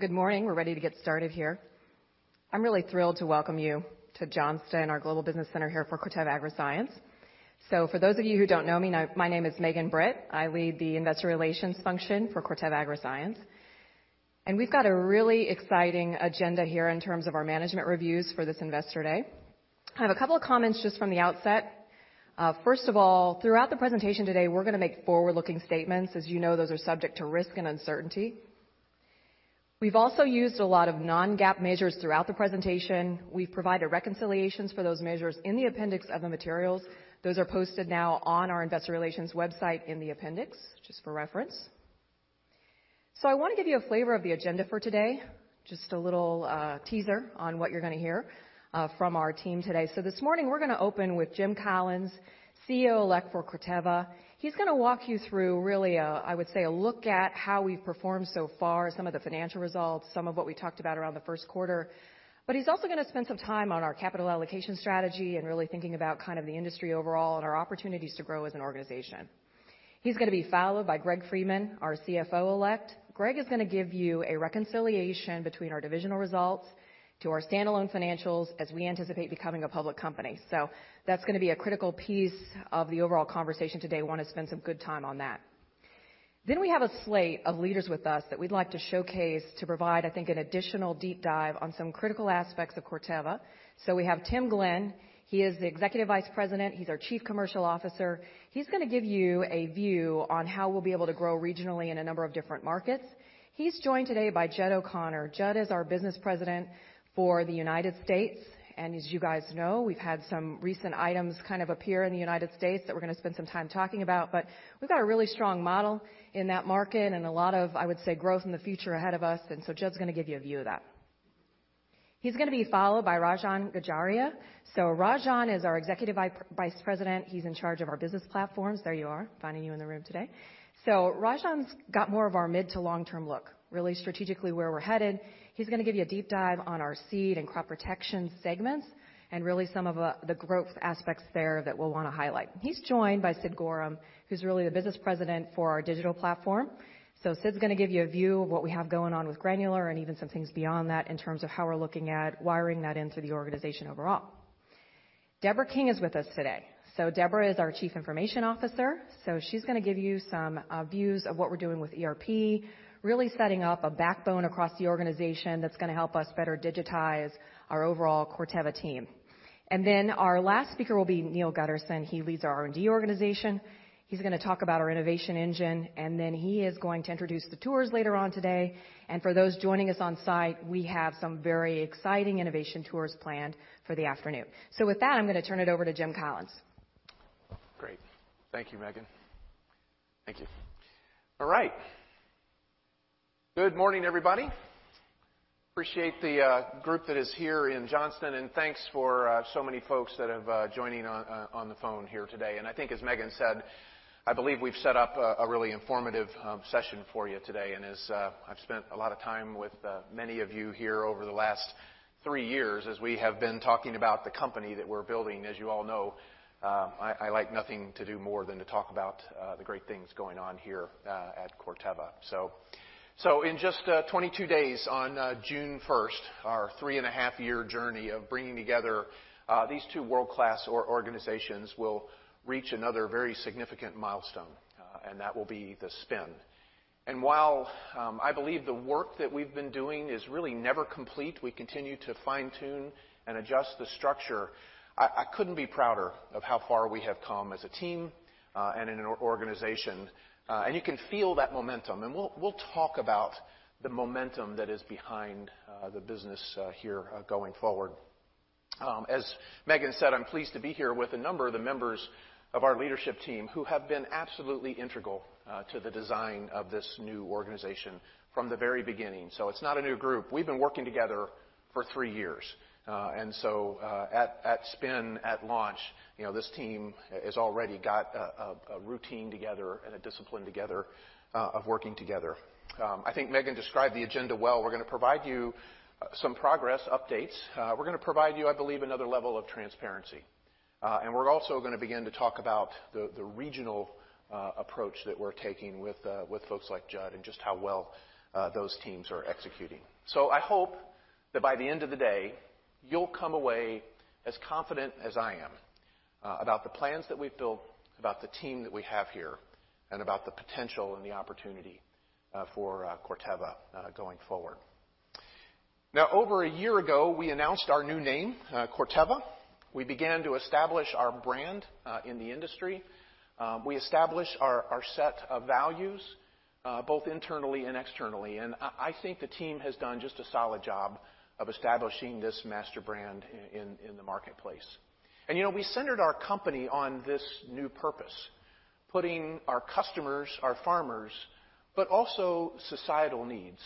Good morning. We're ready to get started here. I'm really thrilled to welcome you to Johnston, our global business center here for Corteva Agriscience. For those of you who don't know me, my name is Megan Britt. I lead the investor relations function for Corteva Agriscience, and we've got a really exciting agenda here in terms of our management reviews for this investor day. I have a couple of comments just from the outset. First of all, throughout the presentation today, we're going to make forward-looking statements. As you know, those are subject to risk and uncertainty. We've also used a lot of non-GAAP measures throughout the presentation. We've provided reconciliations for those measures in the appendix of the materials. Those are posted now on our investor relations website in the appendix, just for reference. I want to give you a flavor of the agenda for today, just a little teaser on what you're going to hear from our team today. This morning, we're going to open with Jim Collins, CEO-elect for Corteva. He's going to walk you through really, I would say, a look at how we've performed so far, some of the financial results, some of what we talked about around the first quarter. He's also going to spend some time on our capital allocation strategy and really thinking about the industry overall and our opportunities to grow as an organization. He's going to be followed by Greg Friedman, our CFO-elect. Greg is going to give you a reconciliation between our divisional results to our standalone financials as we anticipate becoming a public company. That's going to be a critical piece of the overall conversation today. We want to spend some good time on that. We have a slate of leaders with us that we'd like to showcase to provide, I think, an additional deep dive on some critical aspects of Corteva. We have Tim Glenn. He is the Executive Vice President. He's our Chief Commercial Officer. He's going to give you a view on how we'll be able to grow regionally in a number of different markets. He's joined today by Judd O'Connor. Judd is our Business President for the U.S. As you guys know, we've had some recent items kind of appear in the U.S. that we're going to spend some time talking about, but we've got a really strong model in that market and a lot of, I would say, growth in the future ahead of us. Judd's going to give you a view of that. He's going to be followed by Rajan Gajaria. Rajan is our Executive Vice President. He's in charge of our Business Platforms. There you are, finding you in the room today. Rajan's got more of our mid to long-term look, really strategically where we're headed. He's going to give you a deep dive on our seed and crop protection segments and really some of the growth aspects there that we'll want to highlight. He's joined by Sid Gorham, who's really the Business President for our Digital Platform. Sid's going to give you a view of what we have going on with Granular and even some things beyond that in terms of how we're looking at wiring that into the organization overall. Debra King is with us today. Debra is our Chief Information Officer. She's going to give you some views of what we're doing with ERP, really setting up a backbone across the organization that's going to help us better digitize our overall Corteva team. Our last speaker will be Neal Gutterson. He leads our R&D organization. He's going to talk about our innovation engine, and he is going to introduce the tours later on today. For those joining us on-site, we have some very exciting innovation tours planned for the afternoon. With that, I'm going to turn it over to Jim Collins. Great. Thank you, Megan. Thank you. All right. Good morning, everybody. Appreciate the group that is here in Johnston, thanks for so many folks that have joining on the phone here today. I think as Megan said, I believe we've set up a really informative session for you today. As I've spent a lot of time with many of you here over the last three years, as we have been talking about the company that we're building. As you all know, I like nothing to do more than to talk about the great things going on here at Corteva. In just 22 days, on June 1st, our three-and-a-half-year journey of bringing together these two world-class organizations will reach another very significant milestone, and that will be the spin. While I believe the work that we've been doing is really never complete, we continue to fine-tune and adjust the structure. I couldn't be prouder of how far we have come as a team and in an organization. You can feel that momentum, and we'll talk about the momentum that is behind the business here going forward. As Megan said, I'm pleased to be here with a number of the members of our leadership team who have been absolutely integral to the design of this new organization from the very beginning. It's not a new group. We've been working together for three years. At spin, at launch, this team has already got a routine together and a discipline together of working together. I think Megan described the agenda well. We're going to provide you some progress updates. We're going to provide you, I believe, another level of transparency. We're also going to begin to talk about the regional approach that we're taking with folks like Judd and just how well those teams are executing. I hope that by the end of the day, you'll come away as confident as I am about the plans that we've built, about the team that we have here, and about the potential and the opportunity for Corteva going forward. Over a year ago, we announced our new name, Corteva. We began to establish our brand in the industry. We established our set of values both internally and externally. I think the team has done just a solid job of establishing this master brand in the marketplace. We centered our company on this new purpose, putting our customers, our farmers, but also societal needs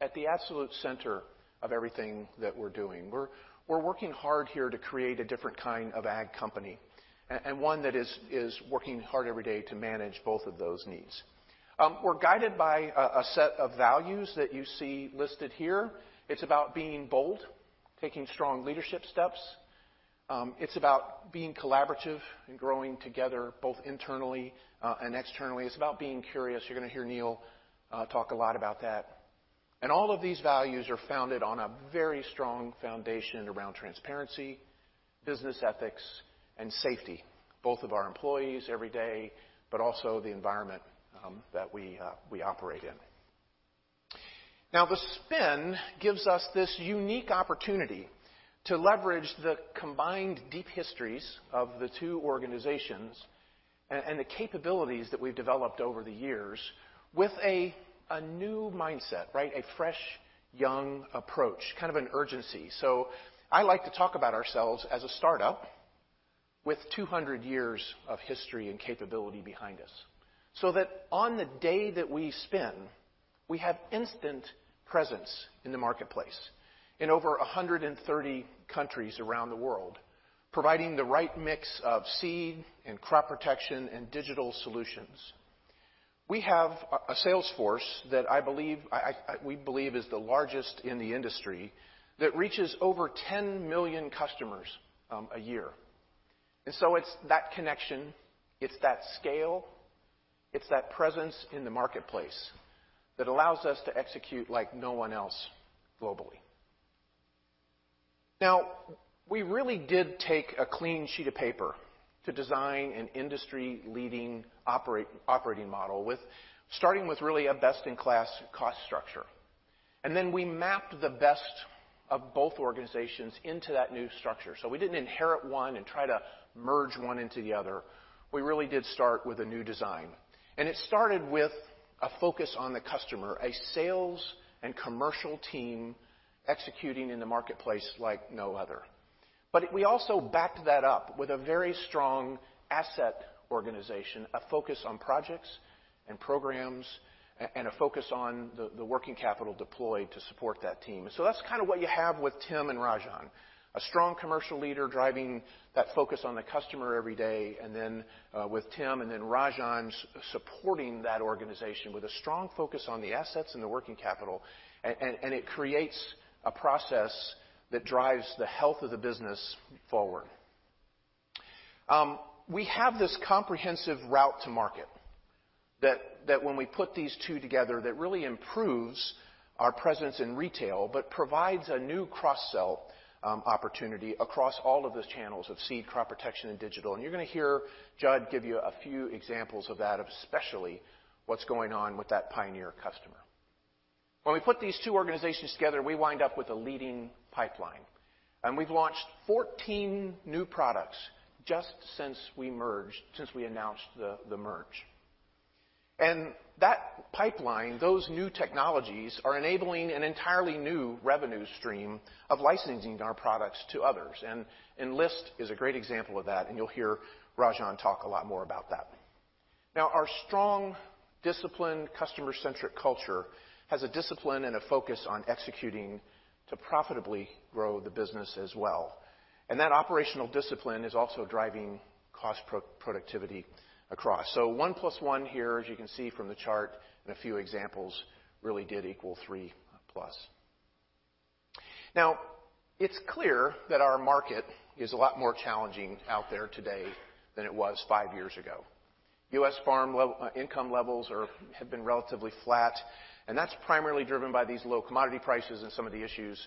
at the absolute center of everything that we're doing. We're working hard here to create a different kind of ag company and one that is working hard every day to manage both of those needs. We're guided by a set of values that you see listed here. It's about being bold, taking strong leadership steps. It's about being collaborative and growing together, both internally and externally. It's about being curious. You're going to hear Neal talk a lot about that. All of these values are founded on a very strong foundation around transparency, business ethics, and safety, both of our employees every day, but also the environment that we operate in. The spin gives us this unique opportunity to leverage the combined deep histories of the two organizations and the capabilities that we've developed over the years with a new mindset, right? A fresh, young approach, kind of an urgency. I like to talk about ourselves as a startup with 200 years of history and capability behind us. So that on the day that we spin, we have instant presence in the marketplace in over 130 countries around the world, providing the right mix of seed and crop protection and digital solutions. We have a sales force that we believe is the largest in the industry that reaches over 10 million customers a year. It's that connection, it's that scale, it's that presence in the marketplace that allows us to execute like no one else globally. We really did take a clean sheet of paper to design an industry-leading operating model, starting with really a best-in-class cost structure. We mapped the best of both organizations into that new structure. We didn't inherit one and try to merge one into the other. We really did start with a new design. It started with a focus on the customer, a sales and commercial team executing in the marketplace like no other. We also backed that up with a very strong asset organization, a focus on projects and programs, and a focus on the working capital deployed to support that team. That's kind of what you have with Tim and Rajan, a strong commercial leader driving that focus on the customer every day, with Tim and Rajan supporting that organization with a strong focus on the assets and the working capital. It creates a process that drives the health of the business forward. We have this comprehensive route to market that when we put these two together, that really improves our presence in retail, but provides a new cross-sell opportunity across all of those channels of seed, crop protection, and digital. You're going to hear Judd give you a few examples of that, especially what's going on with that Pioneer customer. When we put these two organizations together, we wind up with a leading pipeline. We've launched 14 new products just since we announced the merge. That pipeline, those new technologies are enabling an entirely new revenue stream of licensing our products to others. Enlist is a great example of that, and you'll hear Rajan talk a lot more about that. Our strong discipline, customer-centric culture has a discipline and a focus on executing to profitably grow the business as well. That operational discipline is also driving cost productivity across. One plus one here, as you can see from the chart and a few examples, really did equal 3+. It's clear that our market is a lot more challenging out there today than it was five years ago. U.S. farm income levels have been relatively flat, and that's primarily driven by these low commodity prices and some of the issues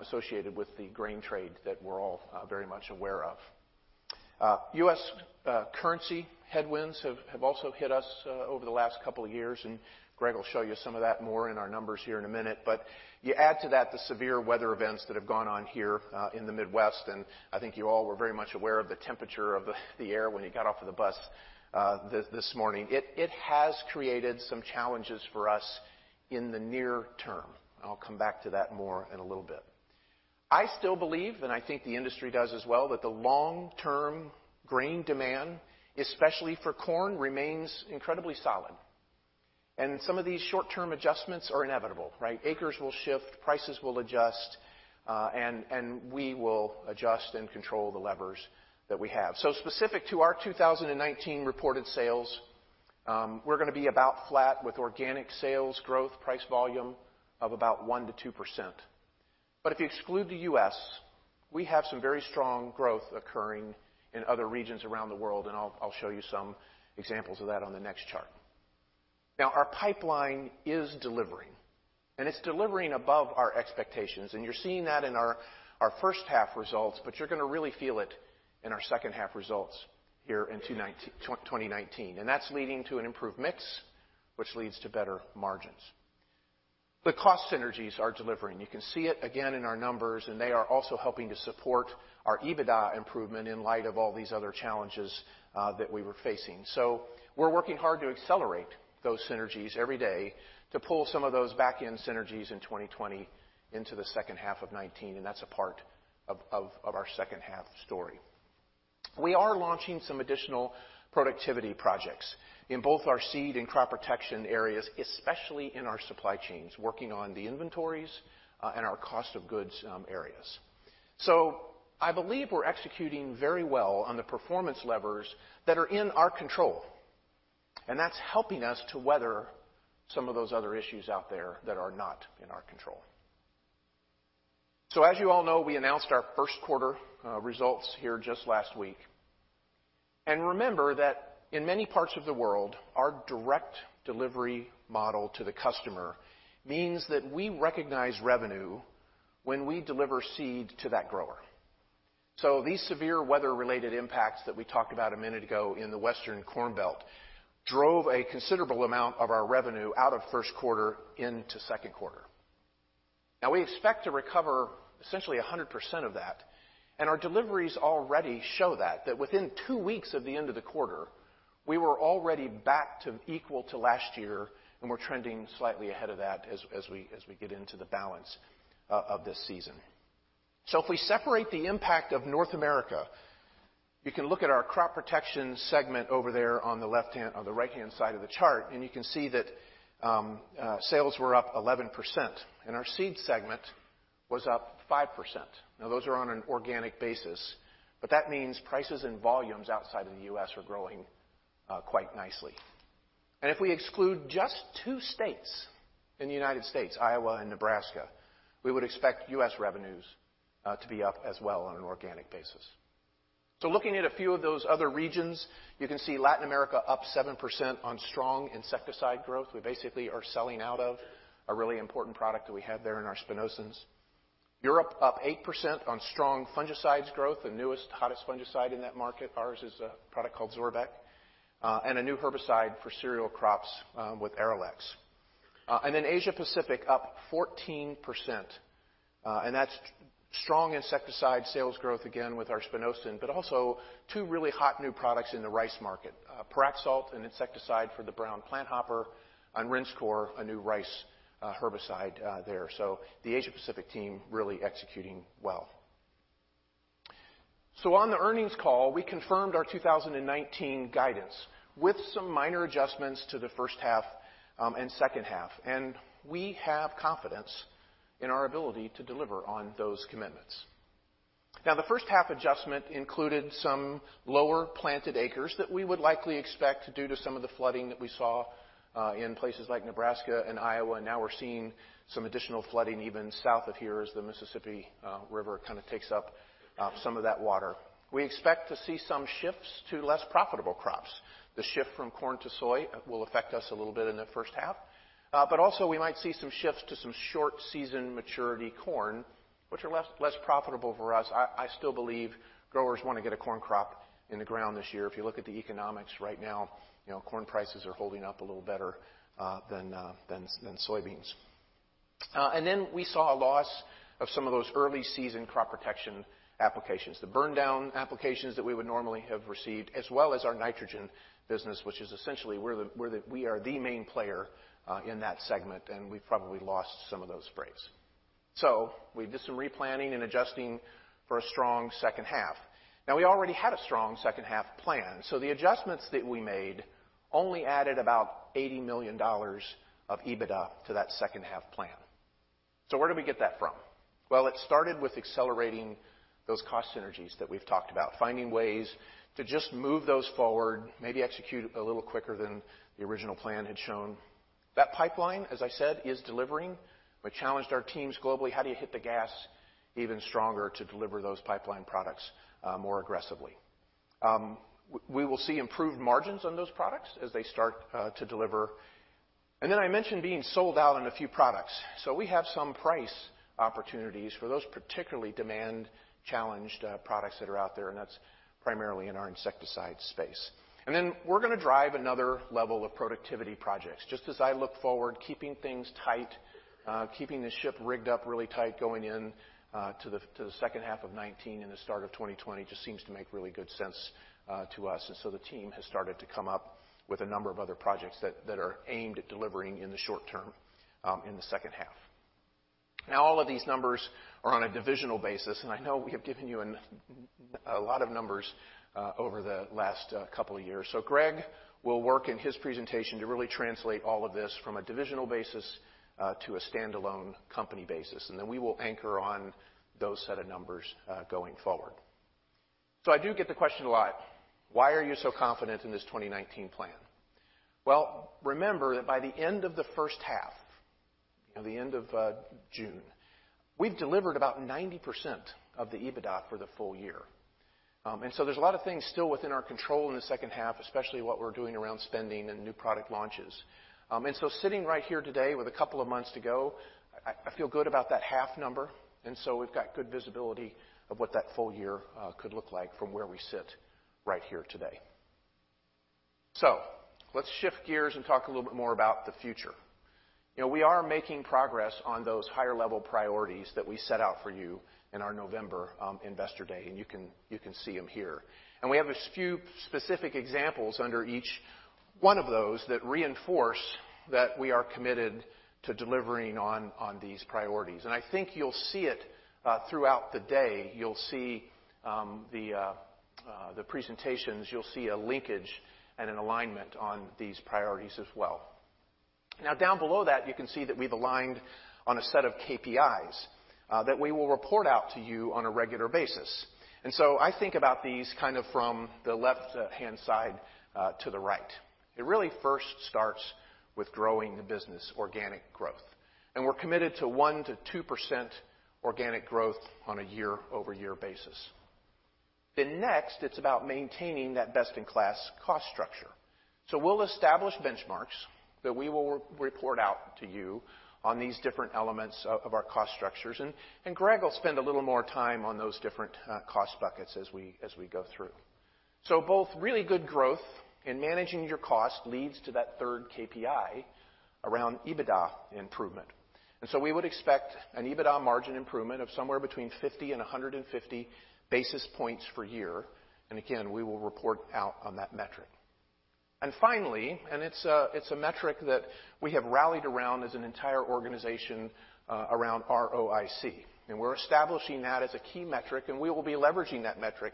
associated with the grain trade that we're all very much aware of. U.S. currency headwinds have also hit us over the last couple of years, and Greg will show you some of that more in our numbers here in a minute. You add to that the severe weather events that have gone on here in the Midwest, and I think you all were very much aware of the temperature of the air when you got off of the bus this morning. It has created some challenges for us in the near term. I'll come back to that more in a little bit. I still believe, and I think the industry does as well, that the long-term grain demand, especially for corn, remains incredibly solid. Some of these short-term adjustments are inevitable, right? Acres will shift, prices will adjust, and we will adjust and control the levers that we have. Specific to our 2019 reported sales, we're going to be about flat with organic sales growth price volume of about 1%-2%. If you exclude the U.S., we have some very strong growth occurring in other regions around the world, and I'll show you some examples of that on the next chart. Our pipeline is delivering, and it's delivering above our expectations. You're seeing that in our first half results, but you're going to really feel it in our second half results here in 2019. That's leading to an improved mix, which leads to better margins. The cost synergies are delivering. You can see it again in our numbers, and they are also helping to support our EBITDA improvement in light of all these other challenges that we were facing. We're working hard to accelerate those synergies every day to pull some of those back-end synergies in 2020 into the second half of 2019 and that's a part of our second half story. We are launching some additional productivity projects in both our seed and crop protection areas, especially in our supply chains, working on the inventories and our cost of goods areas. I believe we're executing very well on the performance levers that are in our control. That's helping us to weather some of those other issues out there that are not in our control. As you all know, we announced our first quarter results here just last week. Remember that in many parts of the world, our direct delivery model to the customer means that we recognize revenue when we deliver seed to that grower. These severe weather-related impacts that we talked about a minute ago in the Western Corn Belt drove a considerable amount of our revenue out of first quarter into second quarter. Now we expect to recover essentially 100% of that, and our deliveries already show that within two weeks of the end of the quarter, we were already back to equal to last year and we're trending slightly ahead of that as we get into the balance of this season. If we separate the impact of North America, you can look at our crop protection segment over there on the right-hand side of the chart, and you can see that sales were up 11% and our seed segment was up 5%. Now those are on an organic basis, but that means prices and volumes outside of the U.S. are growing quite nicely. If we exclude just two states in the United States, Iowa and Nebraska, we would expect U.S. revenues to be up as well on an organic basis. Looking at a few of those other regions, you can see Latin America up 7% on strong insecticide growth. We basically are selling out of a really important product that we have there in our spinosyns. Europe up 8% on strong fungicides growth. The newest, hottest fungicide in that market, ours is a product called Zorvec. A new herbicide for cereal crops with Arylex. Asia Pacific up 14%, and that's strong insecticide sales growth again with our spinosyn, but also two really hot new products in the rice market. Pyraxalt, an insecticide for the brown planthopper, and Rinskor, a new rice herbicide there. The Asia Pacific team really executing well. On the earnings call, we confirmed our 2019 guidance with some minor adjustments to the first half and second half, and we have confidence in our ability to deliver on those commitments. Now the first half adjustment included some lower planted acres that we would likely expect due to some of the flooding that we saw, in places like Nebraska and Iowa. Now we're seeing some additional flooding even south of here as the Mississippi River kind of takes up some of that water. We expect to see some shifts to less profitable crops. The shift from corn to soy will affect us a little bit in the first half. We might see some shifts to some short season maturity corn, which are less profitable for us. I still believe growers want to get a corn crop in the ground this year. If you look at the economics right now, corn prices are holding up a little better than soybeans. We saw a loss of some of those early season crop protection applications. The burn down applications that we would normally have received, as well as our nitrogen business, which is essentially we are the main player in that segment, and we probably lost some of those sprays. We did some replanting and adjusting for a strong second half. Now we already had a strong second half plan. The adjustments that we made only added about $80 million of EBITDA to that second half plan. Where did we get that from? Well, it started with accelerating those cost synergies that we've talked about, finding ways to just move those forward, maybe execute a little quicker than the original plan had shown. That pipeline, as I said, is delivering. We challenged our teams globally, how do you hit the gas even stronger to deliver those pipeline products more aggressively? We will see improved margins on those products as they start to deliver. I mentioned being sold out on a few products. We have some price opportunities for those particularly demand-challenged products that are out there, and that's primarily in our insecticide space. We're going to drive another level of productivity projects. Just as I look forward, keeping things tight, keeping the ship rigged up really tight going in to the second half of 2019 and the start of 2020 just seems to make really good sense to us. The team has started to come up with a number of other projects that are aimed at delivering in the short term, in the second half. All of these numbers are on a divisional basis, and I know we have given you a lot of numbers over the last couple of years. Greg will work in his presentation to really translate all of this from a divisional basis to a standalone company basis, we will anchor on those set of numbers going forward. I do get the question a lot, why are you so confident in this 2019 plan? Well, remember that by the end of the first half, the end of June, we've delivered about 90% of the EBITDA for the full year. There's a lot of things still within our control in the second half, especially what we're doing around spending and new product launches. Sitting right here today with a couple of months to go, I feel good about that half number. We've got good visibility of what that full year could look like from where we sit right here today. Let's shift gears and talk a little bit more about the future. We are making progress on those higher-level priorities that we set out for you in our November investor day, you can see them here. We have a few specific examples under each one of those that reinforce that we are committed to delivering on these priorities. I think you'll see it throughout the day. You'll see the presentations. You'll see a linkage and an alignment on these priorities as well. Down below that, you can see that we've aligned on a set of KPIs that we will report out to you on a regular basis. I think about these from the left-hand side to the right. It really first starts with growing the business, organic growth. We're committed to 1%-2% organic growth on a year-over-year basis. Next, it's about maintaining that best-in-class cost structure. We'll establish benchmarks that we will report out to you on these different elements of our cost structures, Greg will spend a little more time on those different cost buckets as we go through. Both really good growth and managing your cost leads to that third KPI around EBITDA improvement. We would expect an EBITDA margin improvement of somewhere between 50-150 basis points per year. Again, we will report out on that metric. Finally, it's a metric that we have rallied around as an entire organization, around ROIC. We're establishing that as a key metric. We will be leveraging that metric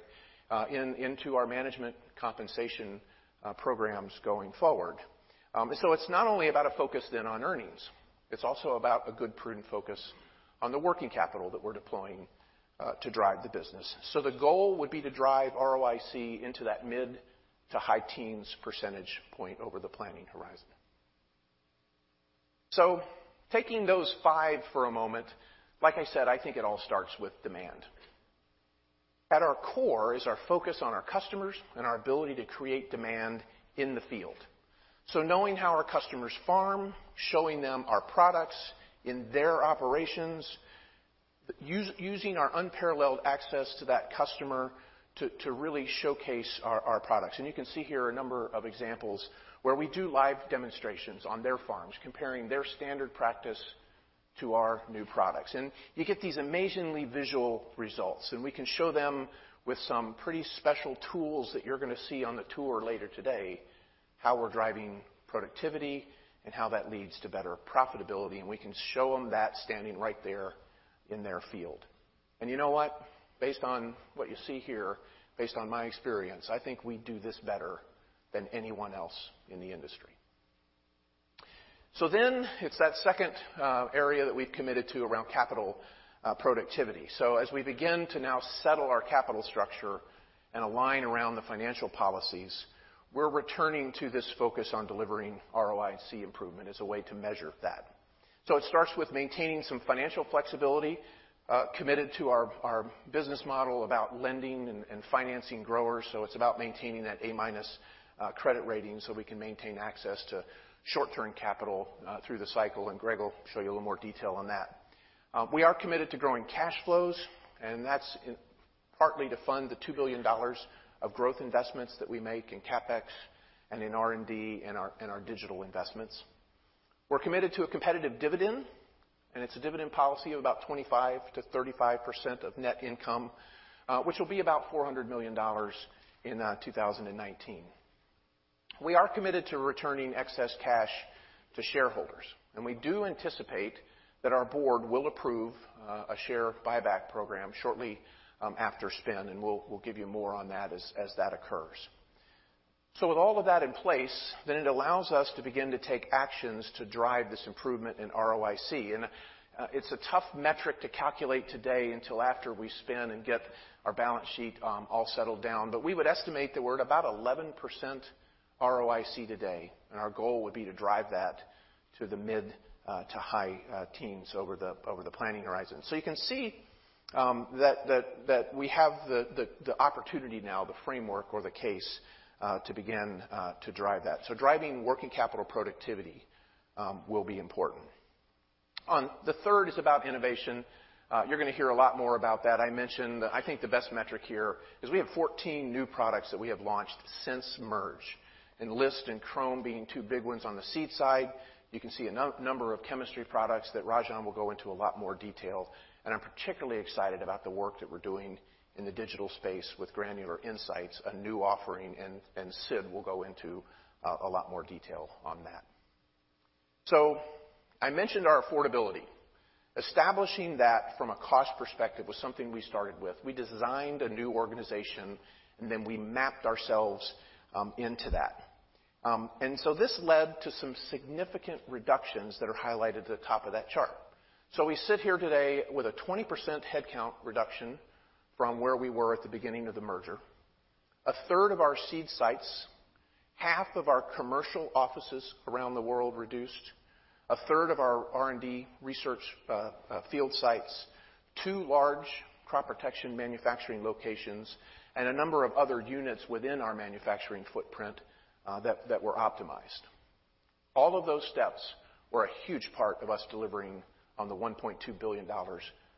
into our management compensation programs going forward. It's not only about a focus then on earnings, it's also about a good prudent focus on the working capital that we're deploying to drive the business. The goal would be to drive ROIC into that mid-to-high teens percentage points over the planning horizon. Taking those five for a moment, like I said, I think it all starts with demand. At our core is our focus on our customers and our ability to create demand in the field. Knowing how our customers farm, showing them our products in their operations, using our unparalleled access to that customer to really showcase our products. You can see here a number of examples where we do live demonstrations on their farms, comparing their standard practice to our new products. You get these amazingly visual results. We can show them with some pretty special tools that you're going to see on the tour later today, how we're driving productivity and how that leads to better profitability. We can show them that standing right there in their field. You know what? Based on what you see here, based on my experience, I think we do this better than anyone else in the industry. It's that second area that we've committed to around capital productivity. As we begin to now settle our capital structure and align around the financial policies, we're returning to this focus on delivering ROIC improvement as a way to measure that. It starts with maintaining some financial flexibility, committed to our business model about lending and financing growers. It's about maintaining that A- credit rating so we can maintain access to short-term capital through the cycle. Greg will show you a little more detail on that. We are committed to growing cash flows. That's partly to fund the $2 billion of growth investments that we make in CapEx and in R&D and our digital investments. We're committed to a competitive dividend. It's a dividend policy of about 25%-35% of net income, which will be about $400 million in 2019. We are committed to returning excess cash to shareholders. We do anticipate that our board will approve a share buyback program shortly after spin. We'll give you more on that as that occurs. With all of that in place, it allows us to begin to take actions to drive this improvement in ROIC. It's a tough metric to calculate today until after we spin and get our balance sheet all settled down. We would estimate that we're at about 11% ROIC today. Our goal would be to drive that to the mid-to-high teens over the planning horizon. You can see that we have the opportunity now, the framework or the case, to begin to drive that. Driving working capital productivity will be important. The third is about innovation. You're going to hear a lot more about that. I mentioned, I think the best metric here is we have 14 new products that we have launched since merge. Enlist and Qrome being two big ones on the seed side. You can see a number of chemistry products that Rajan will go into a lot more detail. I'm particularly excited about the work that we're doing in the digital space with Granular Insights, a new offering, and Sid will go into a lot more detail on that. I mentioned our affordability. Establishing that from a cost perspective was something we started with. We designed a new organization, and then we mapped ourselves into that. This led to some significant reductions that are highlighted at the top of that chart. We sit here today with a 20% headcount reduction from where we were at the beginning of the merger, a third of our seed sites, half of our commercial offices around the world reduced, a third of our R&D research field sites, two large crop protection manufacturing locations, and a number of other units within our manufacturing footprint that were optimized. All of those steps were a huge part of us delivering on the $1.2 billion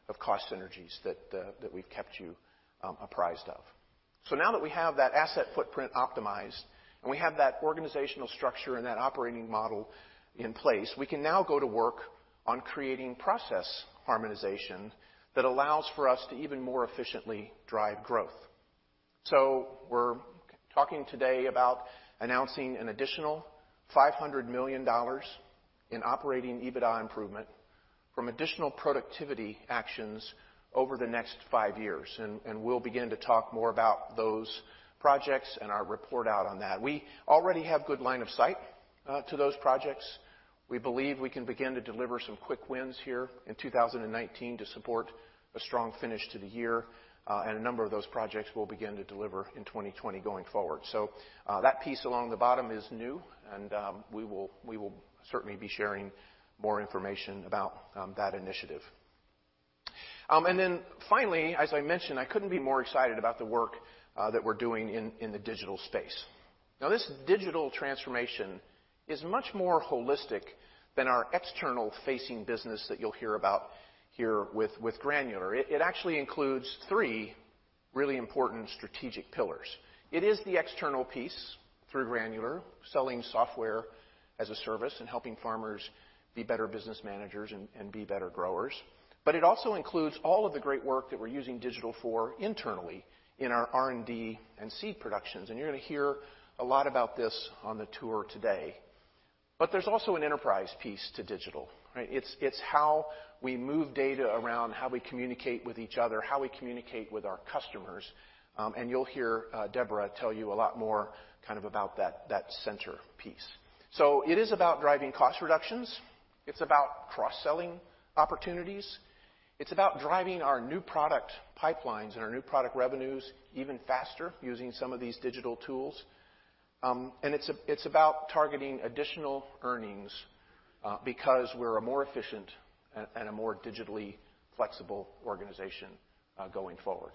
of cost synergies that we've kept you apprised of. Now that we have that asset footprint optimized and we have that organizational structure and that operating model in place, we can now go to work on creating process harmonization that allows for us to even more efficiently drive growth. We're talking today about announcing an additional $500 million in operating EBITDA improvement from additional productivity actions over the next five years. We'll begin to talk more about those projects and our report out on that. We already have good line of sight to those projects. We believe we can begin to deliver some quick wins here in 2019 to support a strong finish to the year. A number of those projects will begin to deliver in 2020 going forward. That piece along the bottom is new, and we will certainly be sharing more information about that initiative. Finally, as I mentioned, I couldn't be more excited about the work that we're doing in the digital space. This digital transformation is much more holistic than our external facing business that you'll hear about here with Granular. It actually includes three really important strategic pillars. It is the external piece through Granular, selling software as a service and helping farmers be better business managers and be better growers. But it also includes all of the great work that we're using digital for internally in our R&D and seed productions. You're going to hear a lot about this on the tour today. But there's also an enterprise piece to digital, right? It's how we move data around, how we communicate with each other, how we communicate with our customers. And you'll hear Debra tell you a lot more kind of about that center piece. It is about driving cost reductions. It's about cross-selling opportunities. It's about driving our new product pipelines and our new product revenues even faster using some of these digital tools. And it's about targeting additional earnings because we're a more efficient and a more digitally flexible organization going forward.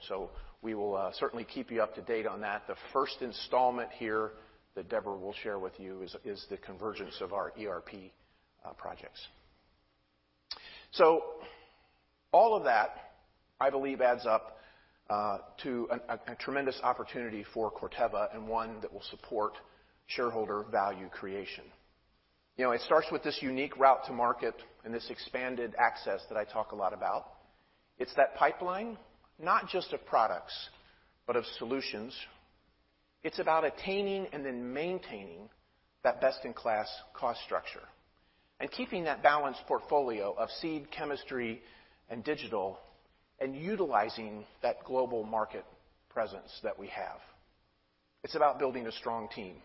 We will certainly keep you up to date on that. The first installment here that Debra will share with you is the convergence of our ERP projects. All of that, I believe, adds up to a tremendous opportunity for Corteva and one that will support shareholder value creation. It starts with this unique route to market and this expanded access that I talk a lot about. It's that pipeline, not just of products, but of solutions. It's about attaining and then maintaining that best-in-class cost structure and keeping that balanced portfolio of seed chemistry and digital and utilizing that global market presence that we have. It's about building a strong team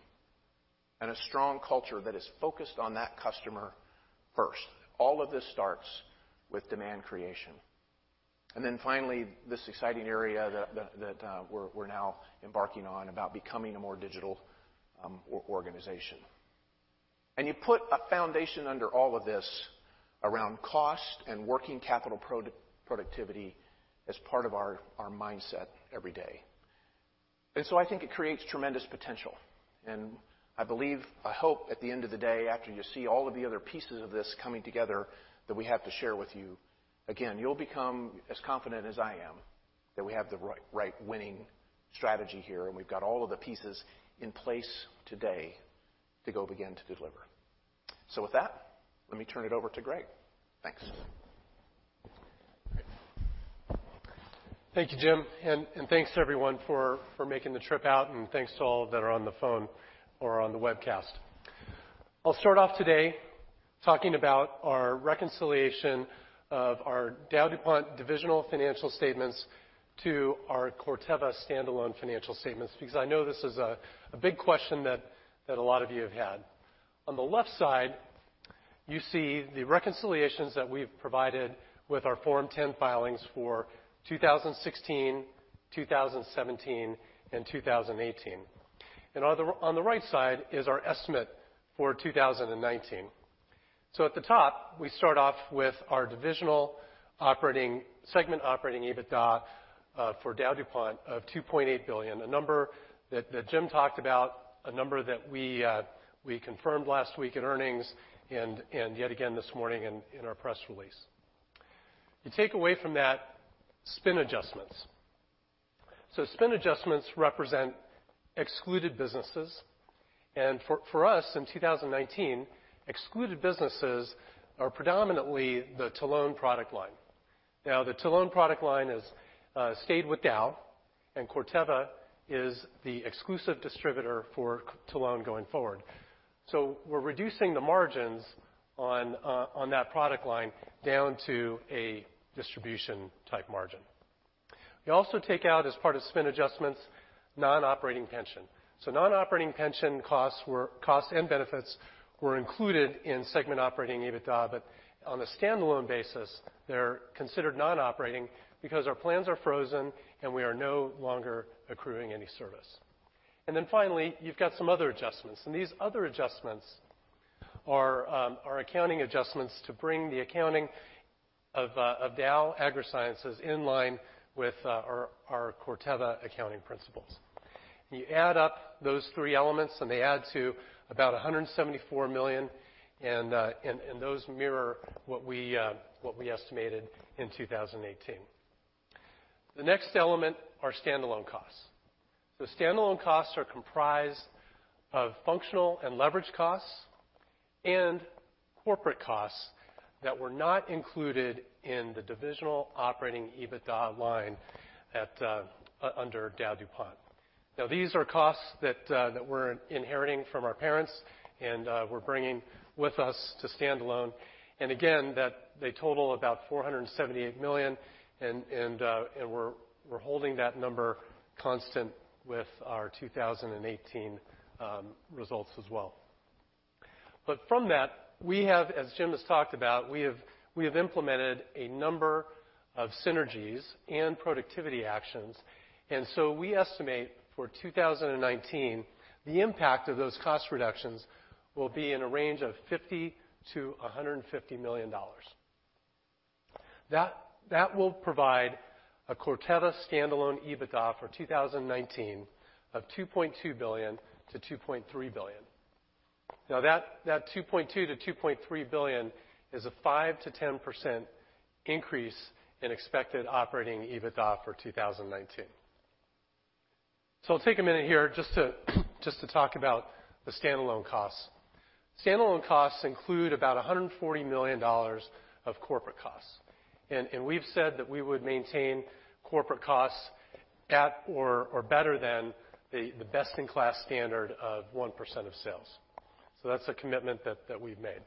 and a strong culture that is focused on that customer first. All of this starts with demand creation. Finally, this exciting area that we're now embarking on about becoming a more digital organization. You put a foundation under all of this around cost and working capital productivity as part of our mindset every day. I think it creates tremendous potential, and I believe, I hope at the end of the day, after you see all of the other pieces of this coming together that we have to share with you, again, you'll become as confident as I am that we have the right winning strategy here, and we've got all of the pieces in place today to go begin to deliver. With that, let me turn it over to Greg. Thanks. Thank you, Jim. Thanks to everyone for making the trip out, and thanks to all that are on the phone or on the webcast. I'll start off today talking about our reconciliation of our DowDuPont divisional financial statements to our Corteva standalone financial statements, because I know this is a big question that a lot of you have had. On the left side, you see the reconciliations that we've provided with our Form 10 filings for 2016, 2017, and 2018. On the right side is our estimate for 2019. At the top, we start off with our divisional segment operating EBITDA for DowDuPont of $2.8 billion, a number that Jim talked about, a number that we confirmed last week in earnings and yet again this morning in our press release. You take away from that spin adjustments. Spin adjustments represent excluded businesses. For us in 2019, excluded businesses are predominantly the Telone product line. Now, the Telone product line has stayed with Dow, and Corteva is the exclusive distributor for Telone going forward. We're reducing the margins on that product line down to a distribution type margin. We also take out, as part of spin adjustments, non-operating pension. Non-operating pension costs and benefits were included in segment operating EBITDA, but on a standalone basis, they're considered non-operating because our plans are frozen and we are no longer accruing any service. Finally, you've got some other adjustments. These other adjustments are accounting adjustments to bring the accounting of Dow AgroSciences in line with our Corteva accounting principles. You add up those three elements, and they add to about $174 million, and those mirror what we estimated in 2018. The next element are standalone costs. Standalone costs are comprised of functional and leverage costs and corporate costs that were not included in the divisional operating EBITDA line under DowDuPont. These are costs that we're inheriting from our parents and we're bringing with us to standalone. Again, they total about $478 million, and we're holding that number constant with our 2018 results as well. From that, as Jim has talked about, we have implemented a number of synergies and productivity actions. We estimate for 2019, the impact of those cost reductions will be in a range of $50 million-$150 million. That will provide a Corteva standalone EBITDA for 2019 of $2.2 billion-$2.3 billion. That $2.2 billion-$2.3 billion is a 5%-10% increase in expected operating EBITDA for 2019. I'll take a minute here just to talk about the standalone costs. Standalone costs include about $140 million of corporate costs. We've said that we would maintain corporate costs at or better than the best-in-class standard of 1% of sales. That's a commitment that we've made.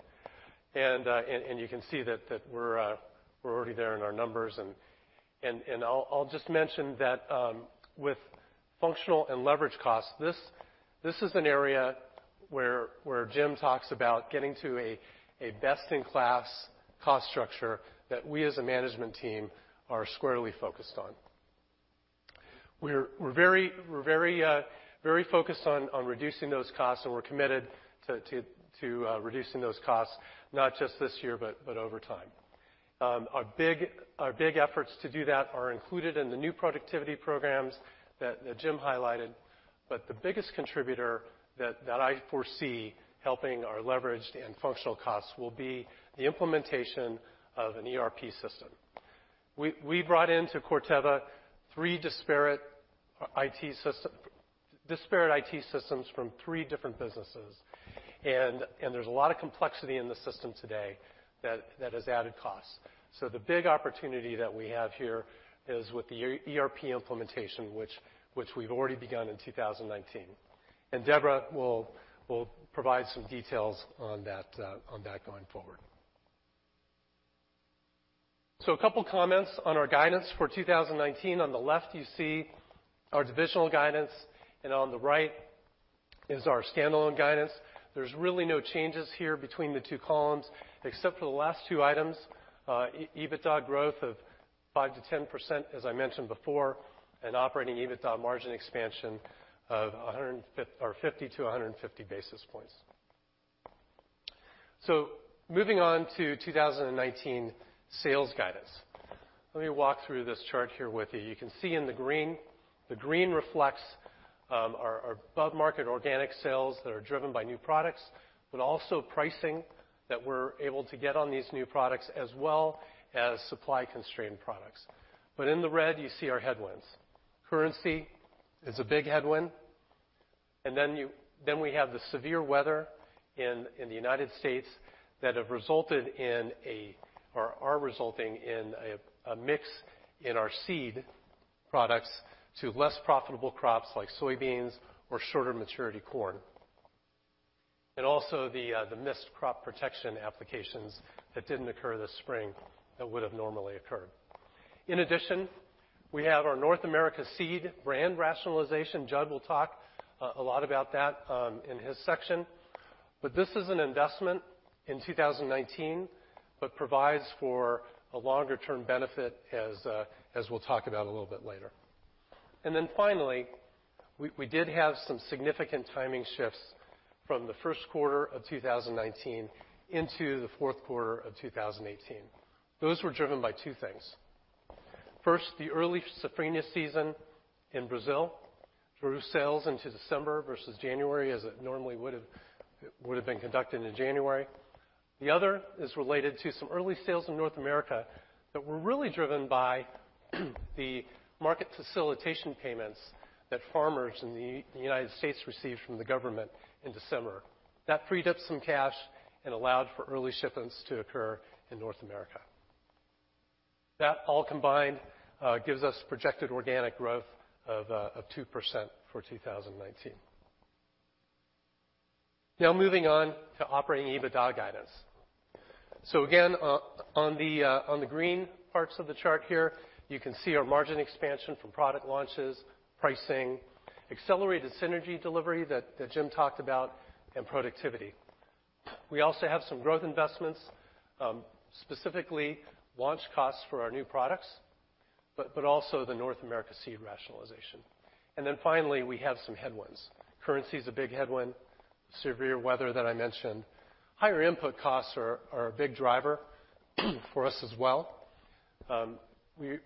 You can see that we're already there in our numbers. I'll just mention that with functional and leverage costs, this is an area where Jim talks about getting to a best-in-class cost structure that we as a management team are squarely focused on. We're very focused on reducing those costs, and we're committed to reducing those costs, not just this year, but over time. Our big efforts to do that are included in the new productivity programs that Jim highlighted. The biggest contributor that I foresee helping our leverage and functional costs will be the implementation of an ERP system. We brought into Corteva three disparate IT systems from three different businesses, and there's a lot of complexity in the system today that has added costs. The big opportunity that we have here is with the ERP implementation, which we've already begun in 2019. Debra will provide some details on that going forward. A couple of comments on our guidance for 2019. On the left, you see our divisional guidance, and on the right is our standalone guidance. There's really no changes here between the two columns, except for the last two items, EBITDA growth of 5%-10%, as I mentioned before, and operating EBITDA margin expansion of 50-150 basis points. Moving on to 2019 sales guidance. Let me walk through this chart here with you. You can see in the green, the green reflects our above-market organic sales that are driven by new products, but also pricing that we're able to get on these new products, as well as supply-constrained products. In the red, you see our headwinds. Currency is a big headwind. We have the severe weather in the U.S. that are resulting in a mix in our seed products to less profitable crops like soybeans or shorter maturity corn. Also the missed crop protection applications that didn't occur this spring that would have normally occurred. In addition, we have our North America seed brand rationalization. Judd will talk a lot about that in his section. This is an investment in 2019, provides for a longer-term benefit, as we'll talk about a little bit later. Finally, we did have some significant timing shifts from the first quarter of 2019 into the fourth quarter of 2018. Those were driven by two things. First, the early Safrinha season in Brazil drew sales into December versus January as it normally would have been conducted in January. The other is related to some early sales in North America that were really driven by the Market Facilitation Program that farmers in the U.S. received from the government in December. That freed up some cash and allowed for early shipments to occur in North America. That all combined gives us projected organic growth of 2% for 2019. Moving on to operating EBITDA guidance. Again, on the green parts of the chart here, you can see our margin expansion from product launches, pricing, accelerated synergy delivery that Jim talked about, and productivity. We also have some growth investments, specifically launch costs for our new products, but also the North America seed rationalization. Finally, we have some headwinds. Currency is a big headwind. Severe weather that I mentioned. Higher input costs are a big driver for us as well. We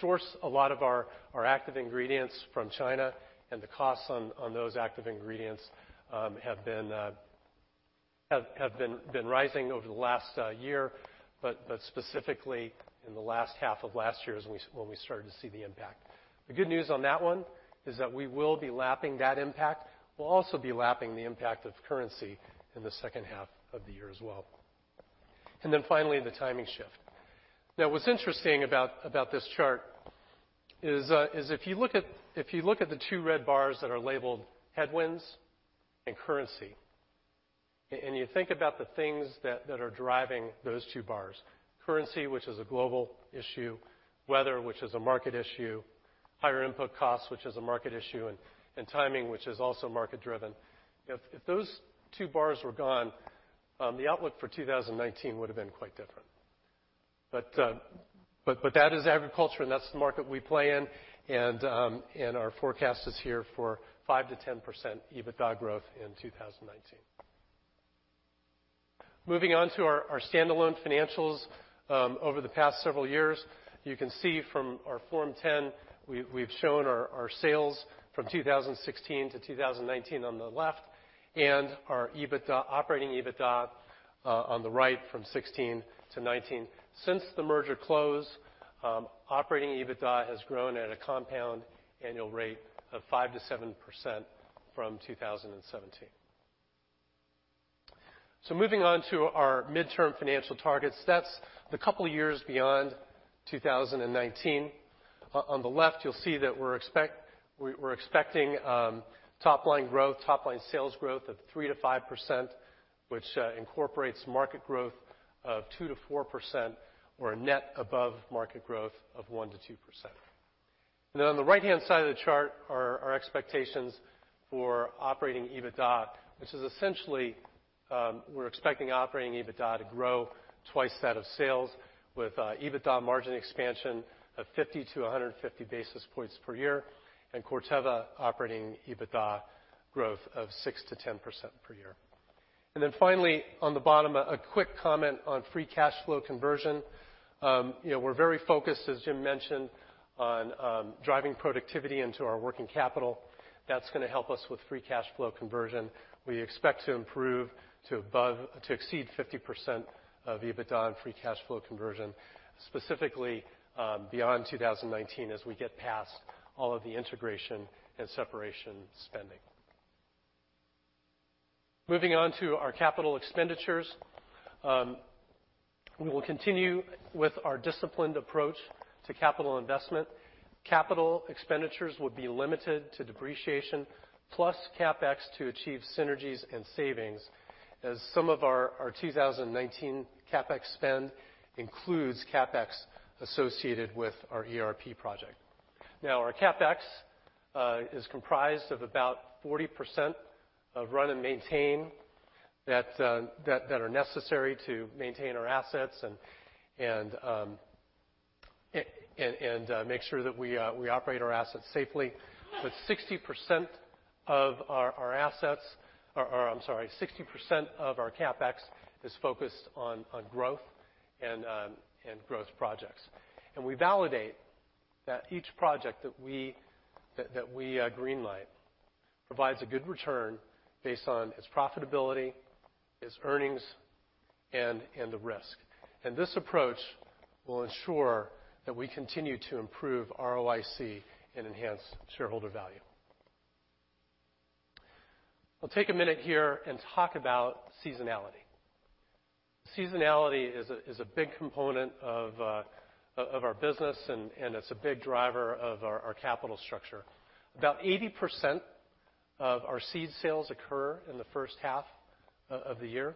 source a lot of our active ingredients from China, and the costs on those active ingredients have been rising over the last year, but specifically in the last half of last year is when we started to see the impact. The good news on that one is that we will be lapping that impact. We'll also be lapping the impact of currency in the second half of the year as well. Finally, the timing shift. What's interesting about this chart is if you look at the two red bars that are labeled headwinds and currency, and you think about the things that are driving those two bars, currency, which is a global issue, weather, which is a market issue, higher input costs, which is a market issue, and timing, which is also market-driven. If those two bars were gone, the outlook for 2019 would have been quite different. That is agriculture, and that's the market we play in, and our forecast is here for 5%-10% EBITDA growth in 2019. Moving on to our standalone financials. Over the past several years, you can see from our Form 10, we've shown our sales from 2016-2019 on the left and our operating EBITDA on the right from 2016-2019. Since the merger close, operating EBITDA has grown at a compound annual rate of 5%-7% from 2017. Moving on to our midterm financial targets. That's the couple of years beyond 2019. On the left, you'll see that we're expecting top-line sales growth of 3%-5%, which incorporates market growth of 2%-4%, or a net above-market growth of 1%-2%. On the right-hand side of the chart are our expectations for operating EBITDA, which is essentially, we're expecting operating EBITDA to grow twice that of sales, with EBITDA margin expansion of 50-150 basis points per year, and Corteva operating EBITDA growth of 6%-10% per year. Finally, on the bottom, a quick comment on free cash flow conversion. We're very focused, as Jim mentioned, on driving productivity into our working capital. That's going to help us with free cash flow conversion. We expect to improve to exceed 50% of EBITDA and free cash flow conversion, specifically beyond 2019 as we get past all of the integration and separation spending. We will continue with our disciplined approach to capital investment. Capital expenditures would be limited to depreciation plus CapEx to achieve synergies and savings, as some of our 2019 CapEx spend includes CapEx associated with our ERP project. Our CapEx is comprised of about 40% of run-and-maintain that are necessary to maintain our assets and make sure that we operate our assets safely. 60% of our CapEx is focused on growth and growth projects. We validate that each project that we green-light provides a good return based on its profitability, its earnings, and the risk. This approach will ensure that we continue to improve ROIC and enhance shareholder value. I'll take a minute here and talk about seasonality. Seasonality is a big component of our business, and it's a big driver of our capital structure. About 80% of our seed sales occur in the first half of the year,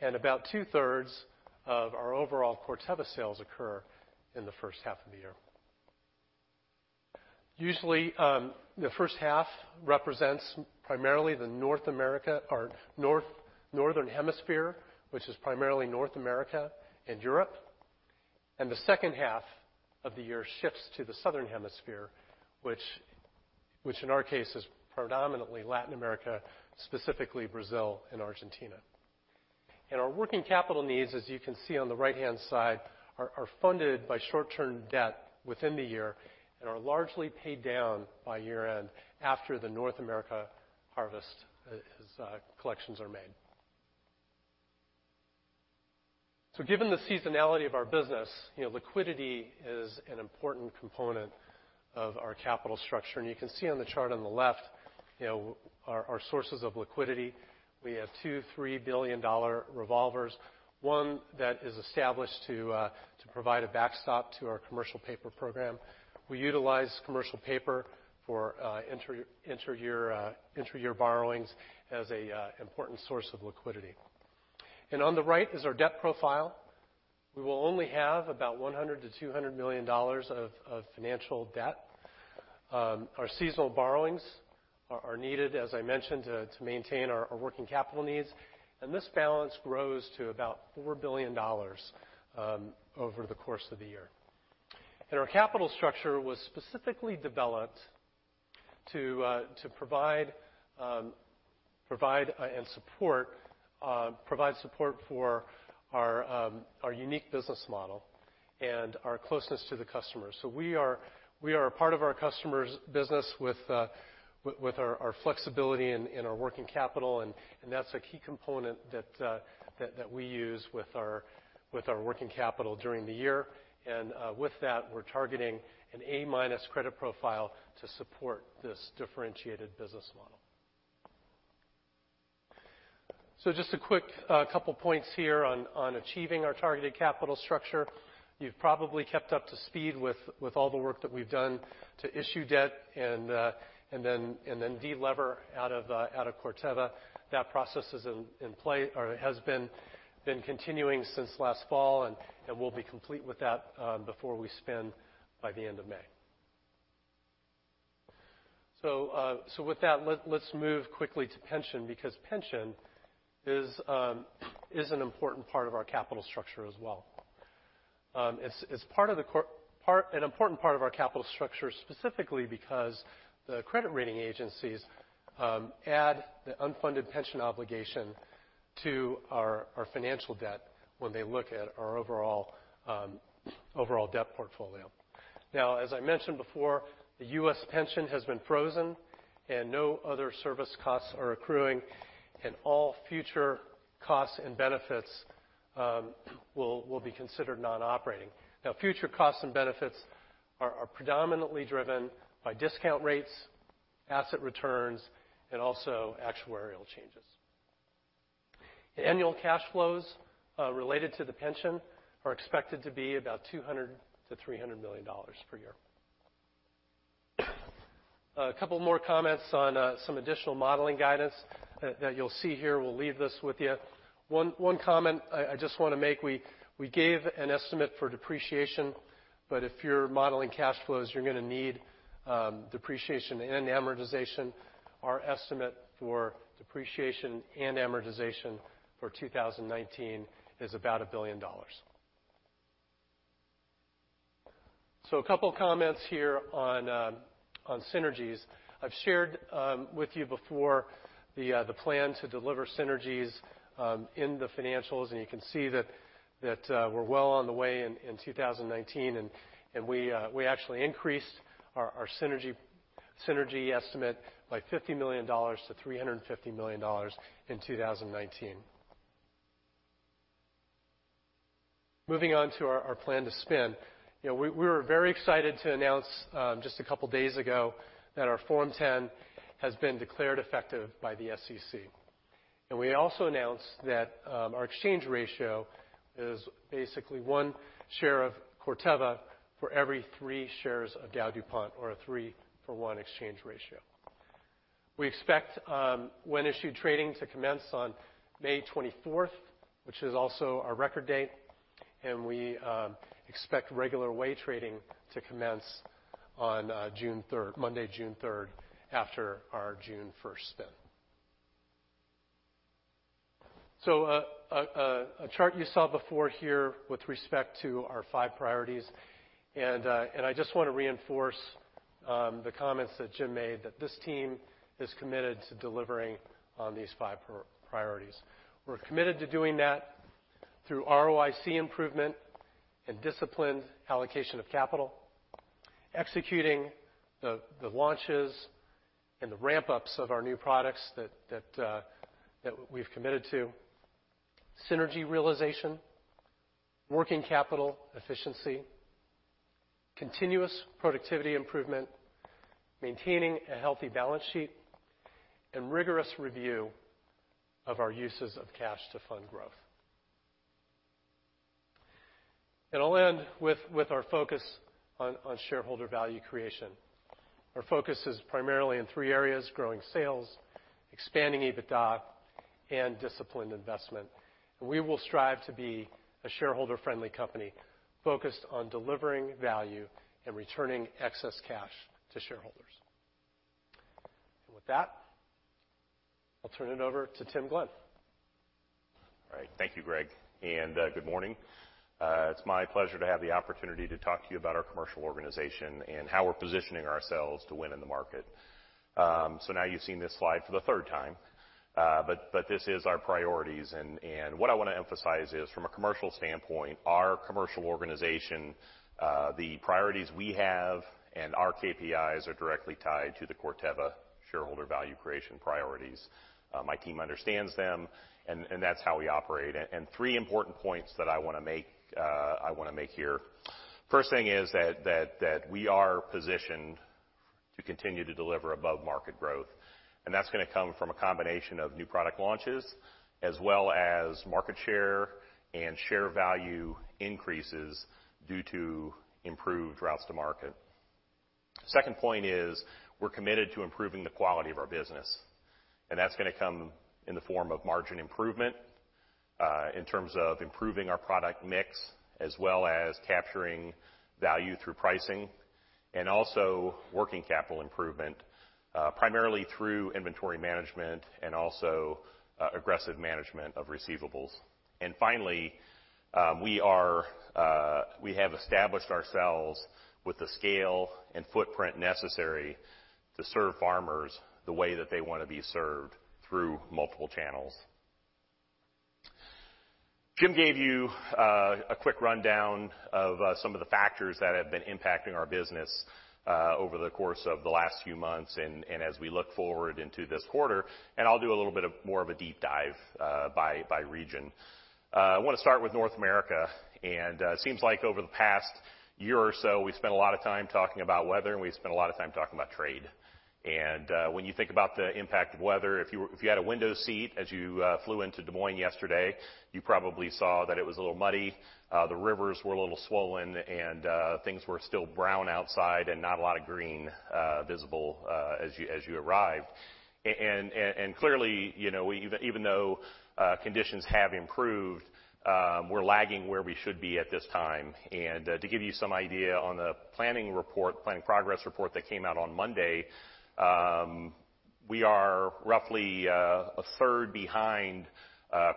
and about two-thirds of our overall Corteva sales occur in the first half of the year. Usually, the first half represents primarily the Northern Hemisphere, which is primarily North America and Europe. The second half of the year shifts to the Southern Hemisphere, which in our case is predominantly Latin America, specifically Brazil and Argentina. Our working capital needs, as you can see on the right-hand side, are funded by short-term debt within the year and are largely paid down by year-end after the North America harvest as collections are made. Given the seasonality of our business, liquidity is an important component of our capital structure. You can see on the chart on the left our sources of liquidity. We have two $3 billion revolvers, one that is established to provide a backstop to our commercial paper program. We utilize commercial paper for intra-year borrowings as an important source of liquidity. On the right is our debt profile. We will only have about $100 million-$200 million of financial debt. Our seasonal borrowings are needed, as I mentioned, to maintain our working capital needs, and this balance grows to about $4 billion over the course of the year. Our capital structure was specifically developed to provide support for our unique business model and our closeness to the customer. We are a part of our customers' business with our flexibility in our working capital, and that's a key component that we use with our working capital during the year. With that, we're targeting an A- credit profile to support this differentiated business model. Just a quick couple points here on achieving our targeted capital structure. You've probably kept up to speed with all the work that we've done to issue debt and then de-lever out of Corteva. That process is in play, or has been continuing since last fall, and we'll be complete with that before we spin by the end of May. With that, let's move quickly to pension, because pension is an important part of our capital structure as well. It's an important part of our capital structure, specifically because the credit rating agencies add the unfunded pension obligation to our financial debt when they look at our overall debt portfolio. As I mentioned before, the U.S. pension has been frozen and no other service costs are accruing, and all future costs and benefits will be considered non-operating. Future costs and benefits are predominantly driven by discount rates, asset returns, and also actuarial changes. The annual cash flows related to the pension are expected to be about $200 million-$300 million per year. A couple more comments on some additional modeling guidance that you'll see here. We'll leave this with you. One comment I just want to make, we gave an estimate for depreciation, but if you're modeling cash flows, you're going to need depreciation and amortization. Our estimate for depreciation and amortization for 2019 is about $1 billion. A couple of comments here on synergies. I've shared with you before the plan to deliver synergies in the financials, and you can see that we're well on the way in 2019, and we actually increased our synergy estimate by $50 million-$350 million in 2019. Moving on to our plan to spin. We were very excited to announce just a couple of days ago that our Form 10 has been declared effective by the SEC. We also announced that our exchange ratio is basically one share of Corteva for every three shares of DowDuPont or a three-for-one exchange ratio. We expect when-issued trading to commence on May 24th, which is also our record date, and we expect regular way trading to commence on Monday, June 3rd, after our June 1st spin. A chart you saw before here with respect to our five priorities, and I just want to reinforce the comments that Jim made, that this team is committed to delivering on these five priorities. We're committed to doing that through ROIC improvement and disciplined allocation of capital, executing the launches and the ramp-ups of our new products that we've committed to, synergy realization, working capital efficiency, continuous productivity improvement, maintaining a healthy balance sheet, and rigorous review of our uses of cash to fund growth. I'll end with our focus on shareholder value creation. Our focus is primarily in three areas, growing sales, expanding EBITDA, and disciplined investment. We will strive to be a shareholder-friendly company focused on delivering value and returning excess cash to shareholders. With that, I'll turn it over to Tim Glenn. All right. Thank you, Greg, and good morning. It's my pleasure to have the opportunity to talk to you about our commercial organization and how we're positioning ourselves to win in the market. Now you've seen this slide for the third time, this is our priorities, and what I want to emphasize is from a commercial standpoint, our commercial organization, the priorities we have and our KPIs are directly tied to the Corteva shareholder value creation priorities. My team understands them, and that's how we operate. Three important points that I want to make here. First thing is that we are positioned to continue to deliver above-market growth, that's going to come from a combination of new product launches as well as market share and share value increases due to improved routes to market. Second point is we're committed to improving the quality of our business, and that's going to come in the form of margin improvement, in terms of improving our product mix, as well as capturing value through pricing and also working capital improvement, primarily through inventory management and also aggressive management of receivables. Finally, we have established ourselves with the scale and footprint necessary to serve farmers the way that they want to be served through multiple channels. Jim gave you a quick rundown of some of the factors that have been impacting our business over the course of the last few months and as we look forward into this quarter. I'll do a little bit of more of a deep dive by region. I want to start with North America. It seems like over the past year or so, we've spent a lot of time talking about weather, and we've spent a lot of time talking about trade. When you think about the impact of weather, if you had a window seat as you flew into Des Moines yesterday, you probably saw that it was a little muddy. The rivers were a little swollen, and things were still brown outside, and not a lot of green visible as you arrived. Clearly, even though conditions have improved, we're lagging where we should be at this time. To give you some idea on the planning progress report that came out on Monday, we are roughly a third behind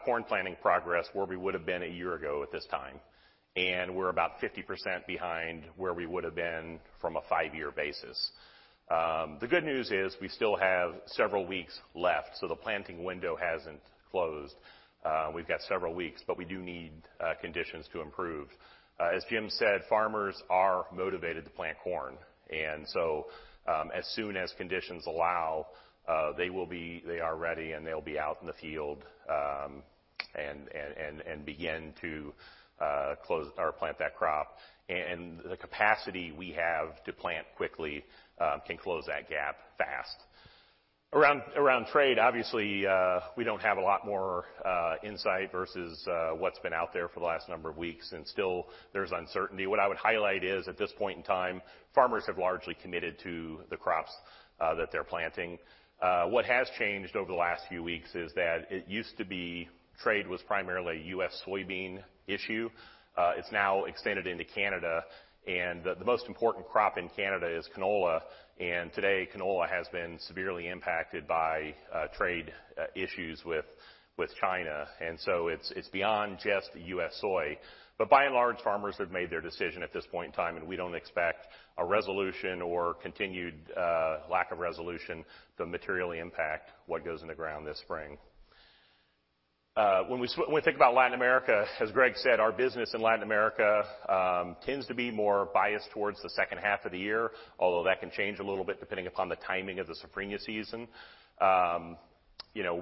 corn planting progress where we would have been a year ago at this time. We're about 50% behind where we would have been from a five-year basis. The good news is we still have several weeks left, so the planting window hasn't closed. We've got several weeks, but we do need conditions to improve. As Jim said, farmers are motivated to plant corn. As soon as conditions allow, they are ready, and they'll be out in the field and begin to plant that crop. The capacity we have to plant quickly can close that gap fast. Around trade, obviously, we don't have a lot more insight versus what's been out there for the last number of weeks. Still, there's uncertainty. What I would highlight is, at this point in time, farmers have largely committed to the crops that they're planting. What has changed over the last few weeks is that it used to be trade was primarily a U.S. soybean issue. It's now extended into Canada, and the most important crop in Canada is canola. Today, canola has been severely impacted by trade issues with China. It's beyond just U.S. soy. By and large, farmers have made their decision at this point in time, and we don't expect a resolution or continued lack of resolution to materially impact what goes in the ground this spring. When we think about Latin America, as Greg said, our business in Latin America tends to be more biased towards the second half of the year, although that can change a little bit depending upon the timing of the Safrinha season.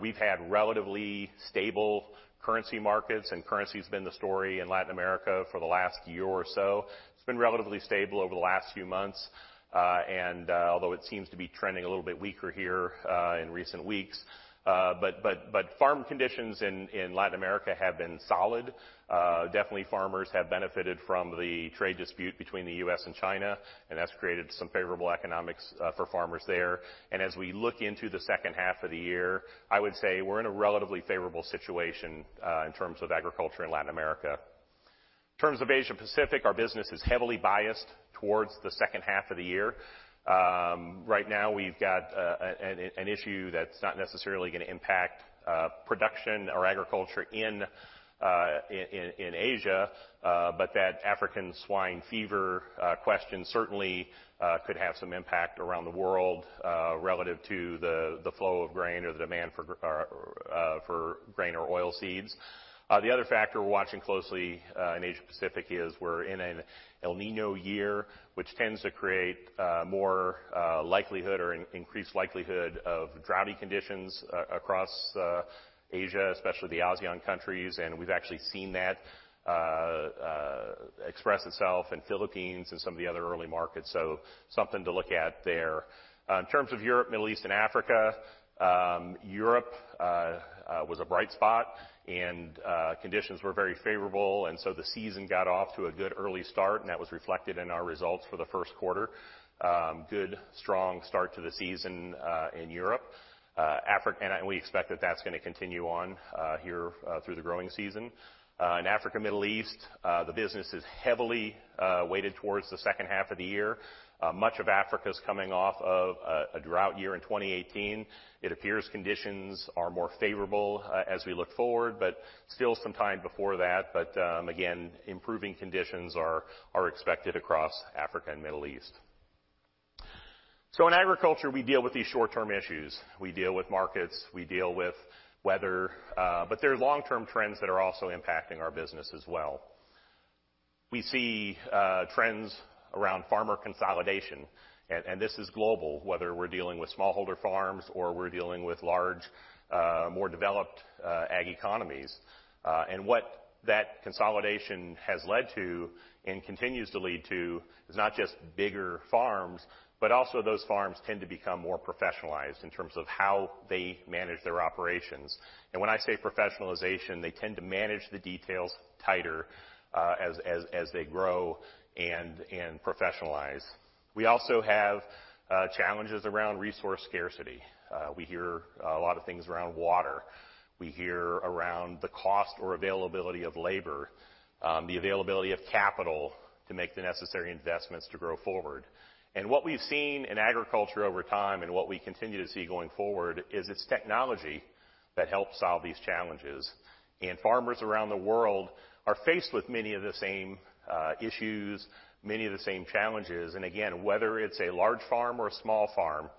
We've had relatively stable currency markets, and currency's been the story in Latin America for the last year or so. It's been relatively stable over the last few months, although it seems to be trending a little bit weaker here in recent weeks. Farm conditions in Latin America have been solid. Definitely farmers have benefited from the trade dispute between the U.S. and China, that's created some favorable economics for farmers there. As we look into the second half of the year, I would say we're in a relatively favorable situation in terms of agriculture in Latin America. In terms of Asia-Pacific, our business is heavily biased towards the second half of the year. Right now we've got an issue that's not necessarily going to impact production or agriculture in Asia. That African swine fever question certainly could have some impact around the world relative to the flow of grain or the demand for grain or oilseeds. The other factor we're watching closely in Asia-Pacific is we're in an El Niño year, which tends to create more likelihood or increased likelihood of droughty conditions across Asia, especially the ASEAN countries. We've actually seen that express itself in Philippines and some of the other early markets. Something to look at there. In terms of Europe, Middle East, and Africa, Europe was a bright spot and conditions were very favorable. The season got off to a good early start, that was reflected in our results for the first quarter. Good, strong start to the season in Europe. We expect that that's going to continue on here through the growing season. In Africa and Middle East, the business is heavily weighted towards the second half of the year. Much of Africa is coming off of a drought year in 2018. It appears conditions are more favorable as we look forward, still some time before that. Again, improving conditions are expected across Africa and Middle East. In agriculture, we deal with these short-term issues. We deal with markets. We deal with weather. There are long-term trends that are also impacting our business as well. We see trends around farmer consolidation, this is global, whether we're dealing with smallholder farms or we're dealing with large more developed ag economies. What that consolidation has led to and continues to lead to is not just bigger farms, but also those farms tend to become more professionalized in terms of how they manage their operations. When I say professionalization, they tend to manage the details tighter as they grow and professionalize. We also have challenges around resource scarcity. We hear a lot of things around water. We hear around the cost or availability of labor, the availability of capital to make the necessary investments to grow forward. What we've seen in agriculture over time and what we continue to see going forward is it's technology that helps solve these challenges. Farmers around the world are faced with many of the same issues, many of the same challenges. Again, whether it's a large farm or a small farm,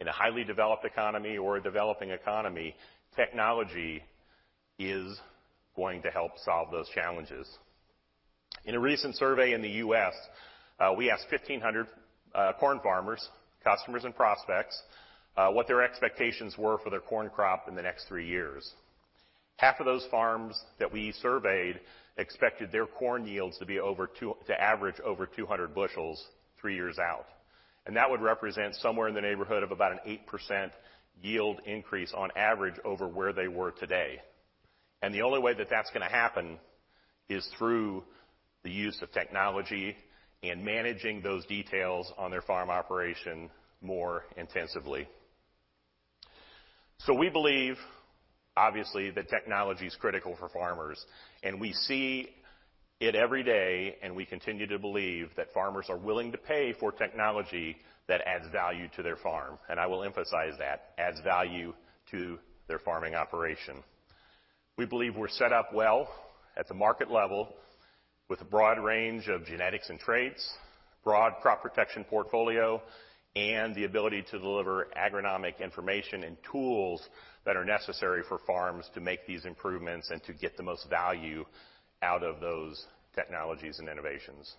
in a highly developed economy or a developing economy, technology is going to help solve those challenges. In a recent survey in the U.S., we asked 1,500 corn farmers, customers, and prospects what their expectations were for their corn crop in the next 3 years. Half of those farms that we surveyed expected their corn yields to average over 200 bushels 3 years out. That would represent somewhere in the neighborhood of about an 8% yield increase on average over where they were today. The only way that that's going to happen is through the use of technology and managing those details on their farm operation more intensively. We believe, obviously, that technology is critical for farmers, and we see it every day, and we continue to believe that farmers are willing to pay for technology that adds value to their farm. I will emphasize that, adds value to their farming operation. We believe we're set up well at the market level with a broad range of genetics and traits, broad crop protection portfolio, and the ability to deliver agronomic information and tools that are necessary for farms to make these improvements and to get the most value out of those technologies and innovations.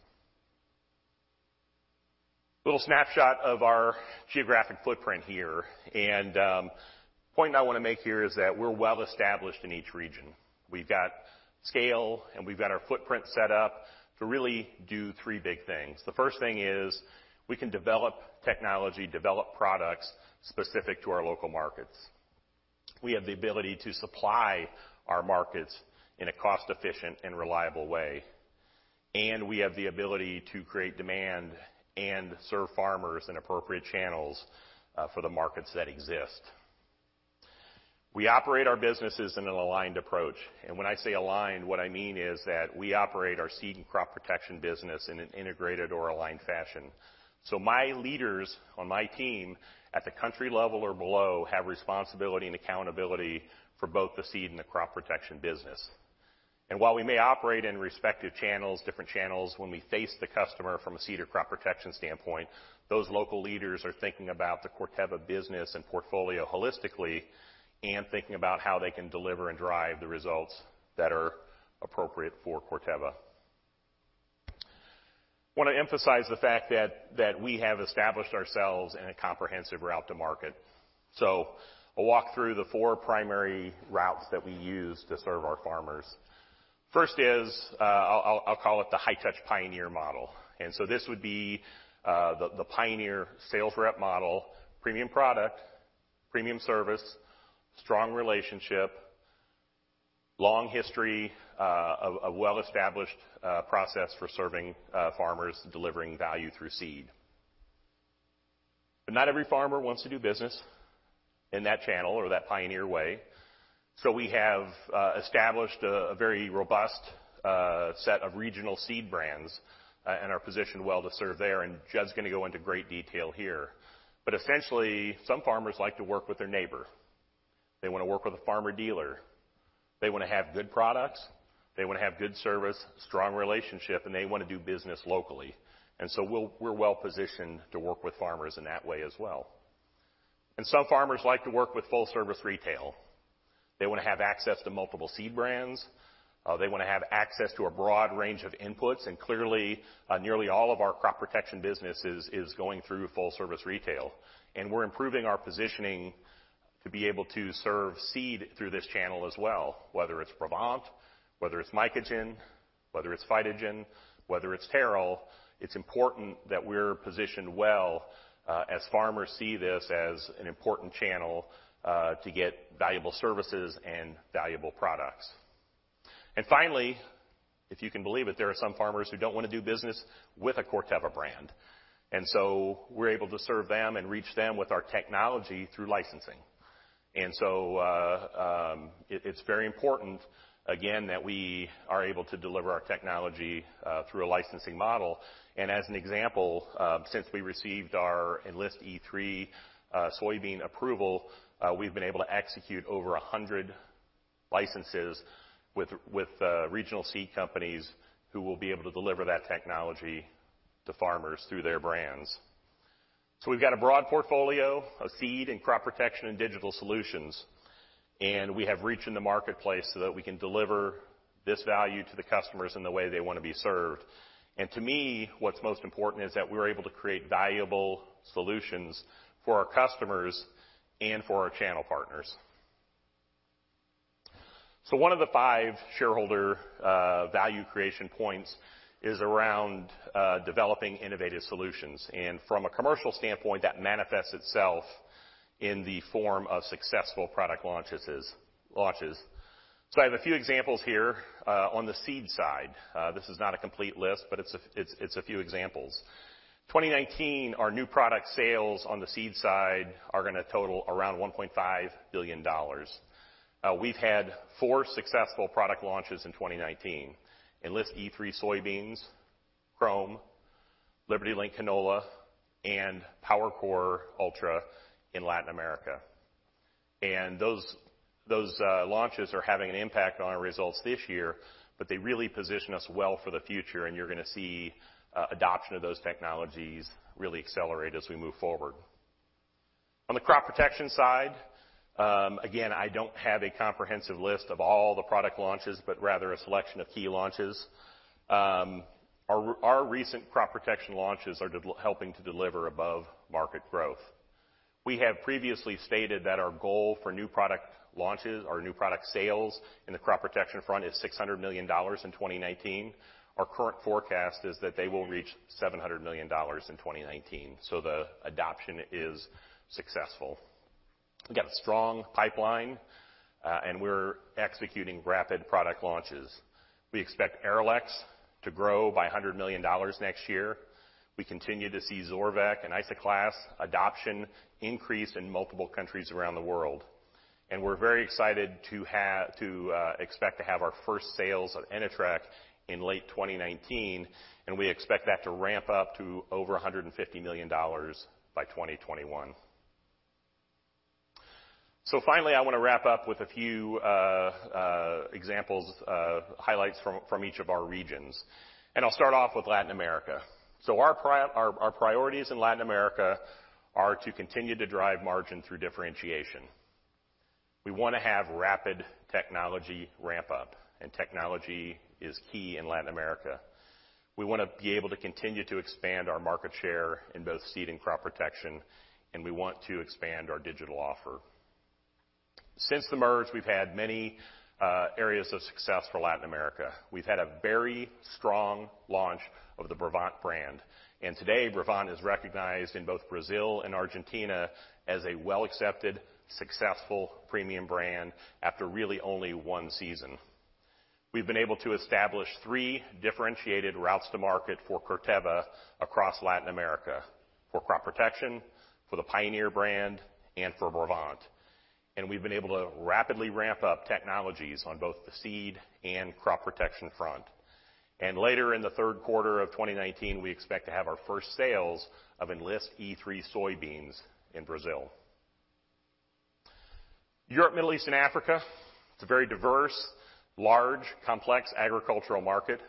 A little snapshot of our geographic footprint here. The point I want to make here is that we're well established in each region. We've got scale, and we've got our footprint set up to really do three big things. The first thing is we can develop technology, develop products specific to our local markets. We have the ability to supply our markets in a cost-efficient and reliable way. We have the ability to create demand and serve farmers in appropriate channels for the markets that exist. We operate our businesses in an aligned approach. When I say aligned, what I mean is that we operate our seed and crop protection business in an integrated or aligned fashion. My leaders on my team, at the country level or below, have responsibility and accountability for both the seed and the crop protection business. While we may operate in respective channels, different channels, when we face the customer from a seed or crop protection standpoint, those local leaders are thinking about the Corteva business and portfolio holistically and thinking about how they can deliver and drive the results that are appropriate for Corteva. Want to emphasize the fact that we have established ourselves in a comprehensive route to market. I'll walk through the four primary routes that we use to serve our farmers. First is, I'll call it the high-touch Pioneer model. This would be the Pioneer sales rep model, premium product, premium service, strong relationship, long history of a well-established process for serving farmers delivering value through seed. Not every farmer wants to do business in that channel or that Pioneer way. We have established a very robust set of regional seed brands and are positioned well to serve there, and Judd's going to go into great detail here. Essentially, some farmers like to work with their neighbor. They want to work with a farmer dealer. They want to have good products, they want to have good service, strong relationship, and they want to do business locally. We're well-positioned to work with farmers in that way as well. Some farmers like to work with full-service retail. They want to have access to multiple seed brands. They want to have access to a broad range of inputs. Clearly, nearly all of our crop protection business is going through full-service retail. We're improving our positioning to be able to serve seed through this channel as well, whether it's Brevant, whether it's Mycogen, whether it's PhytoGen, whether it's Terral. It's important that we're positioned well as farmers see this as an important channel to get valuable services and valuable products. Finally, if you can believe it, there are some farmers who don't want to do business with a Corteva brand. We're able to serve them and reach them with our technology through licensing. It's very important, again, that we are able to deliver our technology through a licensing model. As an example, since we received our Enlist E3 soybean approval, we've been able to execute over 100 licenses with regional seed companies who will be able to deliver that technology to farmers through their brands. We've got a broad portfolio of seed and crop protection and digital solutions, and we have reach in the marketplace so that we can deliver this value to the customers in the way they want to be served. To me, what's most important is that we're able to create valuable solutions for our customers and for our channel partners. One of the five shareholder value creation points is around developing innovative solutions. From a commercial standpoint, that manifests itself in the form of successful product launches. I have a few examples here on the seed side. This is not a complete list, but it's a few examples. 2019, our new product sales on the seed side are going to total around $1.5 billion. We've had four successful product launches in 2019. Enlist E3 soybeans, Qrome, LibertyLink canola, and PowerCore Ultra in Latin America. Those launches are having an impact on our results this year, but they really position us well for the future, and you're going to see adoption of those technologies really accelerate as we move forward. On the crop protection side, again, I don't have a comprehensive list of all the product launches, but rather a selection of key launches. Our recent crop protection launches are helping to deliver above-market growth. We have previously stated that our goal for new product launches or new product sales in the crop protection front is $600 million in 2019. Our current forecast is that they will reach $700 million in 2019. The adoption is successful. Again, a strong pipeline, and we're executing rapid product launches. We expect Arylex to grow by $100 million next year. We continue to see Zorvec and Isoclast adoption increase in multiple countries around the world. We're very excited to expect to have our first sales of Inatreq in late 2019, and we expect that to ramp up to over $150 million by 2021. Finally, I want to wrap up with a few examples of highlights from each of our regions, and I'll start off with Latin America. Our priorities in Latin America are to continue to drive margin through differentiation. We want to have rapid technology ramp-up, and technology is key in Latin America. We want to be able to continue to expand our market share in both seed and crop protection, and we want to expand our digital offer. Since the merge, we've had many areas of success for Latin America. We've had a very strong launch of the Brevant brand. Today Brevant is recognized in both Brazil and Argentina as a well-accepted, successful premium brand after really only one season. We've been able to establish three differentiated routes to market for Corteva across Latin America for crop protection, for the Pioneer brand, and for Brevant. We've been able to rapidly ramp up technologies on both the seed and crop protection front. Later in the third quarter of 2019, we expect to have our first sales of Enlist E3 soybeans in Brazil. Europe, Middle East, and Africa, it's a very diverse, large, complex agricultural market.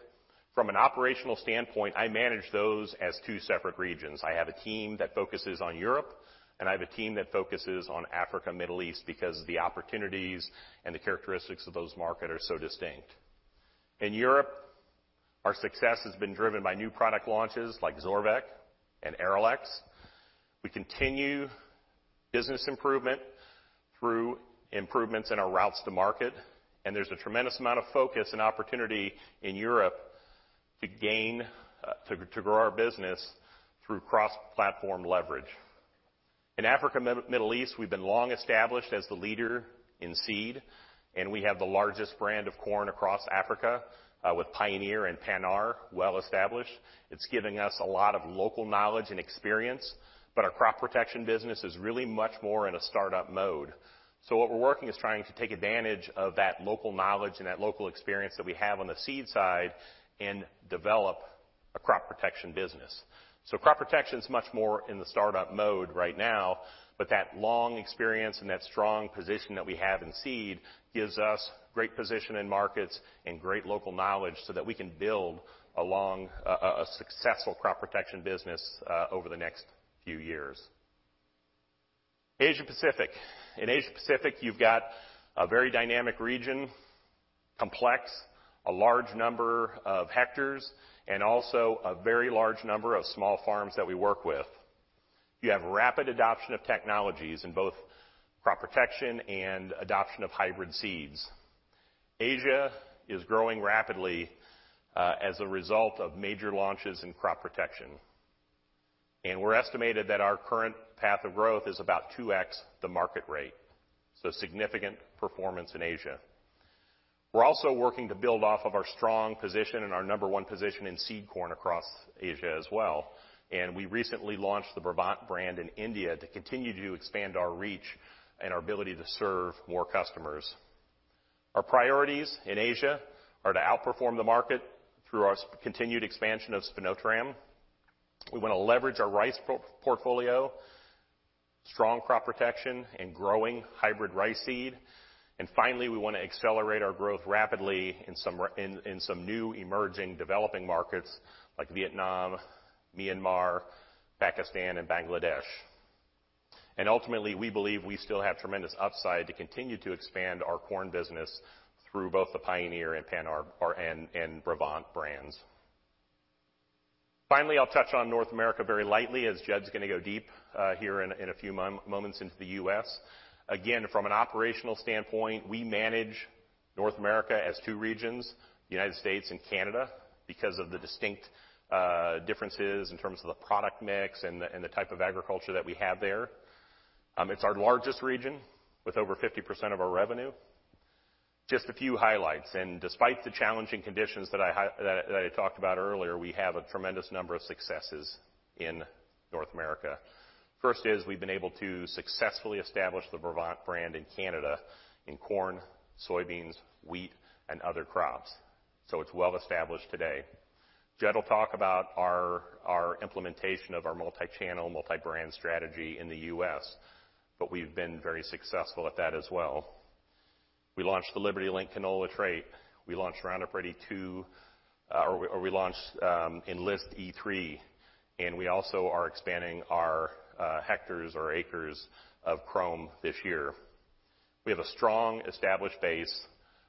From an operational standpoint, I manage those as two separate regions. I have a team that focuses on Europe, and I have a team that focuses on Africa, Middle East, because the opportunities and the characteristics of those market are so distinct. In Europe, our success has been driven by new product launches like Zorvec and Arylex. We continue business improvement through improvements in our routes to market, and there's a tremendous amount of focus and opportunity in Europe to grow our business through cross-platform leverage. In Africa, Middle East, we've been long established as the leader in seed, and we have the largest brand of corn across Africa, with Pioneer and Pannar well-established. It's giving us a lot of local knowledge and experience, but our crop protection business is really much more in a startup mode. We're working is trying to take advantage of that local knowledge and that local experience that we have on the seed side and develop a crop protection business. Crop protection is much more in the startup mode right now, but that long experience and that strong position that we have in seed gives us great position in markets and great local knowledge so that we can build a successful crop protection business over the next few years. Asia Pacific. In Asia Pacific, you've got a very dynamic region, complex, a large number of hectares, also a very large number of small farms that we work with. You have rapid adoption of technologies in both crop protection and adoption of hybrid seeds. Asia is growing rapidly as a result of major launches in crop protection. We're estimated that our current path of growth is about 2x the market rate. Significant performance in Asia. We're also working to build off of our strong position and our number 1 position in seed corn across Asia as well. We recently launched the Brevant brand in India to continue to expand our reach and our ability to serve more customers. Our priorities in Asia are to outperform the market through our continued expansion of spinosyn. We want to leverage our rice portfolio, strong crop protection, and growing hybrid rice seed. Finally, we want to accelerate our growth rapidly in some new emerging developing markets like Vietnam, Myanmar, Pakistan, and Bangladesh. Ultimately, we believe we still have tremendous upside to continue to expand our corn business through both the Pioneer and Pannar and Brevant brands. Finally, I'll touch on North America very lightly as Judd's going to go deep here in a few moments into the U.S. From an operational standpoint, we manage North America as two regions, U.S. and Canada, because of the distinct differences in terms of the product mix and the type of agriculture that we have there. It's our largest region with over 50% of our revenue. Just a few highlights, despite the challenging conditions that I had talked about earlier, we have a tremendous number of successes in North America. First is we've been able to successfully establish the Brevant brand in Canada in corn, soybeans, wheat, and other crops. It's well-established today. Judd will talk about our implementation of our multi-channel, multi-brand strategy in the U.S., but we've been very successful at that as well. We launched the LibertyLink canola trait. We launched Roundup Ready 2, or we launched Enlist E3, and we also are expanding our hectares or acres of Qrome this year. We have a strong established base,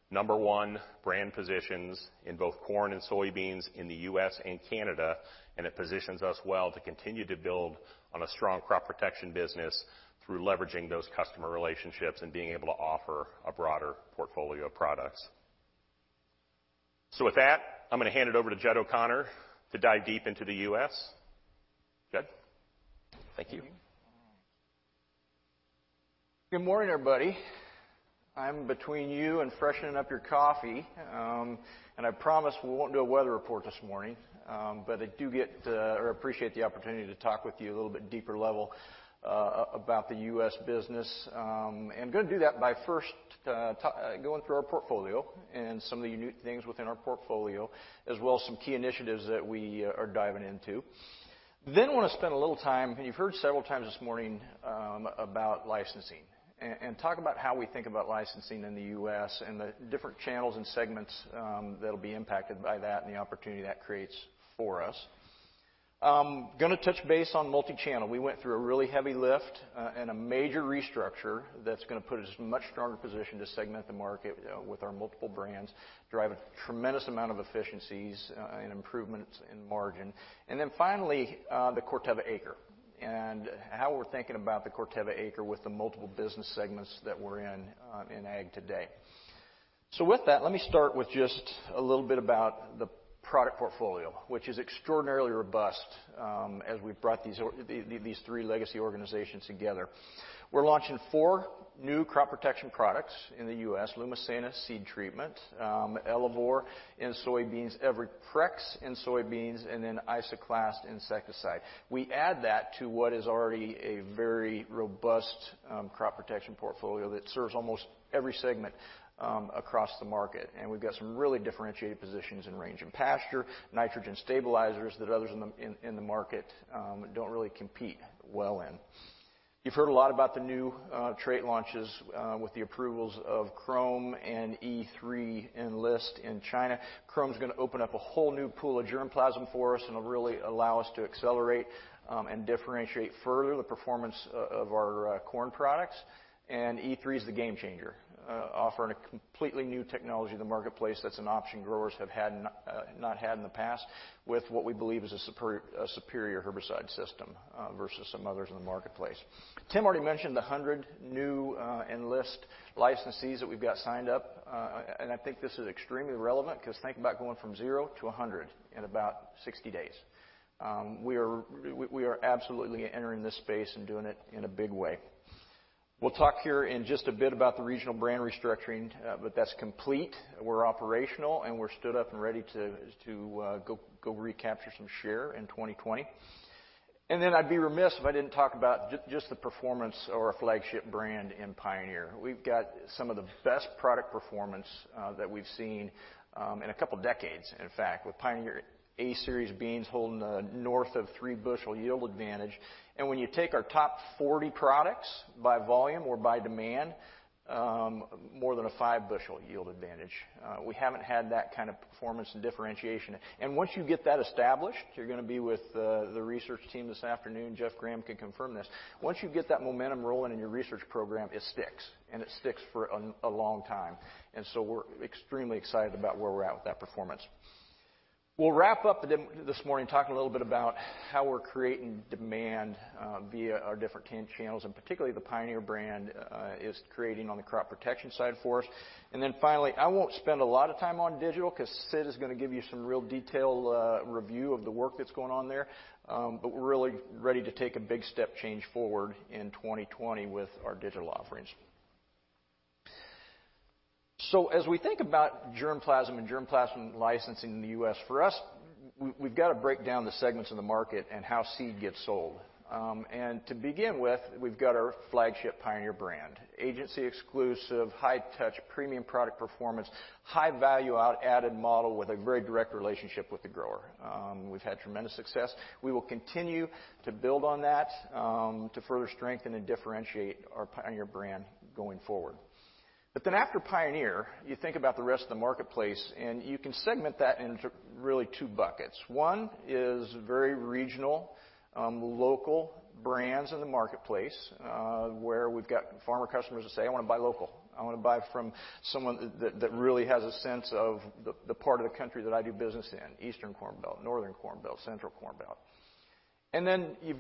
number one brand positions in both corn and soybeans in the U.S. and Canada. It positions us well to continue to build on a strong crop protection business through leveraging those customer relationships and being able to offer a broader portfolio of products. With that, I'm going to hand it over to Judd O'Connor to dive deep into the U.S. Judd? Thank you. Good morning, everybody. I'm between you and freshening up your coffee. I promise we won't do a weather report this morning, but I do appreciate the opportunity to talk with you a little bit deeper level about the U.S. business. Going to do that by first going through our portfolio and some of the new things within our portfolio, as well as some key initiatives that we are diving into. Want to spend a little time, and you've heard several times this morning about licensing, and talk about how we think about licensing in the U.S. and the different channels and segments that'll be impacted by that and the opportunity that creates for us. I'm going to touch base on multi-channel. We went through a really heavy lift and a major restructure that's going to put us in a much stronger position to segment the market with our multiple brands, drive a tremendous amount of efficiencies and improvements in margin. Then finally, the Corteva acre, and how we're thinking about the Corteva acre with the multiple business segments that we're in ag today. With that, let me start with just a little bit about the product portfolio, which is extraordinarily robust as we've brought these three legacy organizations together. We're launching four new crop protection products in the U.S., Lumisena seed treatment, Elevore in soybeans, EverpreX in soybeans, and then Isoclast insecticide. We add that to what is already a very robust crop protection portfolio that serves almost every segment across the market. We've got some really differentiated positions in range and pasture, nitrogen stabilizers that others in the market don't really compete well in. You've heard a lot about the new trait launches with the approvals of Qrome and Enlist E3 in China. Qrome's going to open up a whole new pool of germplasm for us and will really allow us to accelerate and differentiate further the performance of our corn products. E3's the game changer, offering a completely new technology to the marketplace that's an option growers have not had in the past with what we believe is a superior herbicide system versus some others in the marketplace. Tim already mentioned the 100 new Enlist licensees that we've got signed up. I think this is extremely relevant because think about going from zero to 100 in about 60 days. We are absolutely entering this space and doing it in a big way. We'll talk here in just a bit about the regional brand restructuring, but that's complete. We're operational, and we're stood up and ready to go recapture some share in 2020. I'd be remiss if I didn't talk about just the performance of our flagship brand in Pioneer. We've got some of the best product performance that we've seen in a couple of decades, in fact, with Pioneer A-Series beans holding north of three bushel yield advantage. When you take our top 40 products by volume or by demand, more than a five-bushel yield advantage. We haven't had that kind of performance and differentiation. Once you get that established, you're going to be with the research team this afternoon, Geoff Graham can confirm this. Once you get that momentum rolling in your research program, it sticks, and it sticks for a long time. We're extremely excited about where we're at with that performance. We'll wrap up this morning talking a little bit about how we're creating demand via our different channels, and particularly the Pioneer brand is creating on the crop protection side for us. Finally, I won't spend a lot of time on digital because Sid is going to give you some real detailed review of the work that's going on there. We're really ready to take a big step change forward in 2020 with our digital offerings. As we think about germplasm and germplasm licensing in the U.S., for us, we've got to break down the segments in the market and how seed gets sold. To begin with, we've got our flagship Pioneer brand, agency exclusive, high touch, premium product performance, high value added model with a very direct relationship with the grower. We've had tremendous success. We will continue to build on that to further strengthen and differentiate our Pioneer brand going forward. After Pioneer, you think about the rest of the marketplace, and you can segment that into really two buckets. One is very regional, local brands in the marketplace, where we've got farmer customers that say, "I want to buy local. I want to buy from someone that really has a sense of the part of the country that I do business in, Eastern Corn Belt, Northern Corn Belt, Central Corn Belt." Then you've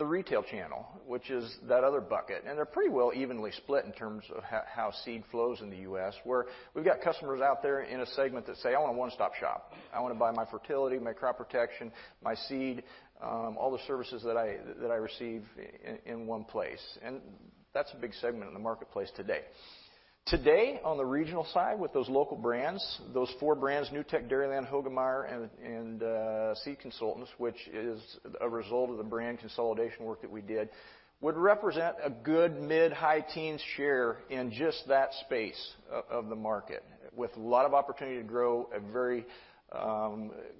got the retail channel, which is that other bucket, and they're pretty well evenly split in terms of how seed flows in the U.S., where we've got customers out there in a segment that say, "I want a one-stop shop. I want to buy my fertility, my crop protection, my seed, all the services that I receive in one place." That's a big segment in the marketplace today. Today, on the regional side with those local brands, those four brands, NuTech, Dairyland, Hoegemeyer, and Seed Consultants, which is a result of the brand consolidation work that we did, would represent a good mid-high teens share in just that space of the market, with a lot of opportunity to grow, a very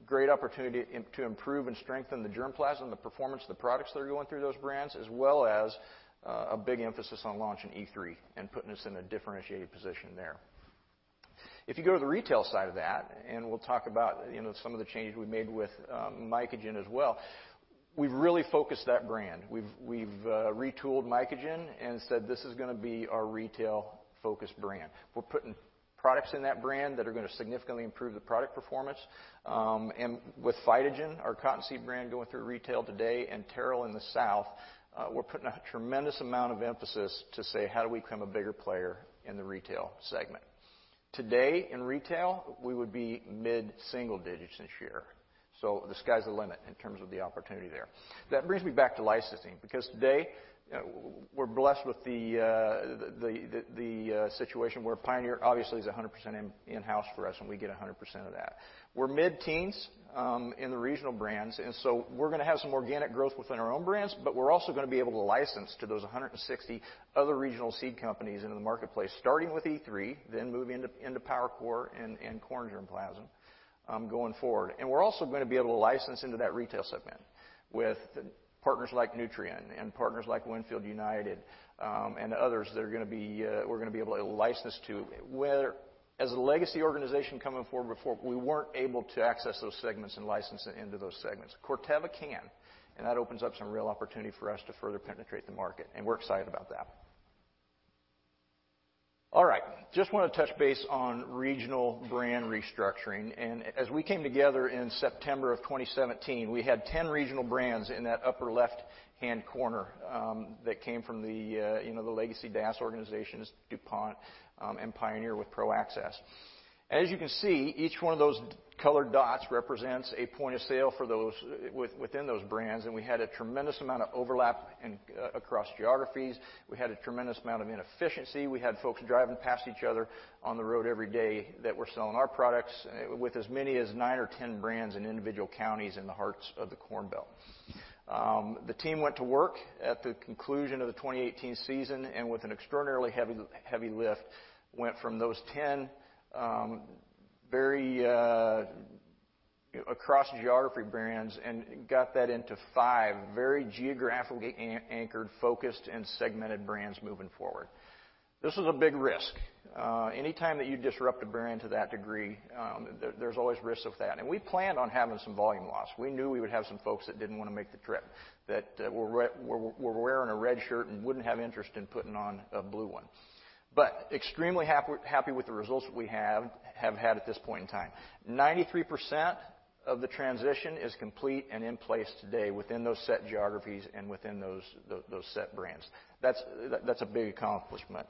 great opportunity to improve and strengthen the germplasm, the performance of the products that are going through those brands, as well as a big emphasis on launching E3 and putting us in a differentiated position there. If you go to the retail side of that, and we'll talk about some of the changes we made with Mycogen as well, we've really focused that brand. We've retooled Mycogen and said this is going to be our retail-focused brand. We're putting products in that brand that are going to significantly improve the product performance. With PhytoGen, our cotton seed brand going through retail today, and Terral in the South, we're putting a tremendous amount of emphasis to say how do we become a bigger player in the retail segment. Today in retail, we would be mid-single digits this year. The sky's the limit in terms of the opportunity there. That brings me back to licensing, because today, we're blessed with the situation where Pioneer obviously is 100% in-house for us, and we get 100% of that. We're mid-teens in the regional brands, we're going to have some organic growth within our own brands, but we're also going to be able to license to those 160 other regional seed companies in the marketplace, starting with E3, then moving into PowerCore and corn germplasm going forward. We're also going to be able to license into that retail segment with partners like Nutrien and partners like WinField United, and others that we're going to be able to license to. As a legacy organization coming forward before, we weren't able to access those segments and license into those segments. Corteva can, and that opens up some real opportunity for us to further penetrate the market, and we're excited about that. All right. Just want to touch base on regional brand restructuring. As we came together in September 2017, we had 10 regional brands in that upper left-hand corner that came from the legacy DAS organizations, DuPont, and Pioneer with PROaccess. As you can see, each one of those colored dots represents a point of sale within those brands, and we had a tremendous amount of overlap across geographies. We had a tremendous amount of inefficiency. We had folks driving past each other on the road every day that were selling our products with as many as nine or 10 brands in individual counties in the hearts of the Corn Belt. The team went to work at the conclusion of the 2018 season, with an extraordinarily heavy lift, went from those 10 very across geography brands and got that into five very geographically anchored, focused, and segmented brands moving forward. This was a big risk. Anytime that you disrupt a brand to that degree, there's always risks of that. We planned on having some volume loss. We knew we would have some folks that didn't want to make the trip, that were wearing a red shirt and wouldn't have interest in putting on a blue one. Extremely happy with the results that we have had at this point in time. 93% of the transition is complete and in place today within those set geographies and within those set brands. That's a big accomplishment.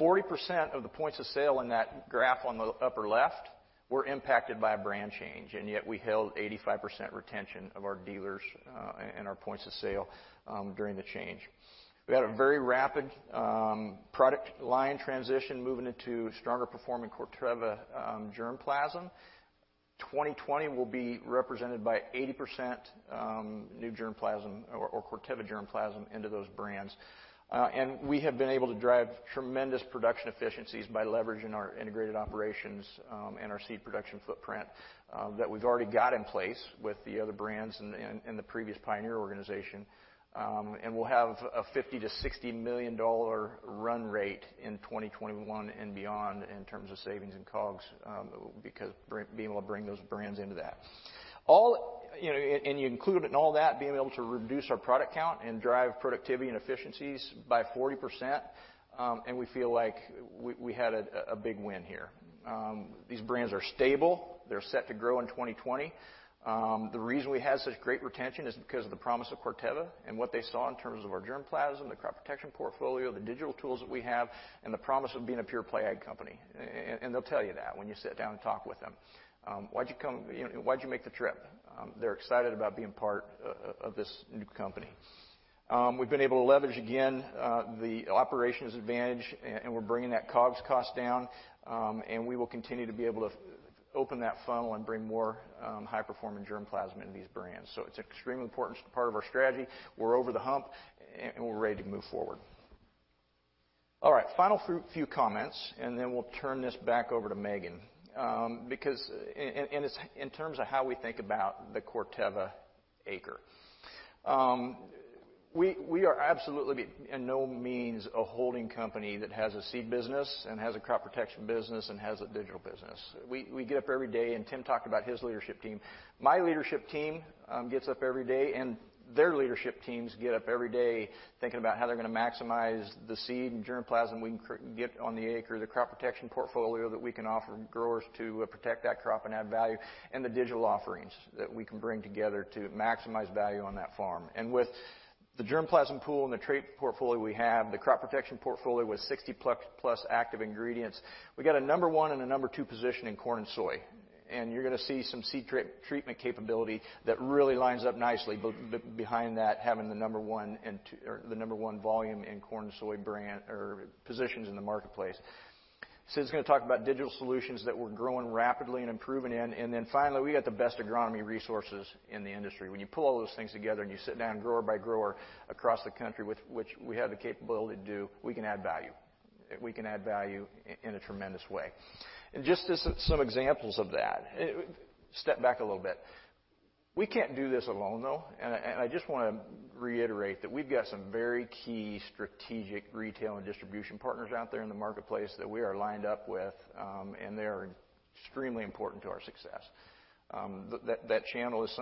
40% of the points of sale in that graph on the upper left were impacted by a brand change, yet we held 85% retention of our dealers and our points of sale during the change. We had a very rapid product line transition moving into stronger performing Corteva germplasm. 2020 will be represented by 80% new germplasm or Corteva germplasm into those brands. We have been able to drive tremendous production efficiencies by leveraging our integrated operations and our seed production footprint that we've already got in place with the other brands in the previous Pioneer organization. We'll have a $50 million-$60 million run rate in 2021 and beyond in terms of savings and COGS because being able to bring those brands into that. You include in all that being able to reduce our product count and drive productivity and efficiencies by 40%, we feel like we had a big win here. These brands are stable. They're set to grow in 2020. The reason we had such great retention is because of the promise of Corteva and what they saw in terms of our germplasm, the crop protection portfolio, the digital tools that we have, and the promise of being a pure-play ag company. They'll tell you that when you sit down and talk with them. Why'd you make the trip? They're excited about being part of this new company. We've been able to leverage again, the operations advantage, we're bringing that COGS cost down, we will continue to be able to open that funnel and bring more high-performing germplasm into these brands. It's an extremely important part of our strategy. We're over the hump, we're ready to move forward. All right. Final few comments, then we'll turn this back over to Megan. In terms of how we think about the Corteva acre. We are absolutely by no means a holding company that has a seed business and has a crop protection business and has a digital business. We get up every day, Tim talked about his leadership team. My leadership team gets up every day, their leadership teams get up every day thinking about how they're going to maximize the seed and germplasm we can get on the acre, the crop protection portfolio that we can offer growers to protect that crop and add value, and the digital offerings that we can bring together to maximize value on that farm. With the germplasm pool and the trait portfolio we have, the crop protection portfolio with 60-plus active ingredients, we've got a number one and a number two position in corn and soy. You're going to see some seed treatment capability that really lines up nicely behind that, having the number one volume in corn and soy positions in the marketplace. Sid's going to talk about digital solutions that we're growing rapidly and improving in. Finally, we've got the best agronomy resources in the industry. When you pull all those things together and you sit down grower by grower across the country, which we have the capability to do, we can add value. We can add value in a tremendous way. Just as some examples of that, step back a little bit. We can't do this alone, though, I just want to reiterate that we've got some very key strategic retail and distribution partners out there in the marketplace that we are lined up with, they are extremely important to our success. That channel is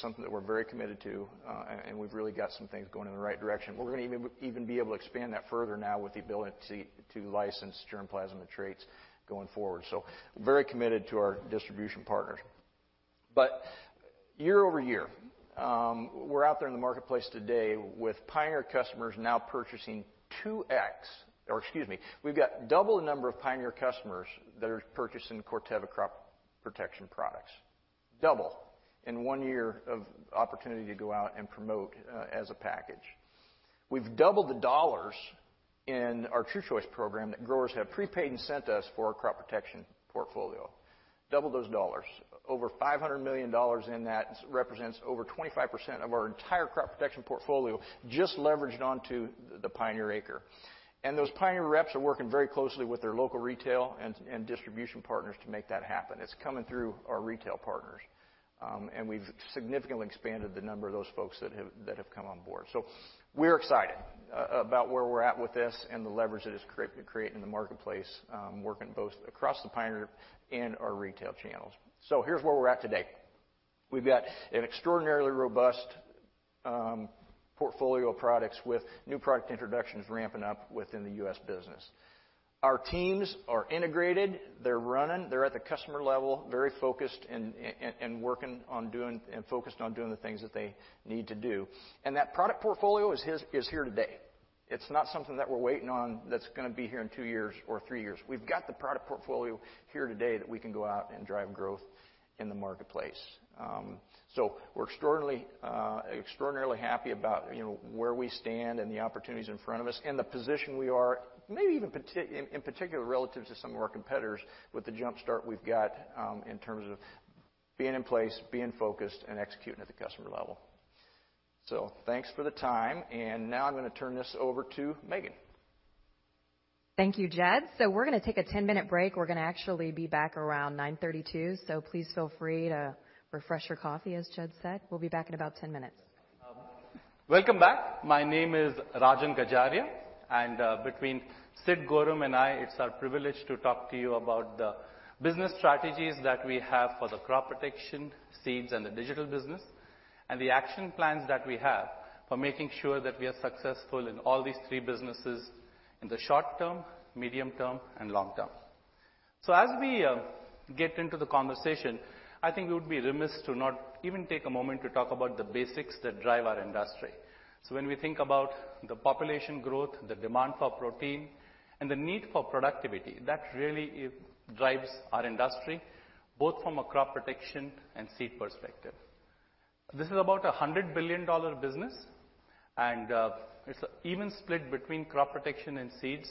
something that we're very committed to, we've really got some things going in the right direction. We're going to even be able to expand that further now with the ability to license germplasm and traits going forward. Very committed to our distribution partners. Year-over-year, we're out there in the marketplace today with Pioneer customers now purchasing 2x. Or excuse me, we've got double the number of Pioneer customers that are purchasing Corteva crop protection products. Double in one year of opportunity to go out and promote as a package. We've doubled the dollars in our TruChoice program that growers have prepaid and sent us for our crop protection portfolio. Doubled those dollars. Over $500 million in that, represents over 25% of our entire crop protection portfolio just leveraged onto the Pioneer acre. Those Pioneer reps are working very closely with their local retail and distribution partners to make that happen. It's coming through our retail partners. We've significantly expanded the number of those folks that have come on board. We're excited about where we're at with this and the leverage it is creating in the marketplace, working both across the Pioneer and our retail channels. Here's where we're at today. We've got an extraordinarily robust portfolio of products with new product introductions ramping up within the U.S. business. Our teams are integrated. They're running. They're at the customer level, very focused and working on doing, and focused on doing the things that they need to do. That product portfolio is here today. It's not something that we're waiting on that's going to be here in two years or three years. We've got the product portfolio here today that we can go out and drive growth in the marketplace. We're extraordinarily happy about where we stand and the opportunities in front of us and the position we are, maybe even in particular, relative to some of our competitors with the jumpstart we've got in terms of being in place, being focused and executing at the customer level. Thanks for the time, and now I'm going to turn this over to Megan. Thank you, Judd. We're going to take a 10-minute break. We're going to actually be back around 9:32. Please feel free to refresh your coffee, as Judd said. We'll be back in about 10 minutes. Welcome back. My name is Rajan Gajaria, between Sid Gorham and I, it's our privilege to talk to you about the business strategies that we have for the crop protection, seeds, and the digital business, and the action plans that we have for making sure that we are successful in all these three businesses in the short term, medium term, and long term. As we get into the conversation, I think we would be remiss to not even take a moment to talk about the basics that drive our industry. When we think about the population growth, the demand for protein, and the need for productivity, that really drives our industry, both from a crop protection and seed perspective. This is about $100 billion business. It's even split between crop protection and seeds.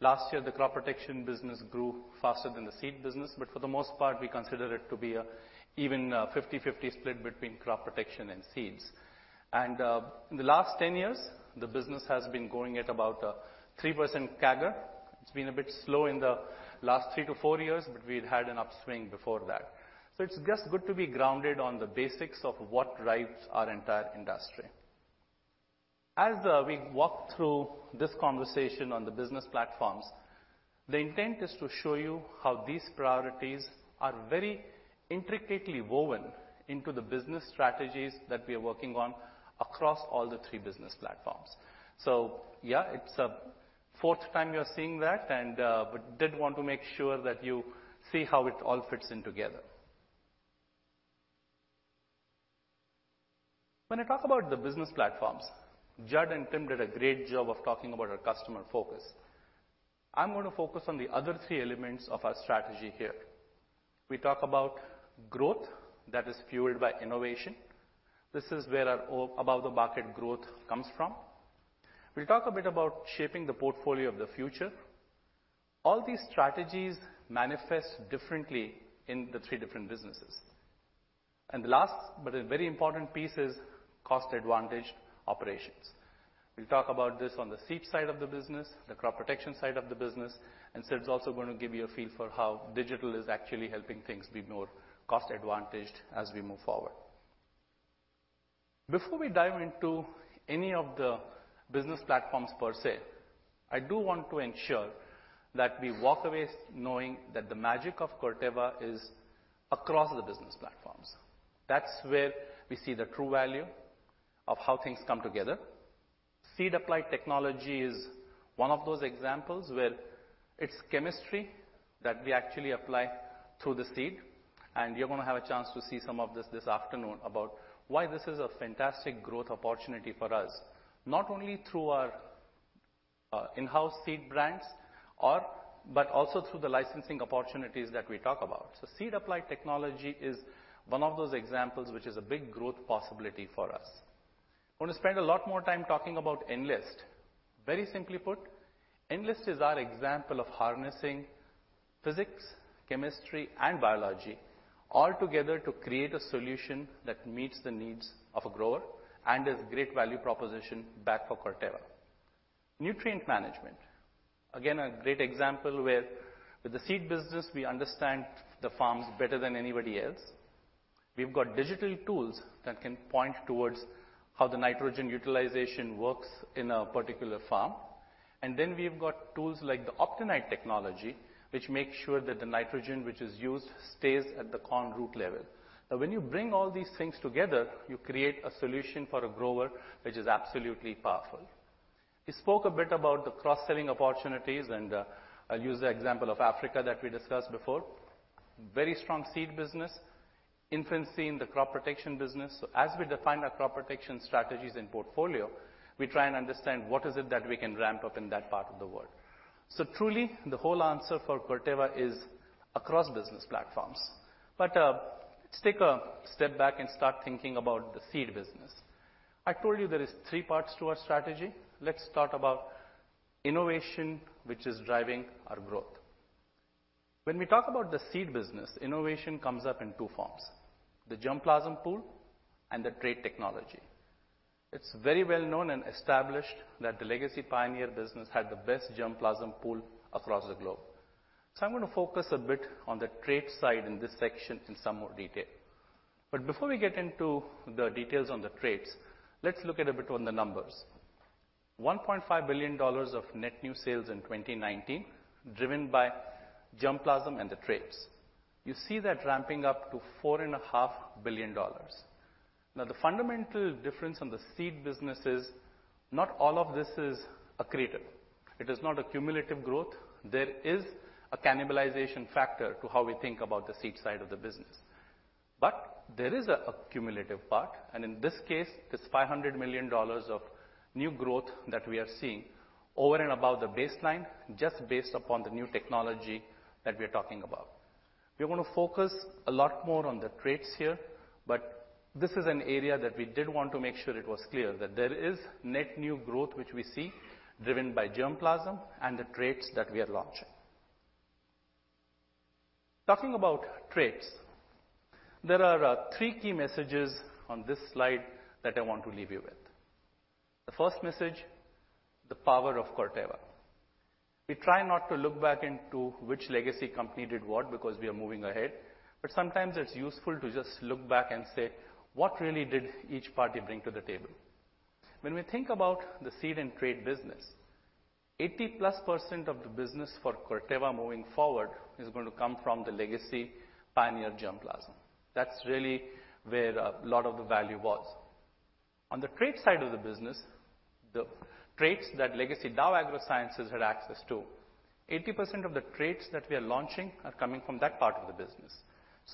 Last year, the crop protection business grew faster than the seed business. For the most part, we consider it to be an even 50/50 split between crop protection and seeds. In the last 10 years, the business has been growing at about a 3% CAGR. It's been a bit slow in the last three to four years. We'd had an upswing before that. It's just good to be grounded on the basics of what drives our entire industry. As we walk through this conversation on the business platforms, the intent is to show you how these priorities are very intricately woven into the business strategies that we are working on across all the three business platforms. Yeah, it's the fourth time you're seeing that. We did want to make sure that you see how it all fits in together. When I talk about the business platforms, Judd and Tim did a great job of talking about our customer focus. I'm going to focus on the other three elements of our strategy here. We talk about growth that is fueled by innovation. This is where our above-the-market growth comes from. We'll talk a bit about shaping the portfolio of the future. All these strategies manifest differently in the three different businesses. And the last, but a very important piece is cost-advantaged operations. We'll talk about this on the seed side of the business, the crop protection side of the business, and Sid's also going to give you a feel for how digital is actually helping things be more cost-advantaged as we move forward. Before we dive into any of the business platforms per se, I do want to ensure that we walk away knowing that the magic of Corteva is across the business platforms. That's where we see the true value of how things come together. Seed Applied Technologies is one of those examples where it's chemistry that we actually apply through the seed, and you're going to have a chance to see some of this this afternoon about why this is a fantastic growth opportunity for us, not only through our in-house seed brands, but also through the licensing opportunities that we talk about. Seed Applied Technologies is one of those examples, which is a big growth possibility for us. I want to spend a lot more time talking about Enlist. Very simply put, Enlist is our example of harnessing physics, chemistry, and biology all together to create a solution that meets the needs of a grower and is a great value proposition back for Corteva. Nutrient management, again, a great example where with the seed business, we understand the farms better than anybody else. We've got digital tools that can point towards how the nitrogen utilization works in a particular farm. And then we've got tools like the Optinyte technology, which makes sure that the nitrogen which is used stays at the corn root level. Now, when you bring all these things together, you create a solution for a grower, which is absolutely powerful. We spoke a bit about the cross-selling opportunities, and I'll use the example of Africa that we discussed before. Very strong seed business, infancy in the crop protection business. As we define our crop protection strategies and portfolio, we try and understand what is it that we can ramp up in that part of the world. Let's take a step back and start thinking about the seed business. I told you there is three parts to our strategy. Let's talk about innovation, which is driving our growth. When we talk about the seed business, innovation comes up in two forms, the germplasm pool and the trait technology. It's very well known and established that the legacy Pioneer business had the best germplasm pool across the globe. I'm going to focus a bit on the trait side in this section in some more detail. But before we get into the details on the traits, let's look at a bit on the numbers. $1.5 billion of net new sales in 2019, driven by germplasm and the traits. You see that ramping up to $4.5 billion. The fundamental difference in the seed business is not all of this is accretive. It is not a cumulative growth. There is a cannibalization factor to how we think about the seed side of the business. There is an accumulative part, and in this case, it's $500 million of new growth that we are seeing over and above the baseline just based upon the new technology that we're talking about. We're going to focus a lot more on the traits here, but this is an area that we did want to make sure it was clear that there is net new growth, which we see driven by germplasm and the traits that we are launching. Talking about traits, there are three key messages on this slide that I want to leave you with. The first message, the power of Corteva. We try not to look back into which legacy company did what because we are moving ahead, but sometimes it's useful to just look back and say, what really did each party bring to the table? When we think about the seed and trait business, 80-plus% of the business for Corteva moving forward is going to come from the legacy Pioneer germplasm. That's really where a lot of the value was. On the trait side of the business, the traits that legacy Dow AgroSciences had access to, 80% of the traits that we are launching are coming from that part of the business.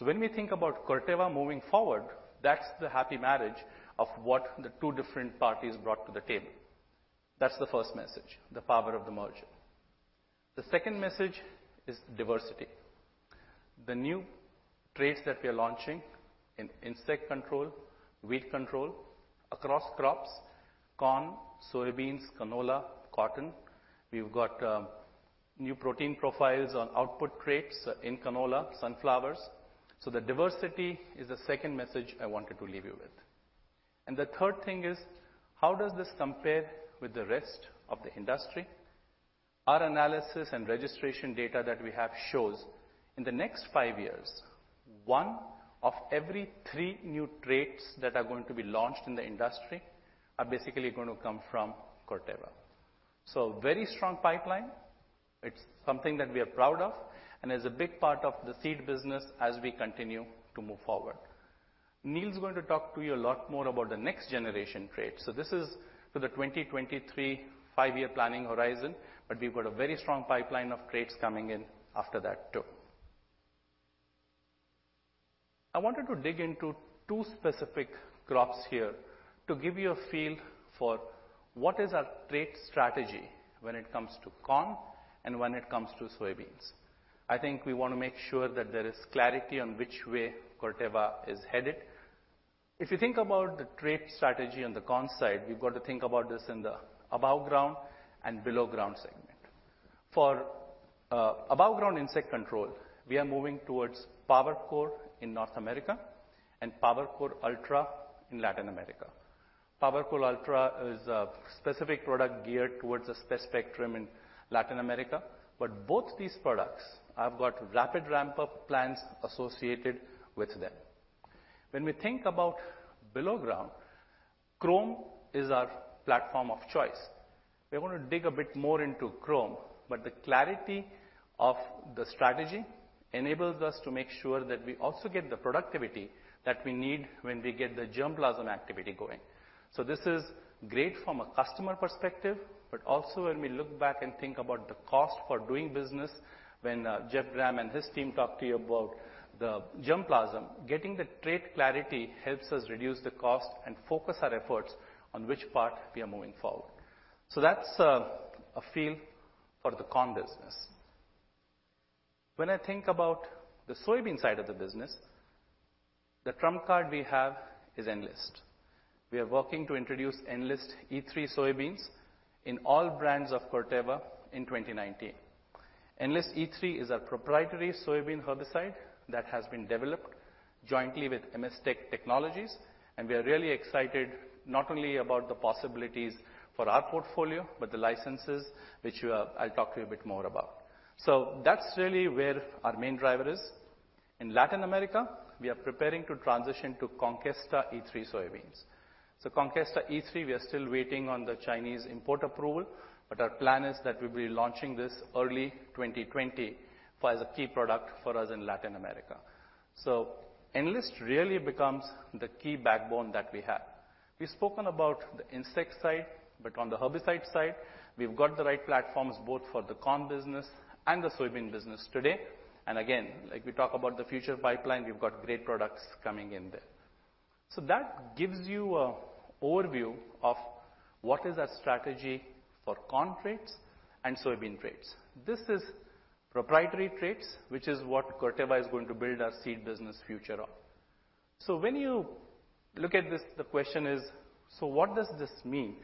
When we think about Corteva moving forward, that's the happy marriage of what the two different parties brought to the table. That's the first message, the power of the merger. The second message is diversity. The new traits that we are launching in insect control, weed control across crops, corn, soybeans, canola, cotton. We've got new protein profiles on output traits in canola, sunflowers. The diversity is the second message I wanted to leave you with. The third thing is how does this compare with the rest of the industry? Our analysis and registration data that we have shows in the next five years, one of every three new traits that are going to be launched in the industry are basically going to come from Corteva. Very strong pipeline. It's something that we are proud of and is a big part of the seed business as we continue to move forward. Neal is going to talk to you a lot more about the next generation trait. This is for the 2023 five-year planning horizon, we've got a very strong pipeline of traits coming in after that, too. I wanted to dig into two specific crops here to give you a feel for what is our trait strategy when it comes to corn and when it comes to soybeans. I think we want to make sure that there is clarity on which way Corteva is headed. If you think about the trait strategy on the corn side, we've got to think about this in the above ground and below ground segment. For above ground insect control, we are moving towards PowerCore in North America and PowerCore Ultra in Latin America. PowerCore Ultra is a specific product geared towards a spec spectrum in Latin America, but both these products have got rapid ramp-up plans associated with them. When we think about below ground, Qrome is our platform of choice. We want to dig a bit more into Qrome, but the clarity of the strategy enables us to make sure that we also get the productivity that we need when we get the germplasm activity going. This is great from a customer perspective, but also when we look back and think about the cost for doing business, when Jeff Graham and his team talk to you about the germplasm, getting the trait clarity helps us reduce the cost and focus our efforts on which part we are moving forward. That's a feel for the corn business. When I think about the soybean side of the business, the trump card we have is Enlist. We are working to introduce Enlist E3 soybeans in all brands of Corteva in 2019. Enlist E3 is our proprietary soybean herbicide that has been developed jointly with M.S. Technologies, we are really excited not only about the possibilities for our portfolio, but the licenses, which I'll talk to you a bit more about. That's really where our main driver is. In Latin America, we are preparing to transition to Conkesta E3 soybeans. Conkesta E3, we are still waiting on the Chinese import approval, but our plan is that we'll be launching this early 2020 for the key product for us in Latin America. Enlist really becomes the key backbone that we have. We've spoken about the insect side, but on the herbicide side, we've got the right platforms, both for the corn business and the soybean business today. Again, like we talk about the future pipeline, we've got great products coming in there. That gives you an overview of what is our strategy for corn traits and soybean traits. This is proprietary traits, which is what Corteva is going to build our seed business future on. When you look at this, the question is, so what does this mean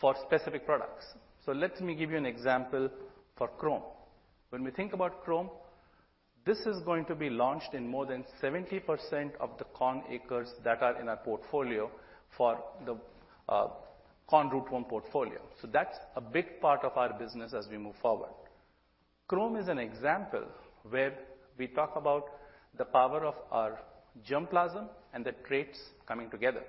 for specific products? Let me give you an example for Qrome. When we think about Qrome, this is going to be launched in more than 70% of the corn acres that are in our portfolio for the corn rootworm portfolio. That's a big part of our business as we move forward. Qrome is an example where we talk about the power of our germplasm and the traits coming together.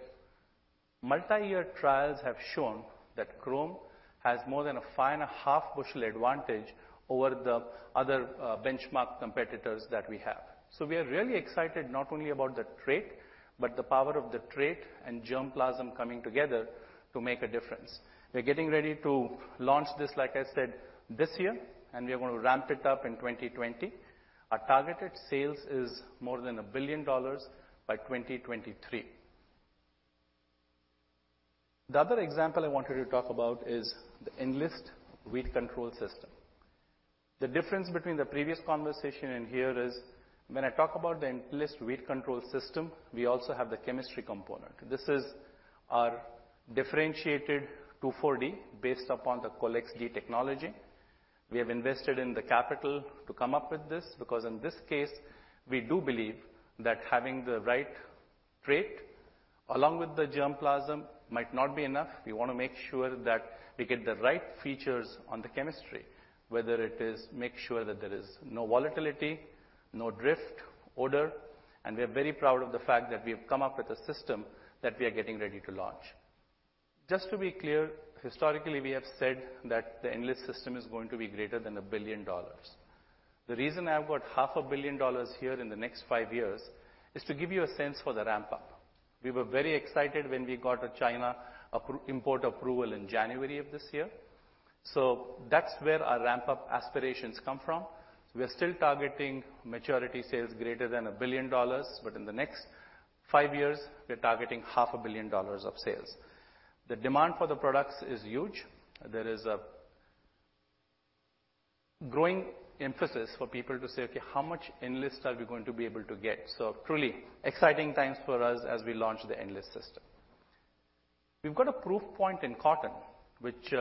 Multi-year trials have shown that Qrome has more than a five and a half bushel advantage over the other benchmark competitors that we have. We are really excited not only about the trait, but the power of the trait and germplasm coming together to make a difference. We're getting ready to launch this, like I said, this year, and we are going to ramp it up in 2020. Our targeted sales is more than $1 billion by 2023. The other example I wanted to talk about is the Enlist weed control system. The difference between the previous conversation and here is when I talk about the Enlist weed control system, we also have the chemistry component. This is our differentiated 2,4-D based upon the Colex-D technology. We have invested in the capital to come up with this because in this case, we do believe that having the right trait along with the germplasm might not be enough. We want to make sure that we get the right features on the chemistry, whether it is make sure that there is no volatility, no drift, odor, and we're very proud of the fact that we have come up with a system that we are getting ready to launch. Just to be clear, historically, we have said that the Enlist system is going to be greater than $1 billion. The reason I've got half a billion dollars here in the next five years is to give you a sense for the ramp-up. We were very excited when we got a China import approval in January of this year. That's where our ramp-up aspirations come from. We're still targeting maturity sales greater than $1 billion, but in the next five years, we're targeting half a billion dollars of sales. The demand for the products is huge. There is a growing emphasis for people to say, "Okay, how much Enlist are we going to be able to get?" Truly exciting times for us as we launch the Enlist system. We've got a proof point in cotton, which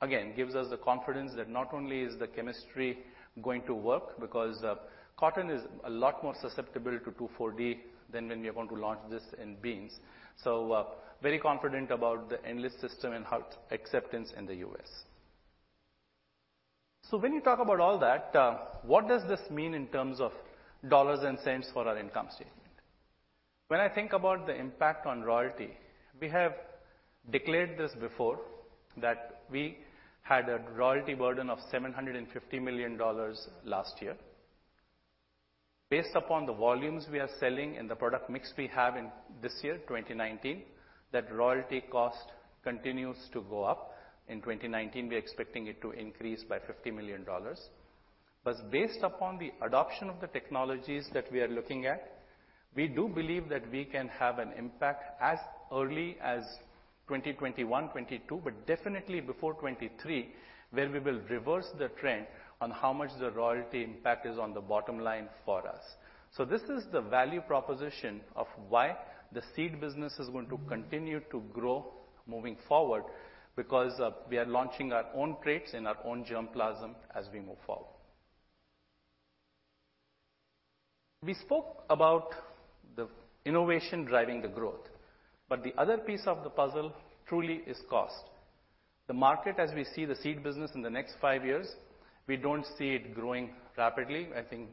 again, gives us the confidence that not only is the chemistry going to work because cotton is a lot more susceptible to 2,4-D than when we are going to launch this in beans. Very confident about the Enlist system and how its acceptance in the U.S. When you talk about all that, what does this mean in terms of dollars and cents for our income statement? When I think about the impact on royalty, we have declared this before, that we had a royalty burden of $750 million last year. Based upon the volumes we are selling and the product mix we have in this year, 2019, that royalty cost continues to go up. In 2019, we're expecting it to increase by $50 million. Based upon the adoption of the technologies that we are looking at, we do believe that we can have an impact as early as 2021, 2022, but definitely before 2023, where we will reverse the trend on how much the royalty impact is on the bottom line for us. This is the value proposition of why the seed business is going to continue to grow moving forward, because we are launching our own traits and our own germplasm as we move forward. We spoke about the innovation driving the growth, but the other piece of the puzzle truly is cost. The market, as we see the seed business in the next five years, we don't see it growing rapidly. I think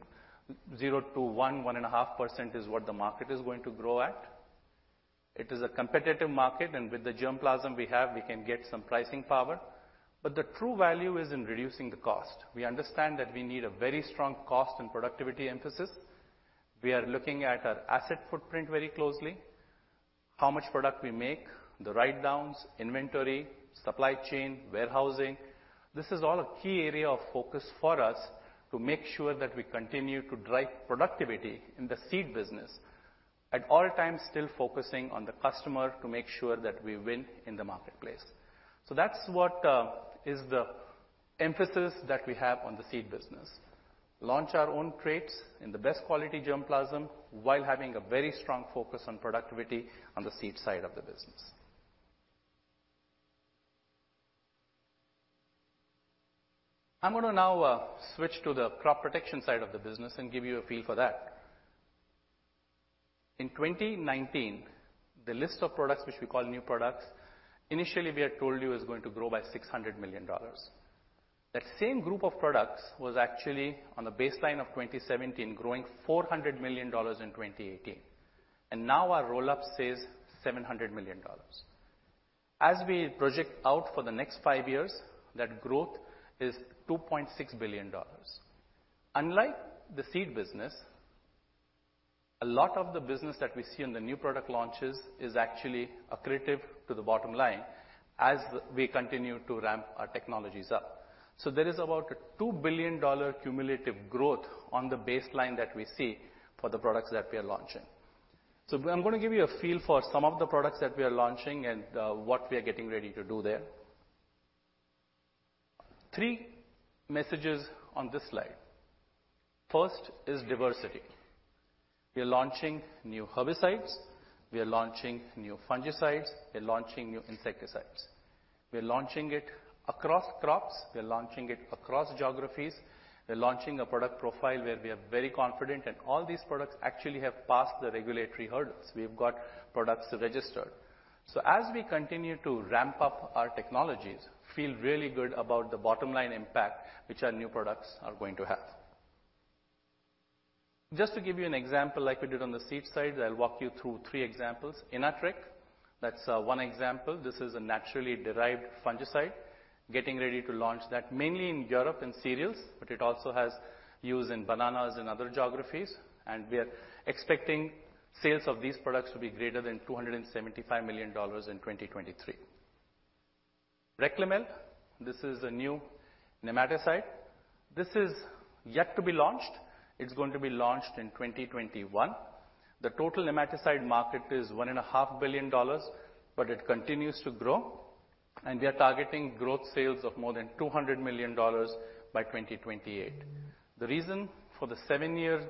0% to 1.5% is what the market is going to grow at. It is a competitive market, and with the germplasm we have, we can get some pricing power. The true value is in reducing the cost. We understand that we need a very strong cost and productivity emphasis. We are looking at our asset footprint very closely. How much product we make, the write-downs, inventory, supply chain, warehousing, this is all a key area of focus for us to make sure that we continue to drive productivity in the seed business. At all times, still focusing on the customer to make sure that we win in the marketplace. That's what is the emphasis that we have on the seed business. Launch our own traits in the best quality germplasm, while having a very strong focus on productivity on the seed side of the business. I'm going to now switch to the crop protection side of the business and give you a feel for that. In 2019, the list of products which we call new products, initially we had told you is going to grow by $600 million. That same group of products was actually on the baseline of 2017, growing $400 million in 2018. Now our roll-up says $700 million. As we project out for the next five years, that growth is $2.6 billion. Unlike the seed business, a lot of the business that we see in the new product launches is actually accretive to the bottom line as we continue to ramp our technologies up. There is about a $2 billion cumulative growth on the baseline that we see for the products that we are launching. I'm going to give you a feel for some of the products that we are launching and what we are getting ready to do there. Three messages on this slide. First is diversity. We are launching new herbicides, we are launching new fungicides, we're launching new insecticides. We're launching it across crops, we're launching it across geographies. We're launching a product profile where we are very confident, and all these products actually have passed the regulatory hurdles. We've got products registered. As we continue to ramp up our technologies, feel really good about the bottom-line impact which our new products are going to have. Just to give you an example like we did on the seed side, I'll walk you through three examples. Inatreq, that's one example. This is a naturally derived fungicide. Getting ready to launch that mainly in Europe in cereals, but it also has use in bananas in other geographies, and we are expecting sales of these products to be greater than $275 million in 2023. Reklemel, this is a new nematicide. This is yet to be launched. It's going to be launched in 2021. The total nematicide market is $1.5 billion, but it continues to grow, and we are targeting growth sales of more than $200 million by 2028. The reason for the seven-year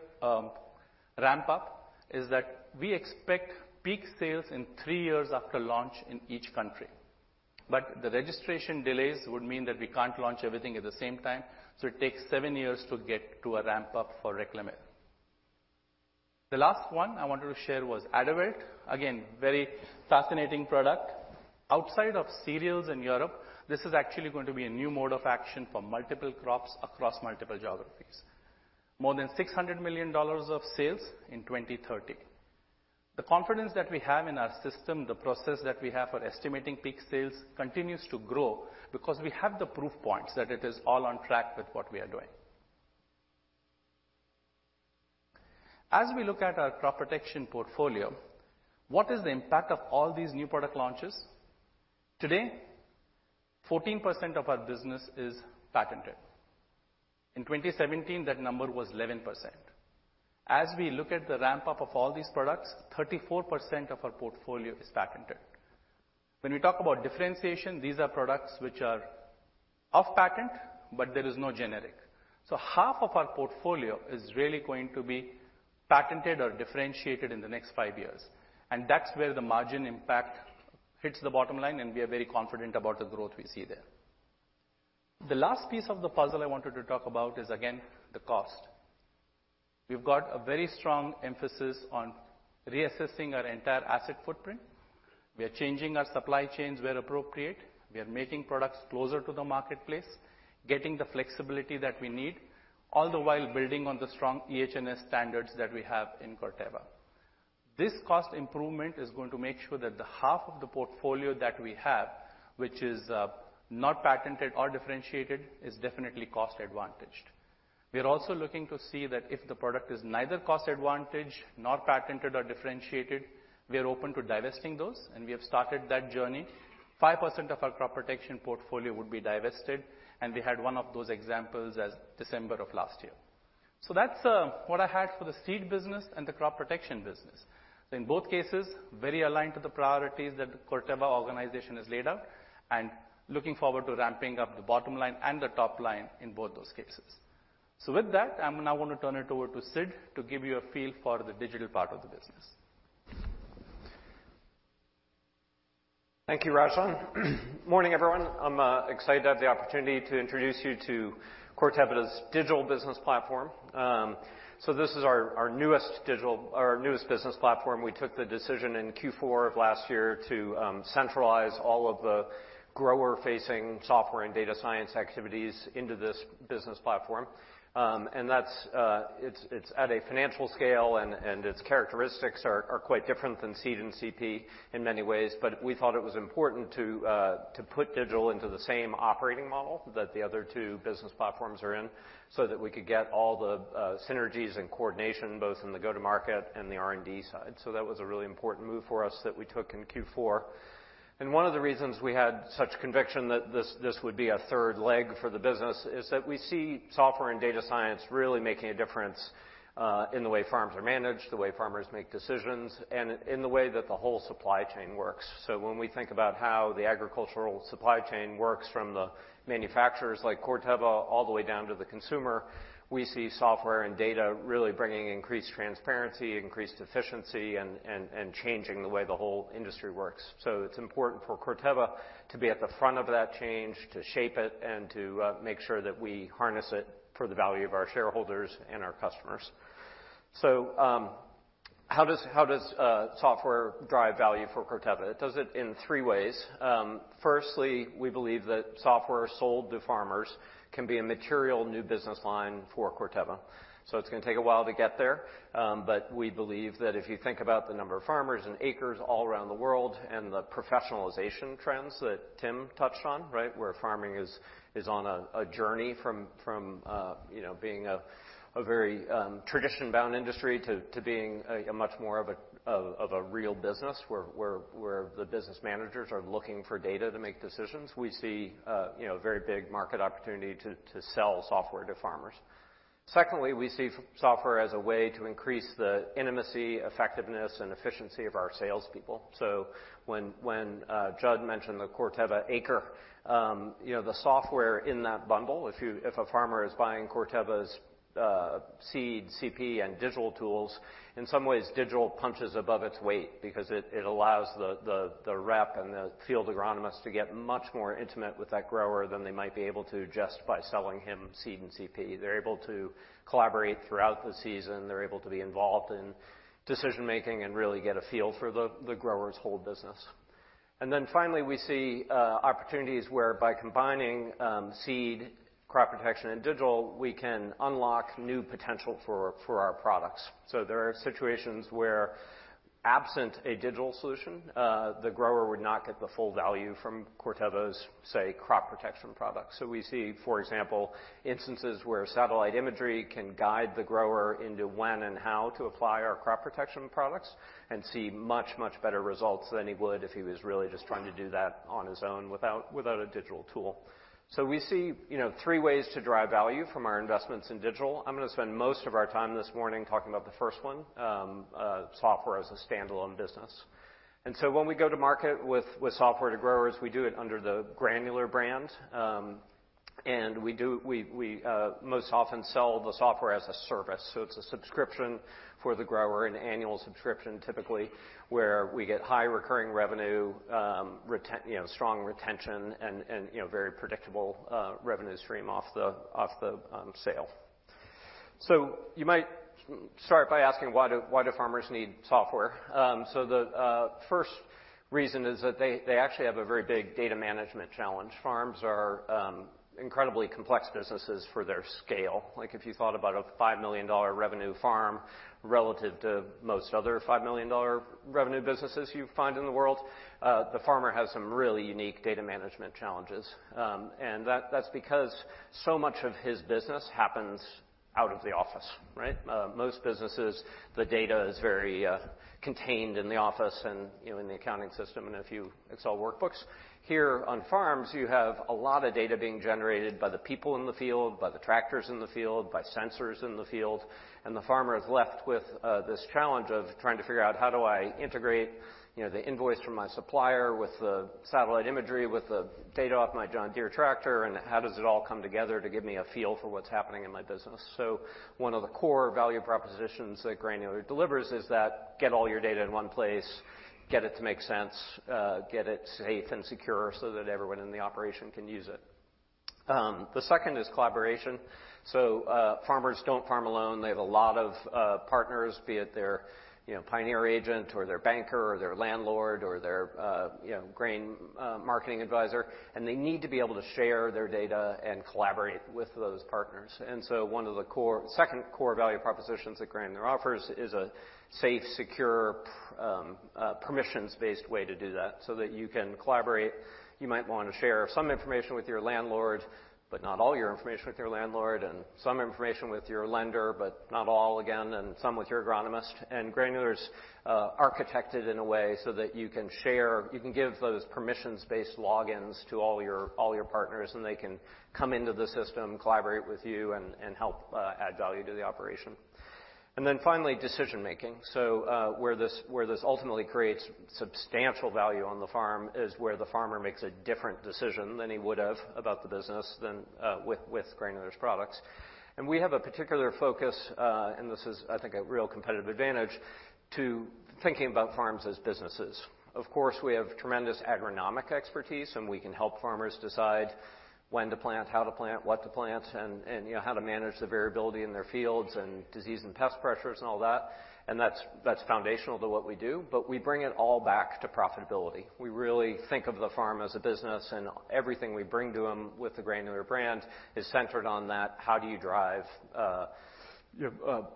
ramp-up is that we expect peak sales in three years after launch in each country. The registration delays would mean that we can't launch everything at the same time, so it takes seven years to get to a ramp-up for Reklemel. The last one I wanted to share was Adavelt. Very fascinating product. Outside of cereals in Europe, this is actually going to be a new mode of action for multiple crops across multiple geographies. More than $600 million of sales in 2030. The confidence that we have in our system, the process that we have for estimating peak sales continues to grow because we have the proof points that it is all on track with what we are doing. As we look at our crop protection portfolio, what is the impact of all these new product launches? Today, 14% of our business is patented. In 2017, that number was 11%. As we look at the ramp-up of all these products, 34% of our portfolio is patented. When we talk about differentiation, these are products which are off patent, but there is no generic. Half of our portfolio is really going to be patented or differentiated in the next 5 years, and that's where the margin impact hits the bottom line. We are very confident about the growth we see there. The last piece of the puzzle I wanted to talk about is, again, the cost. We've got a very strong emphasis on reassessing our entire asset footprint. We are changing our supply chains where appropriate. We are making products closer to the marketplace, getting the flexibility that we need, all the while building on the strong EH&S standards that we have in Corteva. This cost improvement is going to make sure that the half of the portfolio that we have, which is not patented or differentiated, is definitely cost-advantaged. We are also looking to see that if the product is neither cost advantage, nor patented or differentiated, we are open to divesting those, and we have started that journey. 5% of our crop protection portfolio would be divested, and we had one of those examples as December of last year. That's what I had for the seed business and the crop protection business. In both cases, very aligned to the priorities that the Corteva organization has laid out and looking forward to ramping up the bottom line and the top line in both those cases. With that, I'm now going to turn it over to Sid to give you a feel for the digital part of the business. Thank you, Rajan. Morning, everyone. I'm excited to have the opportunity to introduce you to Corteva's digital business platform. This is our newest business platform. We took the decision in Q4 of last year to centralize all of the grower-facing software and data science activities into this business platform. It's at a financial scale, and its characteristics are quite different than seed and CP in many ways. We thought it was important to put digital into the same operating model that the other two business platforms are in, so that we could get all the synergies and coordination, both in the go-to-market and the R&D side. That was a really important move for us that we took in Q4. One of the reasons we had such conviction that this would be a third leg for the business is that we see software and data science really making a difference, in the way farms are managed, the way farmers make decisions, and in the way that the whole supply chain works. When we think about how the agricultural supply chain works from the manufacturers like Corteva all the way down to the consumer, we see software and data really bringing increased transparency, increased efficiency, and changing the way the whole industry works. It's important for Corteva to be at the front of that change, to shape it, and to make sure that we harness it for the value of our shareholders and our customers. How does software drive value for Corteva? It does it in three ways. Firstly, we believe that software sold to farmers can be a material new business line for Corteva. It's going to take a while to get there, but we believe that if you think about the number of farmers and acres all around the world and the professionalization trends that Tim touched on, right, where farming is on a journey from being a very tradition-bound industry to being a much more of a real business, where the business managers are looking for data to make decisions. We see a very big market opportunity to sell software to farmers. Secondly, we see software as a way to increase the intimacy, effectiveness, and efficiency of our salespeople. When Judd mentioned the Corteva acre, the software in that bundle, if a farmer is buying Corteva's seed, CP, and digital tools, in some ways, digital punches above its weight because it allows the rep and the field agronomists to get much more intimate with that grower than they might be able to just by selling him seed and CP. They're able to collaborate throughout the season. They're able to be involved in decision-making and really get a feel for the grower's whole business. Finally, we see opportunities where by combining seed, crop protection, and digital, we can unlock new potential for our products. There are situations where absent a digital solution, the grower would not get the full value from Corteva's, say, crop protection products. We see, for example, instances where satellite imagery can guide the grower into when and how to apply our crop protection products and see much, much better results than he would if he was really just trying to do that on his own without a digital tool. We see three ways to drive value from our investments in digital. I'm going to spend most of our time this morning talking about the first one, software as a standalone business. When we go to market with software to growers, we do it under the Granular brand. We most often sell the software as a service. It's a subscription for the grower, an annual subscription, typically, where we get high recurring revenue, strong retention, and very predictable revenue stream off the sale. You might start by asking, why do farmers need software? The first reason is that they actually have a very big data management challenge. Farms are incredibly complex businesses for their scale. If you thought about a $5 million revenue farm relative to most other $5 million revenue businesses you find in the world, the farmer has some really unique data management challenges. That's because so much of his business happens out of the office, right? Most businesses, the data is very contained in the office and in the accounting system, it's all workbooks. Here on farms, you have a lot of data being generated by the people in the field, by the tractors in the field, by sensors in the field, and the farmer is left with this challenge of trying to figure out, how do I integrate the invoice from my supplier with the satellite imagery, with the data off my John Deere tractor, and how does it all come together to give me a feel for what's happening in my business? One of the core value propositions that Granular delivers is that get all your data in one place, get it to make sense, get it safe and secure so that everyone in the operation can use it. The second is collaboration. Farmers don't farm alone. They have a lot of partners, be it their Pioneer agent or their banker or their landlord or their grain marketing advisor, they need to be able to share their data and collaborate with those partners. One of the second core value propositions that Granular offers is a safe, secure, permissions-based way to do that so that you can collaborate. You might want to share some information with your landlord, but not all your information with your landlord, and some information with your lender, but not all again, and some with your agronomist. Granular's architected in a way so that you can share, you can give those permissions-based logins to all your partners, and they can come into the system, collaborate with you, and help add value to the operation. Finally, decision making. Where this ultimately creates substantial value on the farm is where the farmer makes a different decision than he would have about the business than with Granular's products. We have a particular focus, and this is, I think, a real competitive advantage, to thinking about farms as businesses. Of course, we have tremendous agronomic expertise, and we can help farmers decide when to plant, how to plant, what to plant, and how to manage the variability in their fields and disease and pest pressures and all that. That's foundational to what we do. We bring it all back to profitability. We really think of the farm as a business, and everything we bring to them with the Granular brand is centered on that, how do you drive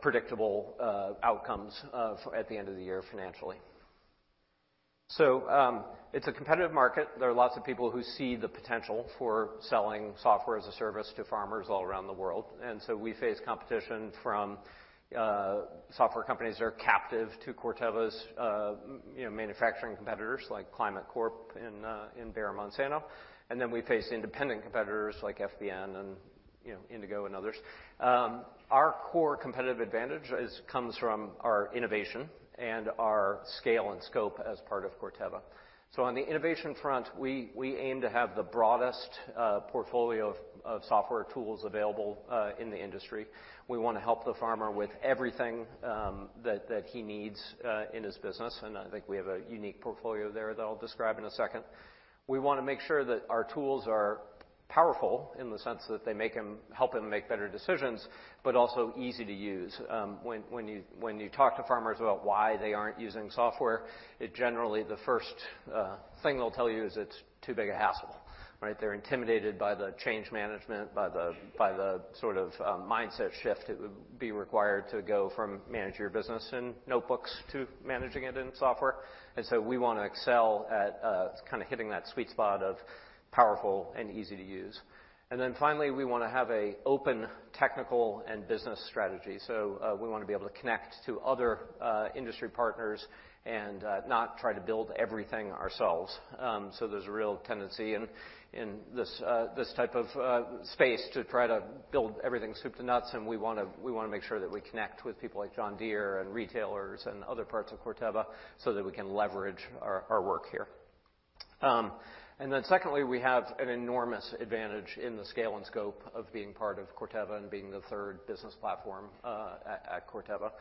predictable outcomes at the end of the year financially? It's a competitive market. There are lots of people who see the potential for selling software as a service to farmers all around the world. We face competition from software companies that are captive to Corteva's manufacturing competitors, like Climate Corp and Bayer, Monsanto. We face independent competitors like FBN and Indigo and others. Our core competitive advantage comes from our innovation and our scale and scope as part of Corteva. On the innovation front, we aim to have the broadest portfolio of software tools available in the industry. We want to help the farmer with everything that he needs in his business, and I think we have a unique portfolio there that I'll describe in a second. We want to make sure that our tools are powerful in the sense that they help him make better decisions, but also easy to use. When you talk to farmers about why they aren't using software, generally the first thing they'll tell you is it's too big a hassle. Right? They're intimidated by the change management, by the sort of mindset shift that would be required to go from manage your business in notebooks to managing it in software. We want to excel at kind of hitting that sweet spot of powerful and easy to use. Finally, we want to have an open technical and business strategy. We want to be able to connect to other industry partners and not try to build everything ourselves. There's a real tendency in this type of space to try to build everything soup to nuts, and we want to make sure that we connect with people like John Deere and retailers and other parts of Corteva so that we can leverage our work here. Secondly, we have an enormous advantage in the scale and scope of being part of Corteva and being the third business platform at Corteva.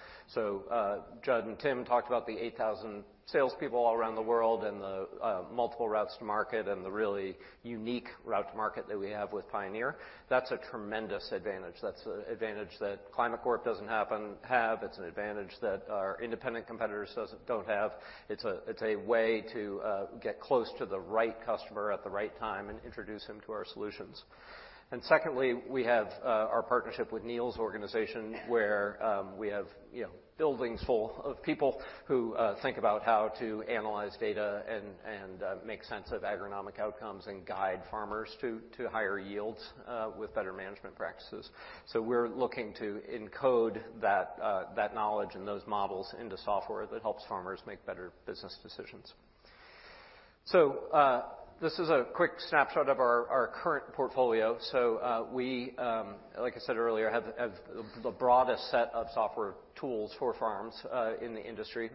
Judd and Tim talked about the 8,000 salespeople all around the world and the multiple routes to market, and the really unique route to market that we have with Pioneer. That's a tremendous advantage. That's an advantage that Climate Corp doesn't have. It's an advantage that our independent competitors don't have. It's a way to get close to the right customer at the right time and introduce them to our solutions. Secondly, we have our partnership with Neal's organization, where we have buildings full of people who think about how to analyze data and make sense of agronomic outcomes and guide farmers to higher yields with better management practices. We're looking to encode that knowledge and those models into software that helps farmers make better business decisions. This is a quick snapshot of our current portfolio. We, like I said earlier, have the broadest set of software tools for farms in the industry,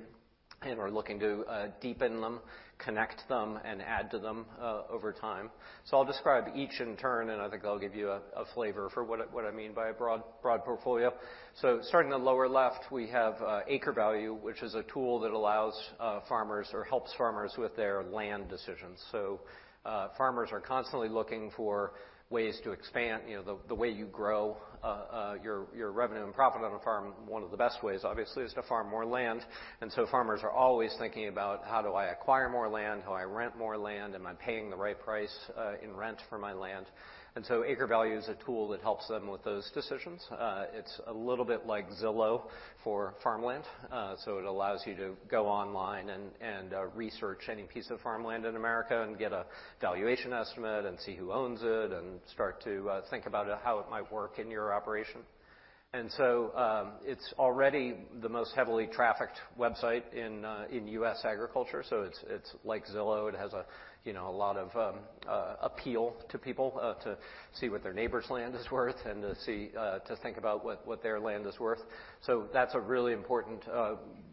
and we're looking to deepen them, connect them, and add to them over time. I'll describe each in turn, and I think that'll give you a flavor for what I mean by a broad portfolio. Starting on the lower left, we have AcreValue, which is a tool that allows farmers or helps farmers with their land decisions. Farmers are constantly looking for ways to expand the way you grow your revenue and profit on a farm. One of the best ways, obviously, is to farm more land. Farmers are always thinking about how do I acquire more land? How I rent more land? Am I paying the right price in rent for my land? AcreValue is a tool that helps them with those decisions. It's a little bit like Zillow for farmland. It allows you to go online and research any piece of farmland in America and get a valuation estimate and see who owns it, and start to think about how it might work in your operation. It's already the most heavily trafficked website in U.S. agriculture. It's like Zillow. It has a lot of appeal to people to see what their neighbor's land is worth and to think about what their land is worth. That's a really important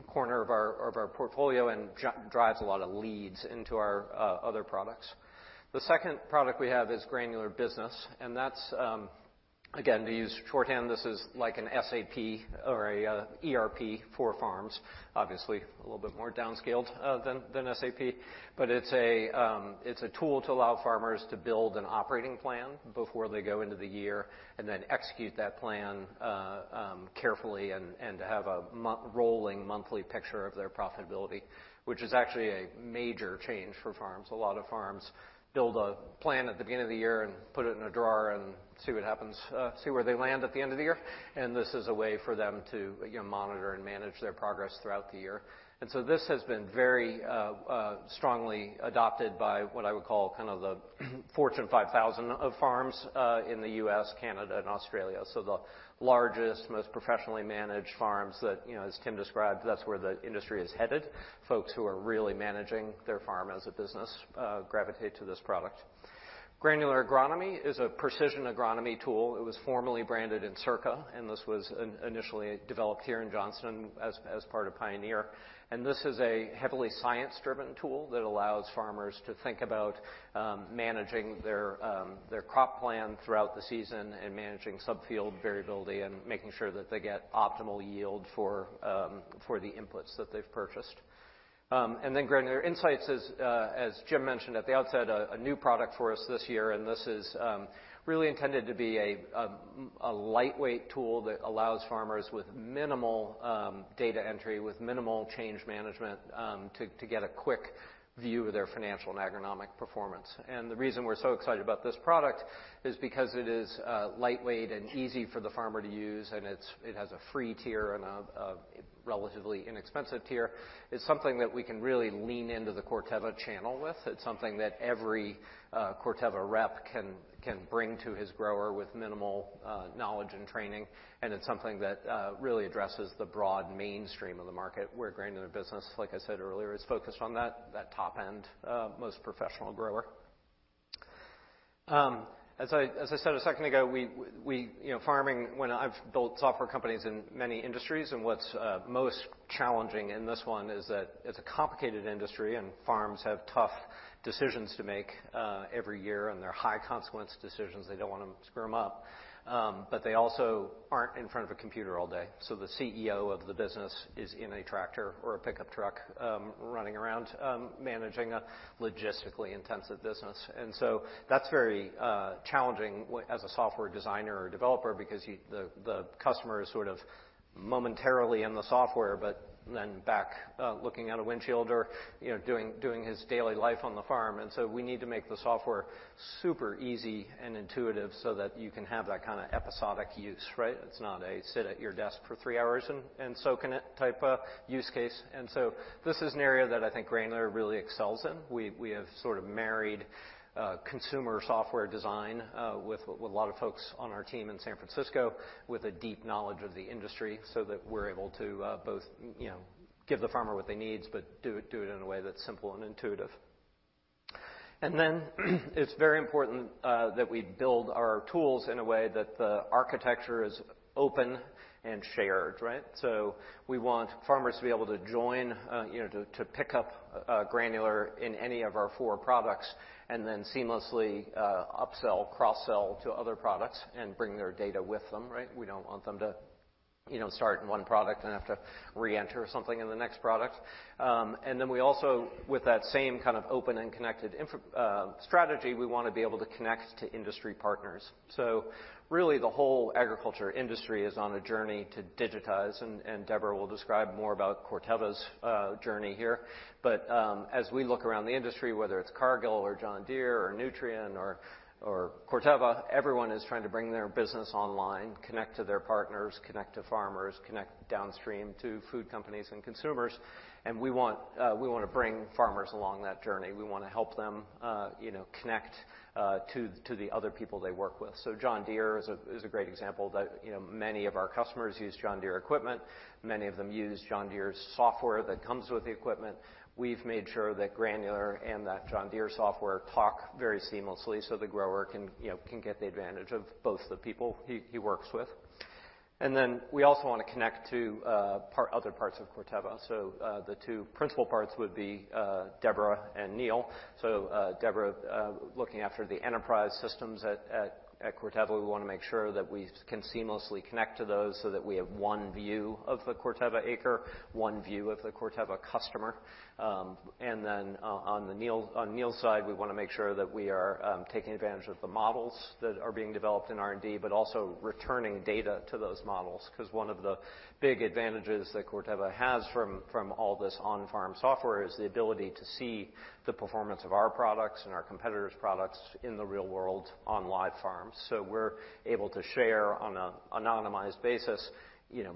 corner of our portfolio and drives a lot of leads into our other products. The second product we have is Granular Business, and that's, again, to use shorthand, this is like an SAP or an ERP for farms. Obviously, a little bit more downscaled than SAP. It's a tool to allow farmers to build an operating plan before they go into the year and then execute that plan carefully and to have a rolling monthly picture of their profitability, which is actually a major change for farms. A lot of farms build a plan at the beginning of the year and put it in a drawer and see what happens, see where they land at the end of the year. This is a way for them to monitor and manage their progress throughout the year. This has been very strongly adopted by what I would call kind of the Fortune 5,000 of farms in the U.S., Canada, and Australia. The largest, most professionally managed farms that, as Tim described, that's where the industry is headed. Folks who are really managing their farm as a business gravitate to this product. Granular Agronomy is a precision agronomy tool. It was formerly branded Encirca, and this was initially developed here in Johnston as part of Pioneer. This is a heavily science-driven tool that allows farmers to think about managing their crop plan throughout the season and managing sub-field variability and making sure that they get optimal yield for the inputs that they've purchased. Granular Insights, as Jim mentioned at the outset, a new product for us this year, and this is really intended to be a lightweight tool that allows farmers with minimal data entry, with minimal change management, to get a quick view of their financial and agronomic performance. The reason we're so excited about this product is because it is lightweight and easy for the farmer to use, and it has a free tier and a relatively inexpensive tier. It's something that we can really lean into the Corteva channel with. It's something that every Corteva rep can bring to his grower with minimal knowledge and training, it's something that really addresses the broad mainstream of the market, where Granular Business, like I said earlier, is focused on that top-end, most professional grower. As I said a second ago, farming, when I've built software companies in many industries, and what's most challenging in this one is that it's a complicated industry and farms have tough decisions to make every year, and they're high consequence decisions. They don't want to screw them up. They also aren't in front of a computer all day. The CEO of the business is in a tractor or a pickup truck, running around, managing a logistically intensive business. That's very challenging as a software designer or developer because the customer is sort of momentarily in the software, but then back looking out a windshield or doing his daily life on the farm. We need to make the software super easy and intuitive so that you can have that kind of episodic use, right? It's not a sit at your desk for three hours and so can it type of use case. This is an area that I think Granular really excels in. We have sort of married consumer software design with a lot of folks on our team in San Francisco with a deep knowledge of the industry so that we're able to both give the farmer what they need, but do it in a way that's simple and intuitive. It's very important that we build our tools in a way that the architecture is open and shared, right? We want farmers to be able to join, to pick up Granular in any of our four products and then seamlessly upsell, cross-sell to other products and bring their data with them, right? We don't want them to start in one product and have to re-enter something in the next product. We also, with that same kind of open and connected strategy, we want to be able to connect to industry partners. Really the whole agriculture industry is on a journey to digitize, and Debra will describe more about Corteva's journey here. As we look around the industry, whether it's Cargill or John Deere or Nutrien or Corteva, everyone is trying to bring their business online, connect to their partners, connect to farmers, connect downstream to food companies and consumers. We want to bring farmers along that journey. We want to help them connect to the other people they work with. John Deere is a great example that many of our customers use John Deere equipment. Many of them use John Deere's software that comes with the equipment. We've made sure that Granular and that John Deere software talk very seamlessly so the grower can get the advantage of both the people he works with. We also want to connect to other parts of Corteva. The two principal parts would be Debra and Neal. Debra, looking after the enterprise systems at Corteva. We want to make sure that we can seamlessly connect to those so that we have one view of the Corteva acre, one view of the Corteva customer. On Neal's side, we want to make sure that we are taking advantage of the models that are being developed in R&D, but also returning data to those models. Because one of the big advantages that Corteva has from all this on-farm software is the ability to see the performance of our products and our competitors' products in the real world on live farms. We're able to share on an anonymized basis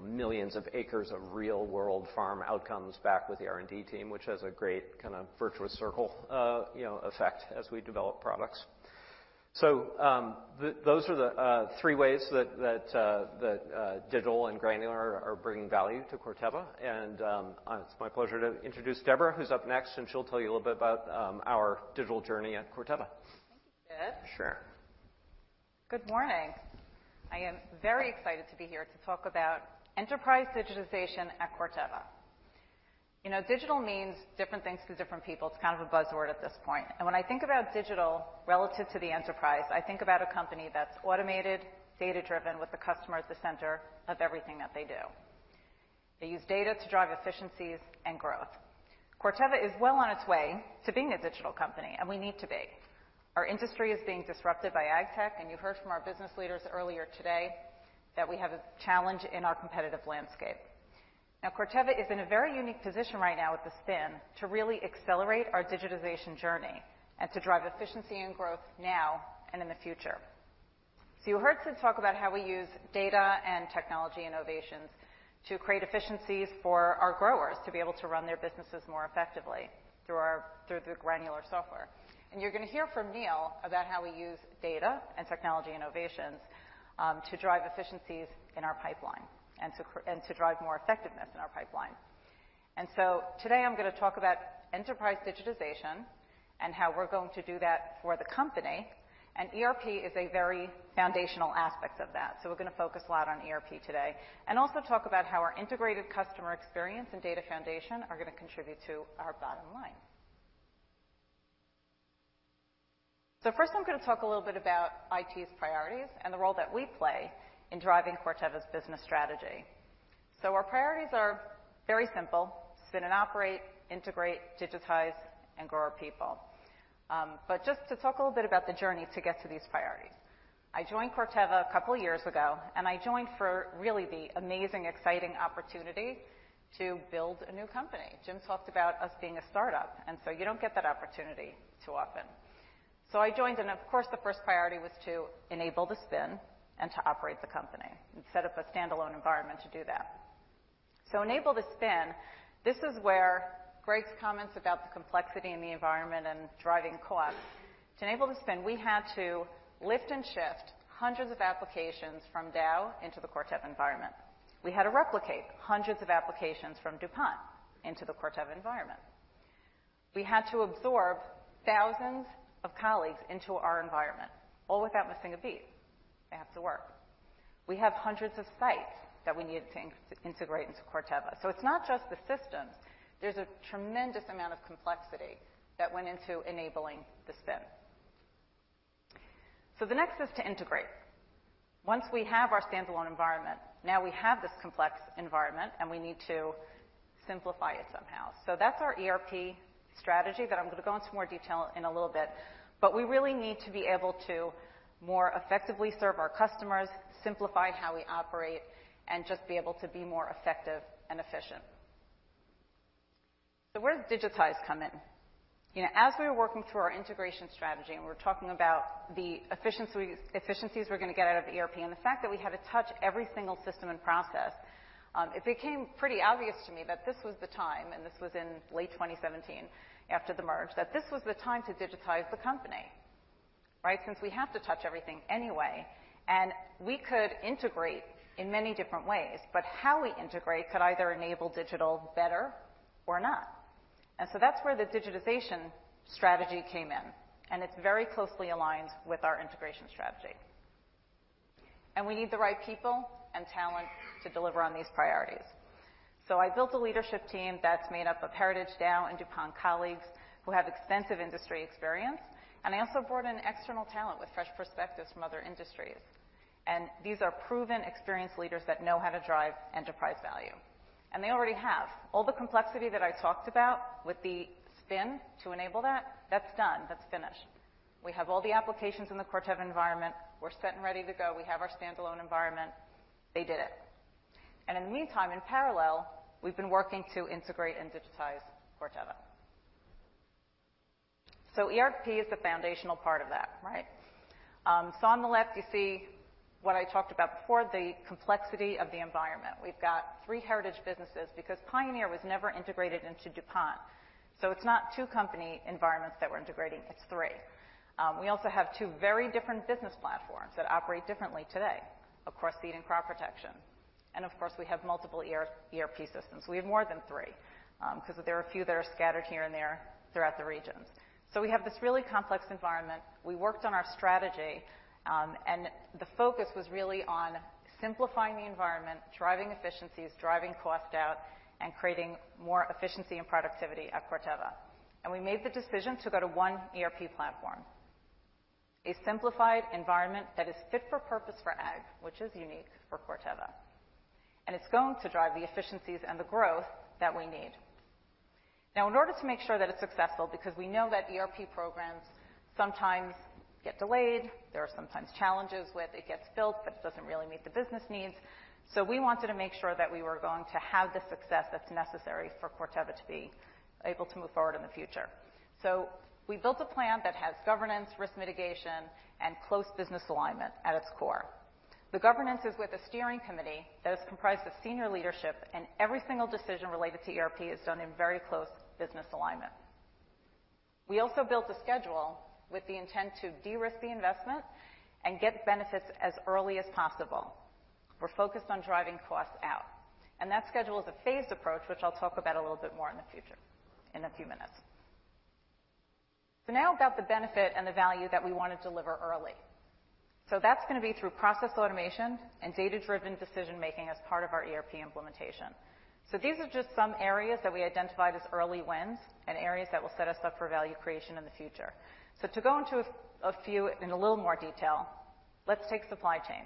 millions of acres of real world farm outcomes back with the R&D team, which has a great kind of virtuous circle effect as we develop products. Those are the three ways that digital and Granular are bringing value to Corteva. It's my pleasure to introduce Debra, who's up next, she'll tell you a little bit about our digital journey at Corteva. Thank you, Sid. Sure. Good morning. I am very excited to be here to talk about enterprise digitization at Corteva. Digital means different things to different people. It's kind of a buzzword at this point. When I think about digital relative to the enterprise, I think about a company that's automated, data-driven with the customer at the center of everything that they do. They use data to drive efficiencies and growth. Corteva is well on its way to being a digital company, and we need to be. Our industry is being disrupted by ag tech, you heard from our business leaders earlier today that we have a challenge in our competitive landscape. Corteva is in a very unique position right now with the spin to really accelerate our digitization journey and to drive efficiency and growth now and in the future. You heard us talk about how we use data and technology innovations to create efficiencies for our growers to be able to run their businesses more effectively through the Granular software. You're going to hear from Neal about how we use data and technology innovations to drive efficiencies in our pipeline and to drive more effectiveness in our pipeline. Today I'm going to talk about enterprise digitization and how we're going to do that for the company and ERP is a very foundational aspect of that. We're going to focus a lot on ERP today and also talk about how our integrated customer experience and data foundation are going to contribute to our bottom line. First, I'm going to talk a little bit about IT's priorities and the role that we play in driving Corteva's business strategy. Our priorities are very simple: spin and operate, integrate, digitize, and grow our people. Just to talk a little bit about the journey to get to these priorities. I joined Corteva a couple of years ago, and I joined for really the amazing, exciting opportunity to build a new company. Jim talked about us being a startup, and so you don't get that opportunity too often. I joined, and of course, the first priority was to enable the spin and to operate the company and set up a standalone environment to do that. Enable the spin. This is where Greg's comments about the complexity in the environment and driving cost. To enable the spin, we had to lift and shift hundreds of applications from Dow into the Corteva environment. We had to replicate hundreds of applications from DuPont into the Corteva environment. We had to absorb thousands of colleagues into our environment, all without missing a beat. They have to work. We have hundreds of sites that we needed to integrate into Corteva. It's not just the systems. There's a tremendous amount of complexity that went into enabling the spin. The next is to integrate. Once we have our standalone environment, now we have this complex environment, and we need to simplify it somehow. That's our ERP strategy that I'm going to go into more detail in a little bit. We really need to be able to more effectively serve our customers, simplify how we operate, and just be able to be more effective and efficient. Where does digitize come in? As we were working through our integration strategy and we were talking about the efficiencies we're going to get out of the ERP and the fact that we had to touch every single system and process, it became pretty obvious to me that this was the time, and this was in late 2017, after the merge, that this was the time to digitize the company. Right? Since we have to touch everything anyway, and we could integrate in many different ways, but how we integrate could either enable digital better or not. That's where the digitization strategy came in, and it's very closely aligned with our integration strategy. We need the right people and talent to deliver on these priorities. I built a leadership team that's made up of heritage Dow and DuPont colleagues who have extensive industry experience. I also brought in external talent with fresh perspectives from other industries. These are proven, experienced leaders that know how to drive enterprise value. They already have. All the complexity that I talked about with the spin to enable that's done. That's finished. We have all the applications in the Corteva environment. We're set and ready to go. We have our standalone environment. They did it. In the meantime, in parallel, we've been working to integrate and digitize Corteva. ERP is the foundational part of that, right? On the left, you see what I talked about before, the complexity of the environment. We've got three heritage businesses because Pioneer was never integrated into DuPont. It's not two company environments that we're integrating, it's three. We also have two very different business platforms that operate differently today. Of course, feed and crop protection. Of course, we have multiple ERP systems. We have more than three, because there are a few that are scattered here and there throughout the regions. We have this really complex environment. We worked on our strategy, the focus was really on simplifying the environment, driving efficiencies, driving cost out, and creating more efficiency and productivity at Corteva. We made the decision to go to one ERP platform. A simplified environment that is fit for purpose for Ag, which is unique for Corteva. It's going to drive the efficiencies and the growth that we need. Now, in order to make sure that it's successful, because we know that ERP programs sometimes get delayed, there are sometimes challenges with it gets built, but it doesn't really meet the business needs. We wanted to make sure that we were going to have the success that's necessary for Corteva to be able to move forward in the future. We built a plan that has governance, risk mitigation, and close business alignment at its core. The governance is with a steering committee that is comprised of senior leadership, and every single decision related to ERP is done in very close business alignment. We also built a schedule with the intent to de-risk the investment and get benefits as early as possible. We're focused on driving costs out. That schedule is a phased approach, which I'll talk about a little bit more in the future in a few minutes. Now about the benefit and the value that we want to deliver early. That's going to be through process automation and data-driven decision-making as part of our ERP implementation. These are just some areas that we identified as early wins and areas that will set us up for value creation in the future. To go into a few in a little more detail, let's take supply chain.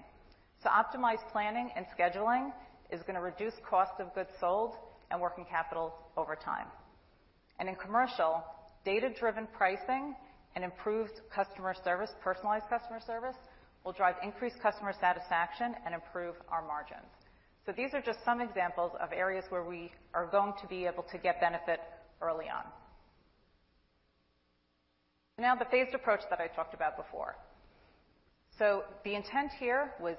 Optimized planning and scheduling is going to reduce cost of goods sold and working capital over time. In commercial, data-driven pricing and improved customer service, personalized customer service, will drive increased customer satisfaction and improve our margins. These are just some examples of areas where we are going to be able to get benefit early on. Now, the phased approach that I talked about before. The intent here was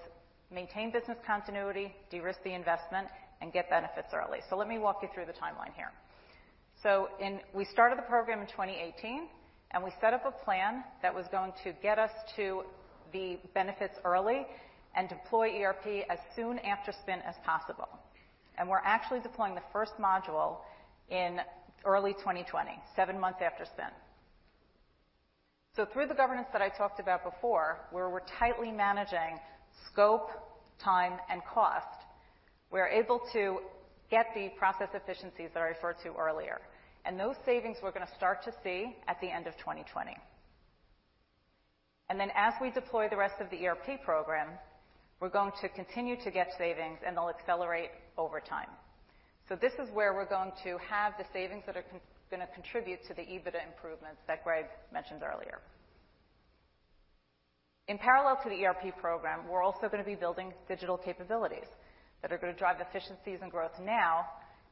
maintain business continuity, de-risk the investment, and get benefits early. Let me walk you through the timeline here. We started the program in 2018, and we set up a plan that was going to get us to the benefits early and deploy ERP as soon after spin as possible. We're actually deploying the first module in early 2020, seven months after spin. Through the governance that I talked about before, where we're tightly managing scope, time, and cost. We are able to get the process efficiencies that I referred to earlier, and those savings we're going to start to see at the end of 2020. As we deploy the rest of the ERP program, we're going to continue to get savings, and they'll accelerate over time. This is where we're going to have the savings that are going to contribute to the EBITDA improvements that Greg mentioned earlier. In parallel to the ERP program, we're also going to be building digital capabilities that are going to drive efficiencies and growth now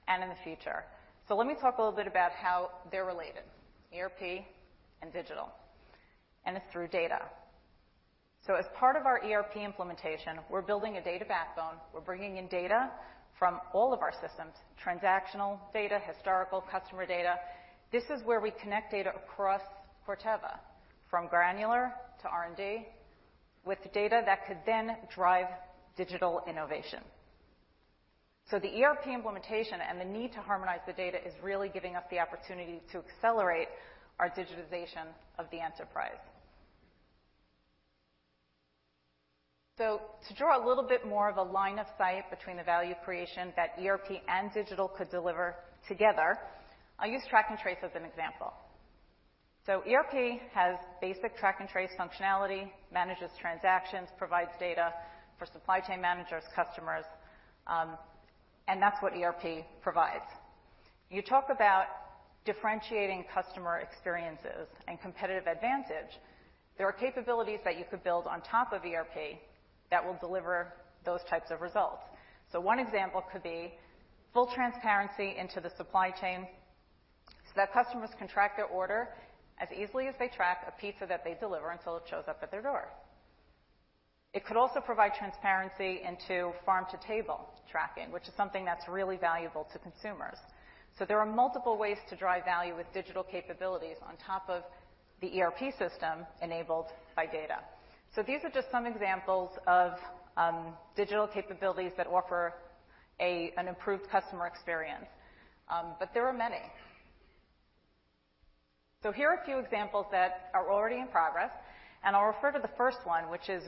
and in the future. Let me talk a little bit about how they're related, ERP and digital, and it's through data. As part of our ERP implementation, we're building a data backbone. We're bringing in data from all of our systems, transactional data, historical customer data. This is where we connect data across Corteva, from Granular to R&D, with data that could then drive digital innovation. The ERP implementation and the need to harmonize the data is really giving us the opportunity to accelerate our digitization of the enterprise. To draw a little bit more of a line of sight between the value creation that ERP and digital could deliver together, I'll use track and trace as an example. ERP has basic track and trace functionality, manages transactions, provides data for supply chain managers, customers, and that's what ERP provides. You talk about differentiating customer experiences and competitive advantage. There are capabilities that you could build on top of ERP that will deliver those types of results. One example could be full transparency into the supply chain so that customers can track their order as easily as they track a pizza that they deliver until it shows up at their door. It could also provide transparency into farm-to-table tracking, which is something that's really valuable to consumers. There are multiple ways to drive value with digital capabilities on top of the ERP system enabled by data. There are many. Here are a few examples that are already in progress, and I'll refer to the first one, which is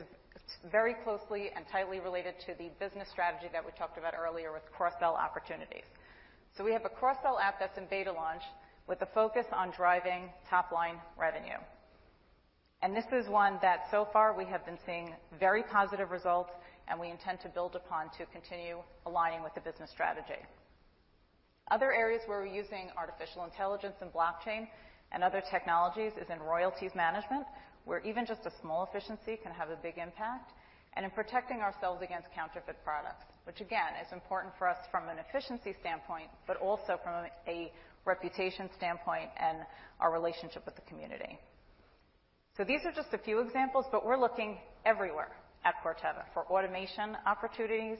very closely and tightly related to the business strategy that we talked about earlier with cross-sell opportunities. We have a cross-sell app that's in beta launch with a focus on driving top-line revenue. This is one that so far we have been seeing very positive results and we intend to build upon to continue aligning with the business strategy. Other areas where we're using artificial intelligence and blockchain and other technologies is in royalties management, where even just a small efficiency can have a big impact, and in protecting ourselves against counterfeit products, which again, is important for us from an efficiency standpoint, but also from a reputation standpoint and our relationship with the community. These are just a few examples, but we're looking everywhere at Corteva for automation opportunities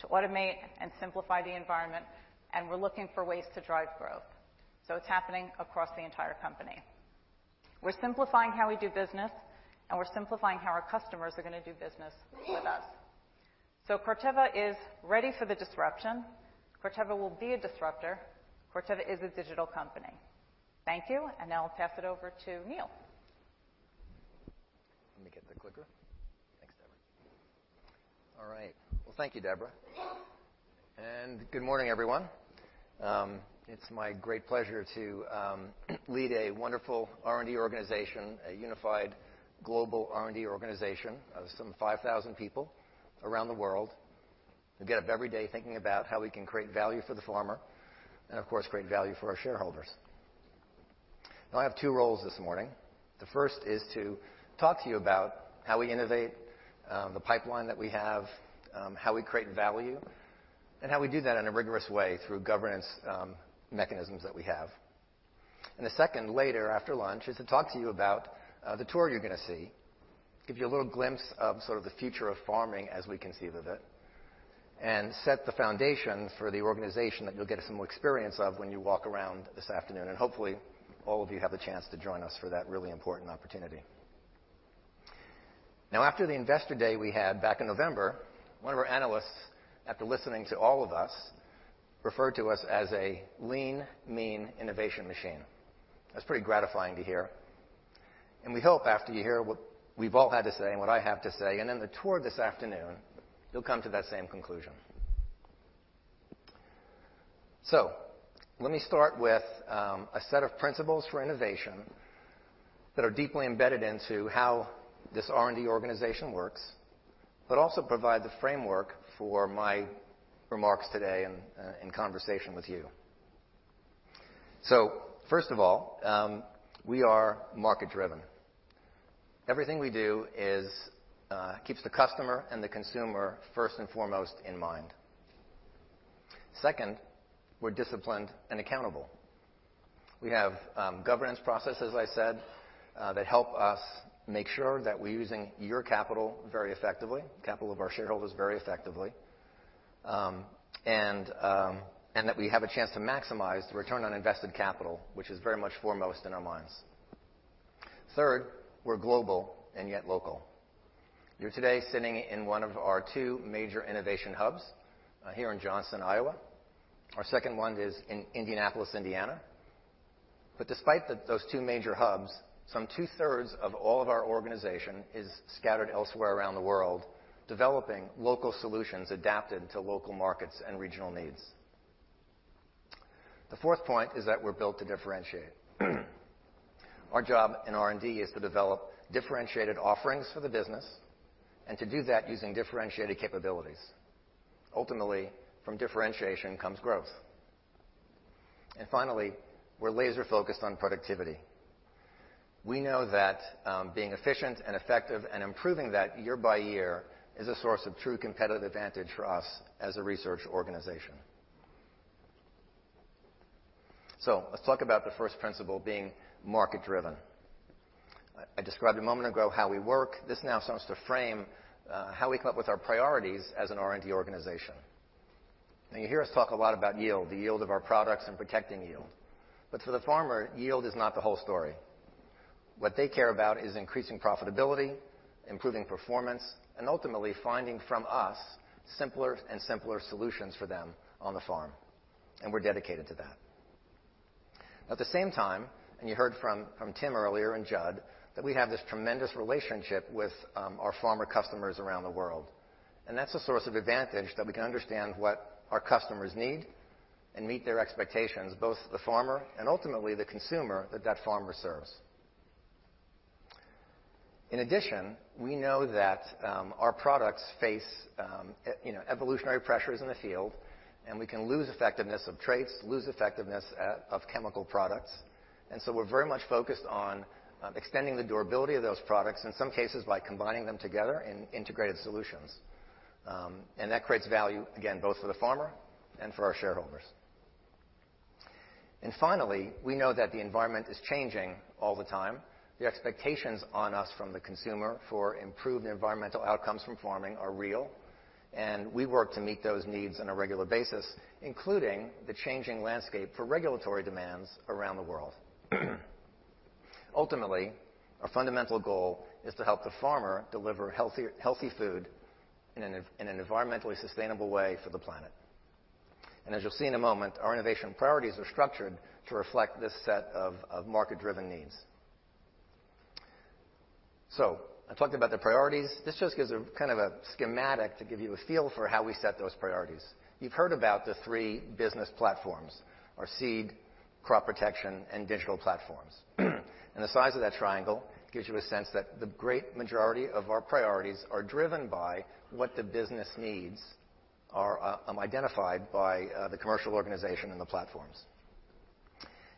to automate and simplify the environment, and we're looking for ways to drive growth. It's happening across the entire company. We're simplifying how we do business, and we're simplifying how our customers are going to do business with us. Corteva is ready for the disruption. Corteva will be a disruptor. Corteva is a digital company. Thank you. Now I'll pass it over to Neal. Let me get the clicker. Thanks, Debra. All right. Well, thank you, Debra. Good morning, everyone. It's my great pleasure to lead a wonderful R&D organization, a unified global R&D organization of some 5,000 people around the world who get up every day thinking about how we can create value for the farmer and, of course, create value for our shareholders. I have two roles this morning. The first is to talk to you about how we innovate, the pipeline that we have, how we create value, and how we do that in a rigorous way through governance mechanisms that we have. The second, later after lunch, is to talk to you about the tour you're going to see, give you a little glimpse of sort of the future of farming as we conceive of it, and set the foundation for the organization that you'll get some experience of when you walk around this afternoon. Hopefully, all of you have the chance to join us for that really important opportunity. After the investor day we had back in November, one of our analysts, after listening to all of us, referred to us as a lean, mean innovation machine. That's pretty gratifying to hear. We hope after you hear what we've all had to say and what I have to say, and then the tour this afternoon, you'll come to that same conclusion. Let me start with a set of principles for innovation that are deeply embedded into how this R&D organization works, but also provide the framework for my remarks today in conversation with you. First of all, we are market-driven. Everything we do keeps the customer and the consumer first and foremost in mind. Second, we're disciplined and accountable. We have governance processes, as I said, that help us make sure that we're using your capital very effectively, capital of our shareholders very effectively, and that we have a chance to maximize the return on invested capital, which is very much foremost in our minds. Third, we're global and yet local. You're today sitting in one of our two major innovation hubs here in Johnston, Iowa. Our second one is in Indianapolis, Indiana. Despite those two major hubs, some two-thirds of all of our organization is scattered elsewhere around the world, developing local solutions adapted to local markets and regional needs. The fourth point is that we're built to differentiate. Our job in R&D is to develop differentiated offerings for the business and to do that using differentiated capabilities. Ultimately, from differentiation comes growth. Finally, we're laser-focused on productivity. We know that being efficient and effective and improving that year by year is a source of true competitive advantage for us as a research organization. Let's talk about the first principle being market-driven. I described a moment ago how we work. This now starts to frame how we come up with our priorities as an R&D organization. You hear us talk a lot about yield, the yield of our products and protecting yield. For the farmer, yield is not the whole story. What they care about is increasing profitability, improving performance, and ultimately finding from us simpler and simpler solutions for them on the farm, we're dedicated to that. At the same time, and you heard from Tim earlier and Judd, that we have this tremendous relationship with our farmer customers around the world, that's a source of advantage that we can understand what our customers need and meet their expectations, both the farmer and ultimately the consumer that that farmer serves. In addition, we know that our products face evolutionary pressures in the field, and we can lose effectiveness of traits, lose effectiveness of chemical products, and so we're very much focused on extending the durability of those products, in some cases by combining them together in integrated solutions. That creates value, again, both for the farmer and for our shareholders. Finally, we know that the environment is changing all the time. The expectations on us from the consumer for improved environmental outcomes from farming are real, and we work to meet those needs on a regular basis, including the changing landscape for regulatory demands around the world. Ultimately, our fundamental goal is to help the farmer deliver healthy food in an environmentally sustainable way for the planet. As you'll see in a moment, our innovation priorities are structured to reflect this set of market-driven needs. I talked about the priorities. This just gives a schematic to give you a feel for how we set those priorities. You've heard about the three business platforms, our seed, crop protection, and digital platforms. The size of that triangle gives you a sense that the great majority of our priorities are driven by what the business needs are identified by the commercial organization and the platforms.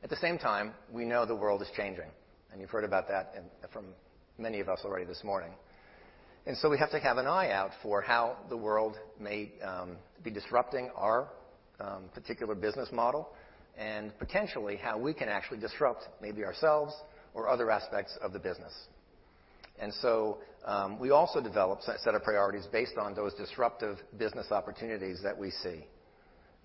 At the same time, we know the world is changing, and you've heard about that from many of us already this morning. We have to have an eye out for how the world may be disrupting our particular business model and potentially how we can actually disrupt maybe ourselves or other aspects of the business. We also develop set of priorities based on those disruptive business opportunities that we see.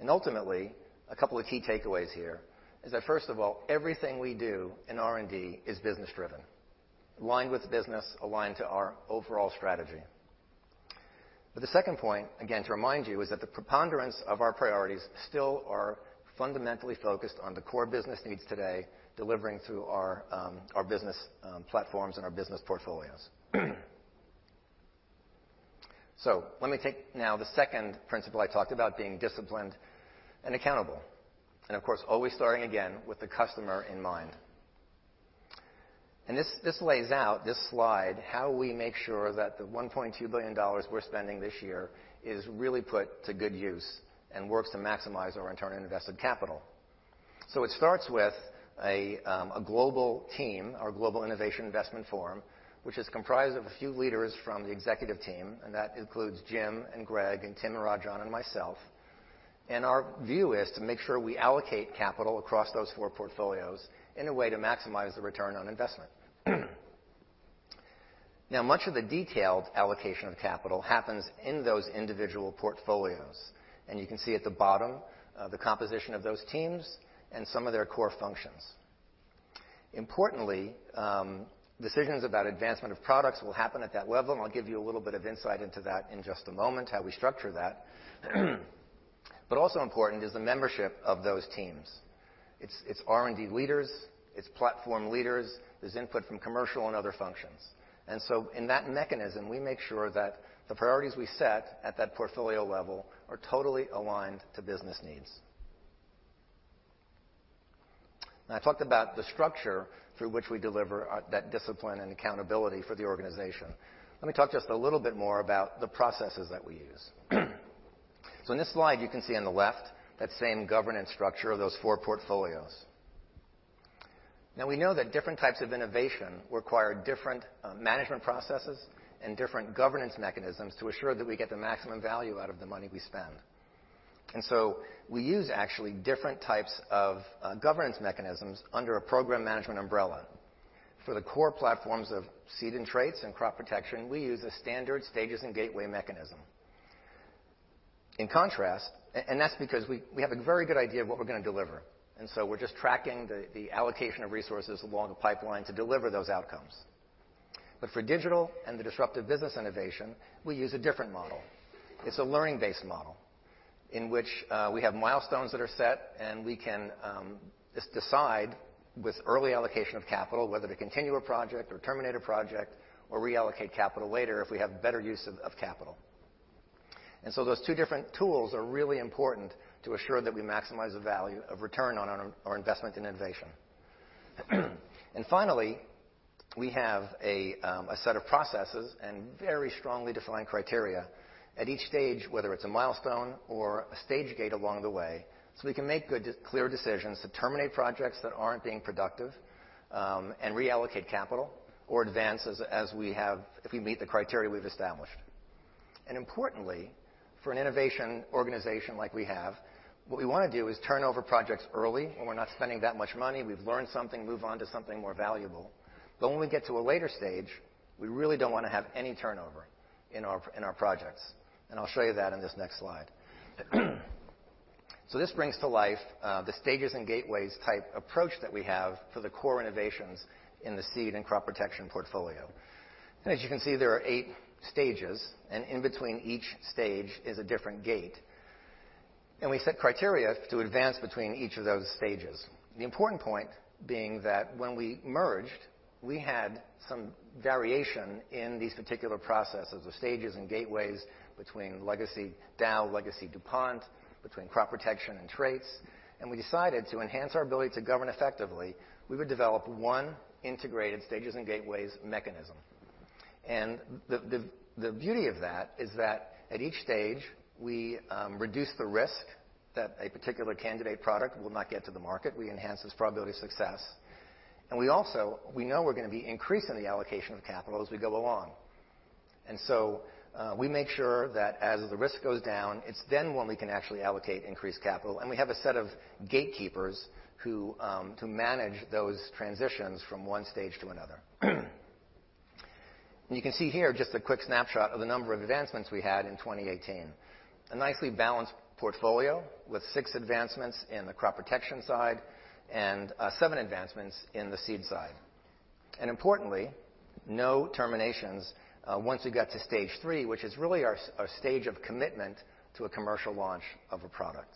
Ultimately, a couple of key takeaways here is that, first of all, everything we do in R&D is business-driven, aligned with business, aligned to our overall strategy. The second point, again, to remind you, is that the preponderance of our priorities still are fundamentally focused on the core business needs today, delivering through our business platforms and our business portfolios. Let me take now the second principle I talked about, being disciplined and accountable, and of course, always starting again with the customer in mind. This lays out, this slide, how we make sure that the $1.2 billion we're spending this year is really put to good use and works to maximize our return on invested capital. It starts with a global team, our Global Innovation Investment Forum, which is comprised of a few leaders from the executive team, and that includes Jim and Greg and Tim and Rajan and myself. Our view is to make sure we allocate capital across those four portfolios in a way to maximize the return on investment. Much of the detailed allocation of capital happens in those individual portfolios, and you can see at the bottom the composition of those teams and some of their core functions. Importantly, decisions about advancement of products will happen at that level, I'll give you a little bit of insight into that in just a moment, how we structure that. Also important is the membership of those teams. It's R&D leaders, it's platform leaders, there's input from commercial and other functions. In that mechanism, we make sure that the priorities we set at that portfolio level are totally aligned to business needs. I talked about the structure through which we deliver that discipline and accountability for the organization. Let me talk just a little bit more about the processes that we use. In this slide, you can see on the left that same governance structure of those four portfolios. We know that different types of innovation require different management processes and different governance mechanisms to assure that we get the maximum value out of the money we spend. We use actually different types of governance mechanisms under a program management umbrella. For the core platforms of seed and traits and crop protection, we use a standard stages and gateway mechanism. In contrast, that's because we have a very good idea of what we're going to deliver, and so we're just tracking the allocation of resources along the pipeline to deliver those outcomes. But for digital and the disruptive business innovation, we use a different model. It's a learning-based model in which we have milestones that are set, and we can decide with early allocation of capital whether to continue a project or terminate a project, or reallocate capital later if we have better use of capital. Those two different tools are really important to assure that we maximize the value of return on our investment in innovation. Finally, we have a set of processes and very strongly defined criteria at each stage, whether it's a milestone or a stage gate along the way, so we can make good, clear decisions to terminate projects that aren't being productive, and reallocate capital or advance if we meet the criteria we've established. Importantly, for an innovation organization like we have, what we want to do is turn over projects early when we're not spending that much money. We've learned something, move on to something more valuable. When we get to a later stage, we really don't want to have any turnover in our projects. I'll show you that in this next slide. This brings to life the stages and gateways type approach that we have for the core innovations in the seed and crop protection portfolio. As you can see, there are 8 stages, and in between each stage is a different gate. We set criteria to advance between each of those stages. The important point being that when we merged, we had some variation in these particular processes of stages and gateways between legacy Dow, legacy DuPont, between crop protection and traits. We decided to enhance our ability to govern effectively, we would develop one integrated stages and gateways mechanism. The beauty of that is that at each stage, we reduce the risk that a particular candidate product will not get to the market. We enhance this probability of success. We also know we're going to be increasing the allocation of capital as we go along. We make sure that as the risk goes down, it's then when we can actually allocate increased capital, and we have a set of gatekeepers to manage those transitions from one stage to another. You can see here just a quick snapshot of the number of advancements we had in 2018. A nicely balanced portfolio with six advancements in the crop protection side and seven advancements in the seed side. Importantly, no terminations once we got to stage 3, which is really our stage of commitment to a commercial launch of a product.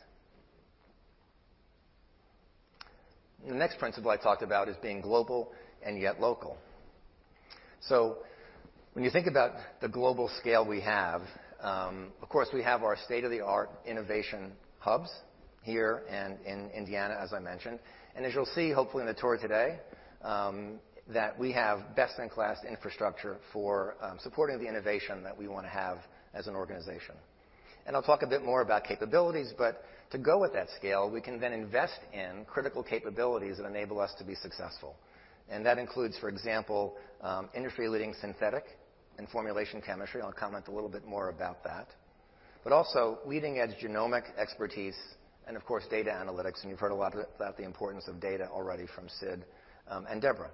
The next principle I talked about is being global and yet local. When you think about the global scale we have, of course, we have our state-of-the-art innovation hubs here and in Indiana, as I mentioned. As you'll see, hopefully, in the tour today, that we have best-in-class infrastructure for supporting the innovation that we want to have as an organization. I'll talk a bit more about capabilities, but to go with that scale, we can then invest in critical capabilities that enable us to be successful. That includes, for example, industry-leading synthetic and formulation chemistry. I'll comment a little bit more about that. Also leading-edge genomic expertise and, of course, data analytics, and you've heard a lot about the importance of data already from Sid and Debra.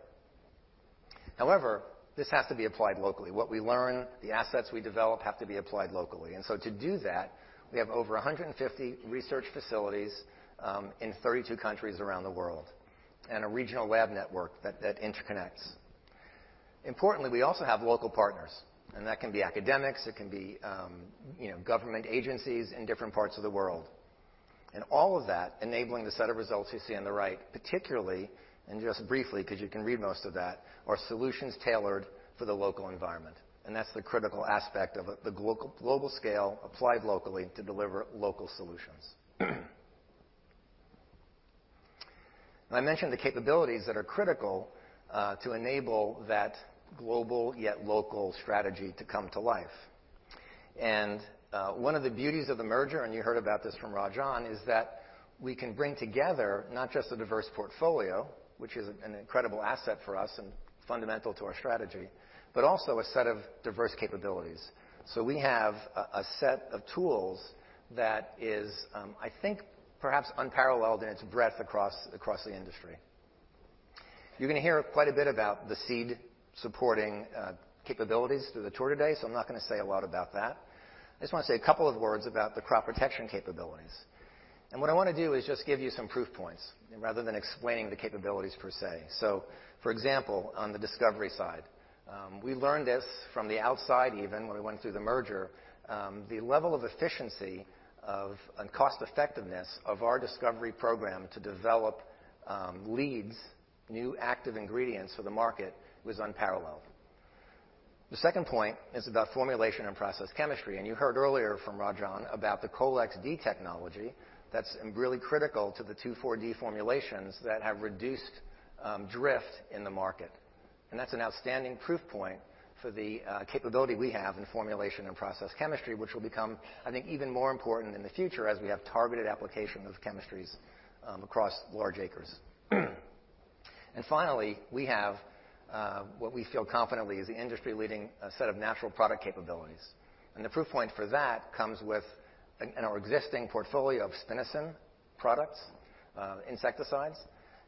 However, this has to be applied locally. What we learn, the assets we develop have to be applied locally. To do that, we have over 150 research facilities in 32 countries around the world and a regional lab network that interconnects. Importantly, we also have local partners, and that can be academics, it can be government agencies in different parts of the world. All of that enabling the set of results you see on the right, particularly, and just briefly, because you can read most of that, are solutions tailored for the local environment. That's the critical aspect of the global scale applied locally to deliver local solutions. I mentioned the capabilities that are critical to enable that global yet local strategy to come to life. One of the beauties of the merger, and you heard about this from Rajan, is that we can bring together not just a diverse portfolio, which is an incredible asset for us and fundamental to our strategy, but also a set of diverse capabilities. We have a set of tools that is, I think, perhaps unparalleled in its breadth across the industry. You're going to hear quite a bit about the seed-supporting capabilities through the tour today, so I'm not going to say a lot about that. I just want to say a couple of words about the crop protection capabilities. What I want to do is just give you some proof points rather than explaining the capabilities, per se. For example, on the discovery side, we learned this from the outside even, when we went through the merger. The level of efficiency and cost effectiveness of our discovery program to develop leads, new active ingredients for the market, was unparalleled. The second point is about formulation and process chemistry. You heard earlier from Rajan about the Colex-D technology that is really critical to the 2,4-D formulations that have reduced drift in the market. That is an outstanding proof point for the capability we have in formulation and process chemistry, which will become, I think, even more important in the future as we have targeted application of chemistries across large acres. Finally, we have what we feel confidently is the industry-leading set of natural product capabilities. The proof point for that comes with our existing portfolio of Spinosyn products, insecticides,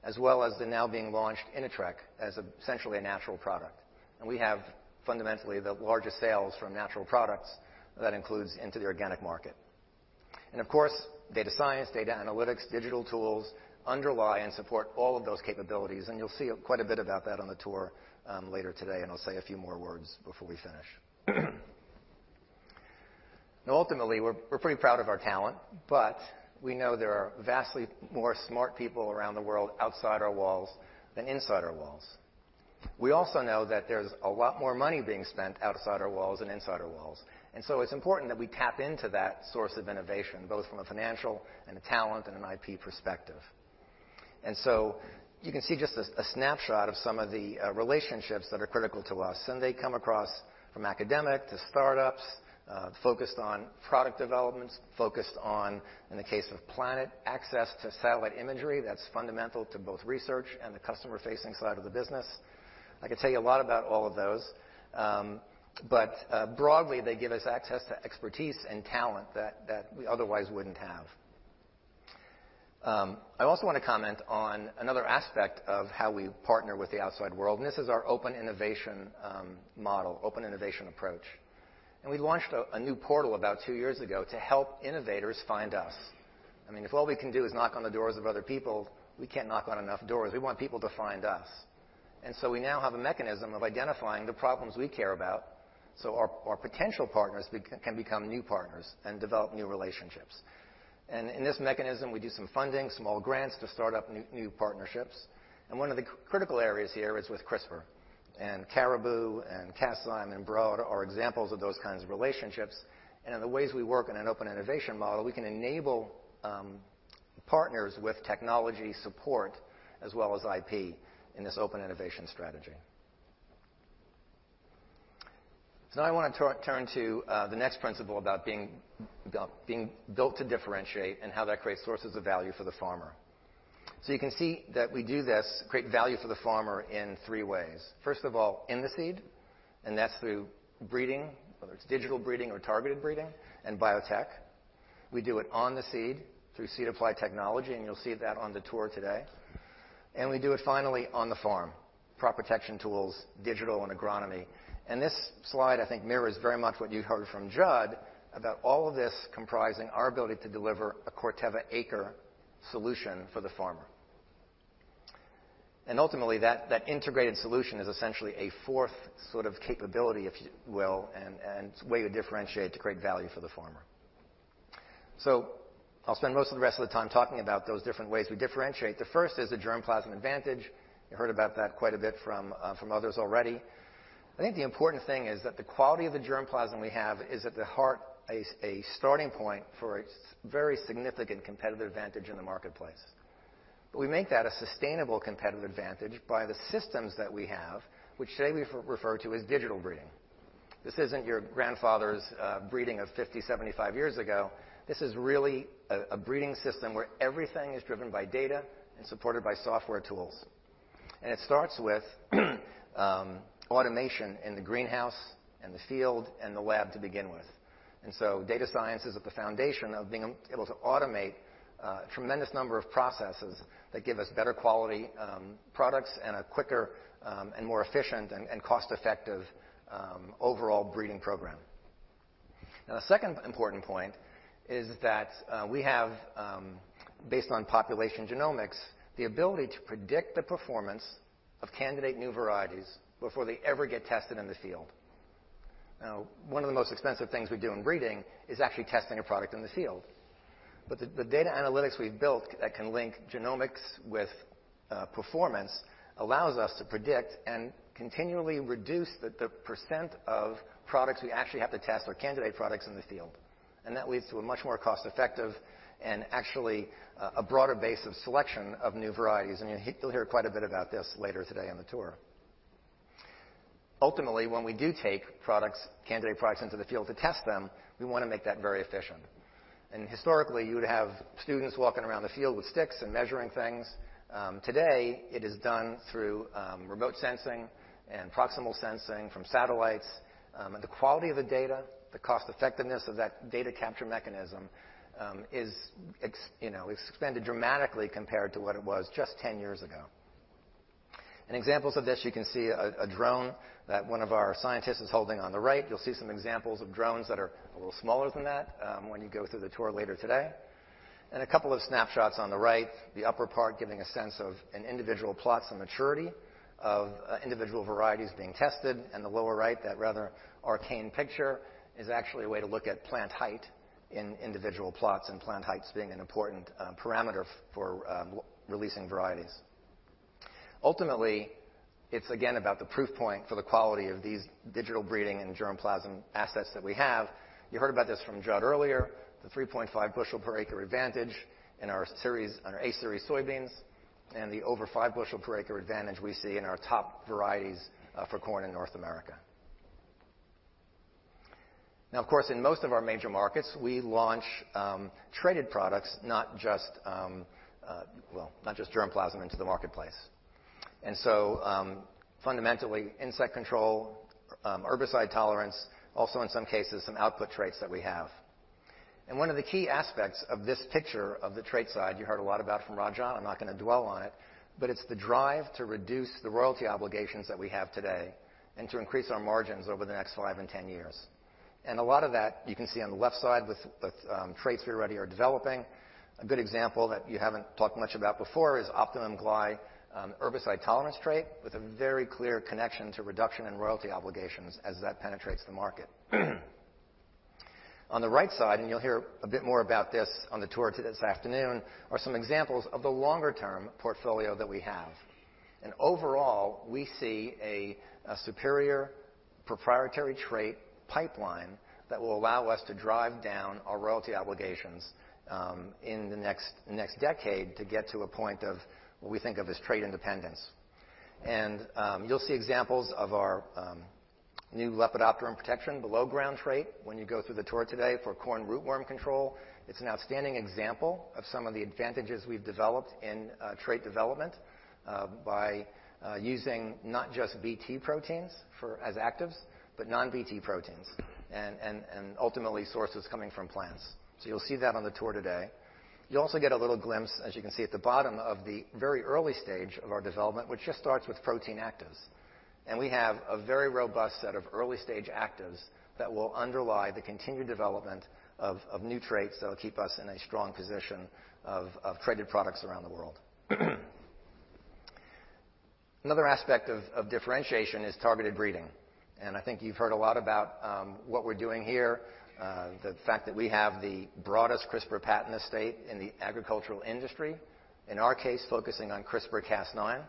as well as the now being launched Inatreq as essentially a natural product. We have fundamentally the largest sales from natural products. That includes into the organic market. Of course, data science, data analytics, digital tools underlie and support all of those capabilities. You will see quite a bit about that on the tour later today. I will say a few more words before we finish. Now ultimately, we are pretty proud of our talent, but we know there are vastly more smart people around the world outside our walls than inside our walls. We also know that there is a lot more money being spent outside our walls than inside our walls. It is important that we tap into that source of innovation, both from a financial and a talent and an IP perspective. You can see just a snapshot of some of the relationships that are critical to us. They come across from academic to startups, focused on product developments, focused on, in the case of Planet, access to satellite imagery that is fundamental to both research and the customer-facing side of the business. I could tell you a lot about all of those. Broadly, they give us access to expertise and talent that we otherwise wouldn't have. I also want to comment on another aspect of how we partner with the outside world. This is our open innovation model, open innovation approach. We launched a new portal about two years ago to help innovators find us. If all we can do is knock on the doors of other people, we cannot knock on enough doors. We want people to find us. We now have a mechanism of identifying the problems we care about so our potential partners can become new partners and develop new relationships. In this mechanism, we do some funding, small grants to start up new partnerships. One of the critical areas here is with CRISPR. Caribou and Caszyme and Broad are examples of those kinds of relationships. In the ways we work in an open innovation model, we can enable partners with technology support as well as IP in this open innovation strategy. Now I want to turn to the next principle about being built to differentiate and how that creates sources of value for the farmer. You can see that we do this, create value for the farmer in three ways. First of all, in the seed, that's through breeding, whether it's digital breeding or targeted breeding and biotech. We do it on the seed through Seed Applied Technologies, you'll see that on the tour today. We do it finally on the farm, crop protection tools, digital and agronomy. This slide, I think, mirrors very much what you heard from Judd about all of this comprising our ability to deliver a Corteva acre solution for the farmer. Ultimately, that integrated solution is essentially a fourth sort of capability, if you will, and way to differentiate to create value for the farmer. I'll spend most of the rest of the time talking about those different ways we differentiate. The first is the germplasm advantage. You heard about that quite a bit from others already. I think the important thing is that the quality of the germplasm we have is at the heart a starting point for a very significant competitive advantage in the marketplace. We make that a sustainable competitive advantage by the systems that we have, which today we refer to as digital breeding. This isn't your grandfather's breeding of 50, 75 years ago. This is really a breeding system where everything is driven by data and supported by software tools. It starts with automation in the greenhouse and the field and the lab to begin with. Data science is at the foundation of being able to automate a tremendous number of processes that give us better quality products and a quicker and more efficient and cost-effective overall breeding program. The second important point is that we have, based on population genomics, the ability to predict the performance of candidate new varieties before they ever get tested in the field. One of the most expensive things we do in breeding is actually testing a product in the field. The data analytics we've built that can link genomics with performance allows us to predict and continually reduce the percent of products we actually have to test or candidate products in the field. That leads to a much more cost-effective and actually a broader base of selection of new varieties. You'll hear quite a bit about this later today on the tour. Ultimately, when we do take candidate products into the field to test them, we want to make that very efficient. Historically, you would have students walking around the field with sticks and measuring things. Today, it is done through remote sensing and proximal sensing from satellites. The quality of the data, the cost effectiveness of that data capture mechanism is expanded dramatically compared to what it was just 10 years ago. Examples of this, you can see a drone that one of our scientists is holding on the right. You'll see some examples of drones that are a little smaller than that when you go through the tour later today. A couple of snapshots on the right, the upper part giving a sense of an individual plot's maturity of individual varieties being tested. The lower right, that rather arcane picture is actually a way to look at plant height in individual plots, and plant heights being an important parameter for releasing varieties. Ultimately, it's again about the proof point for the quality of these digital breeding and germplasm assets that we have. You heard about this from Judd earlier, the 3.5 bushel per acre advantage in our A-Series soybeans and the over five bushel per acre advantage we see in our top varieties for corn in North America. Of course, in most of our major markets, we launch traded products, not just germplasm into the marketplace. Fundamentally, insect control, herbicide tolerance, also in some cases, some output traits that we have. One of the key aspects of this picture of the trait side you heard a lot about from Rajan, I'm not going to dwell on it, but it's the drive to reduce the royalty obligations that we have today and to increase our margins over the next five and 10 years. A lot of that you can see on the left side with traits we already are developing. A good example that you haven't talked much about before is Optimum GLY herbicide tolerance trait, with a very clear connection to reduction in royalty obligations as that penetrates the market. On the right side, you'll hear a bit more about this on the tour this afternoon, are some examples of the longer-term portfolio that we have. Overall, we see a superior proprietary trait pipeline that will allow us to drive down our royalty obligations in the next decade to get to a point of what we think of as trait independence. You'll see examples of our new lepidopteran protection below ground trait when you go through the tour today for corn rootworm control. It's an outstanding example of some of the advantages we've developed in trait development by using not just Bt proteins as actives, but non-Bt proteins, and ultimately sources coming from plants. You'll see that on the tour today. You also get a little glimpse, as you can see at the bottom, of the very early stage of our development, which just starts with protein actives. We have a very robust set of early-stage actives that will underlie the continued development of new traits that'll keep us in a strong position of traded products around the world. Another aspect of differentiation is targeted breeding. I think you've heard a lot about what we're doing here. The fact that we have the broadest CRISPR patent estate in the agricultural industry, in our case, focusing on CRISPR-Cas9.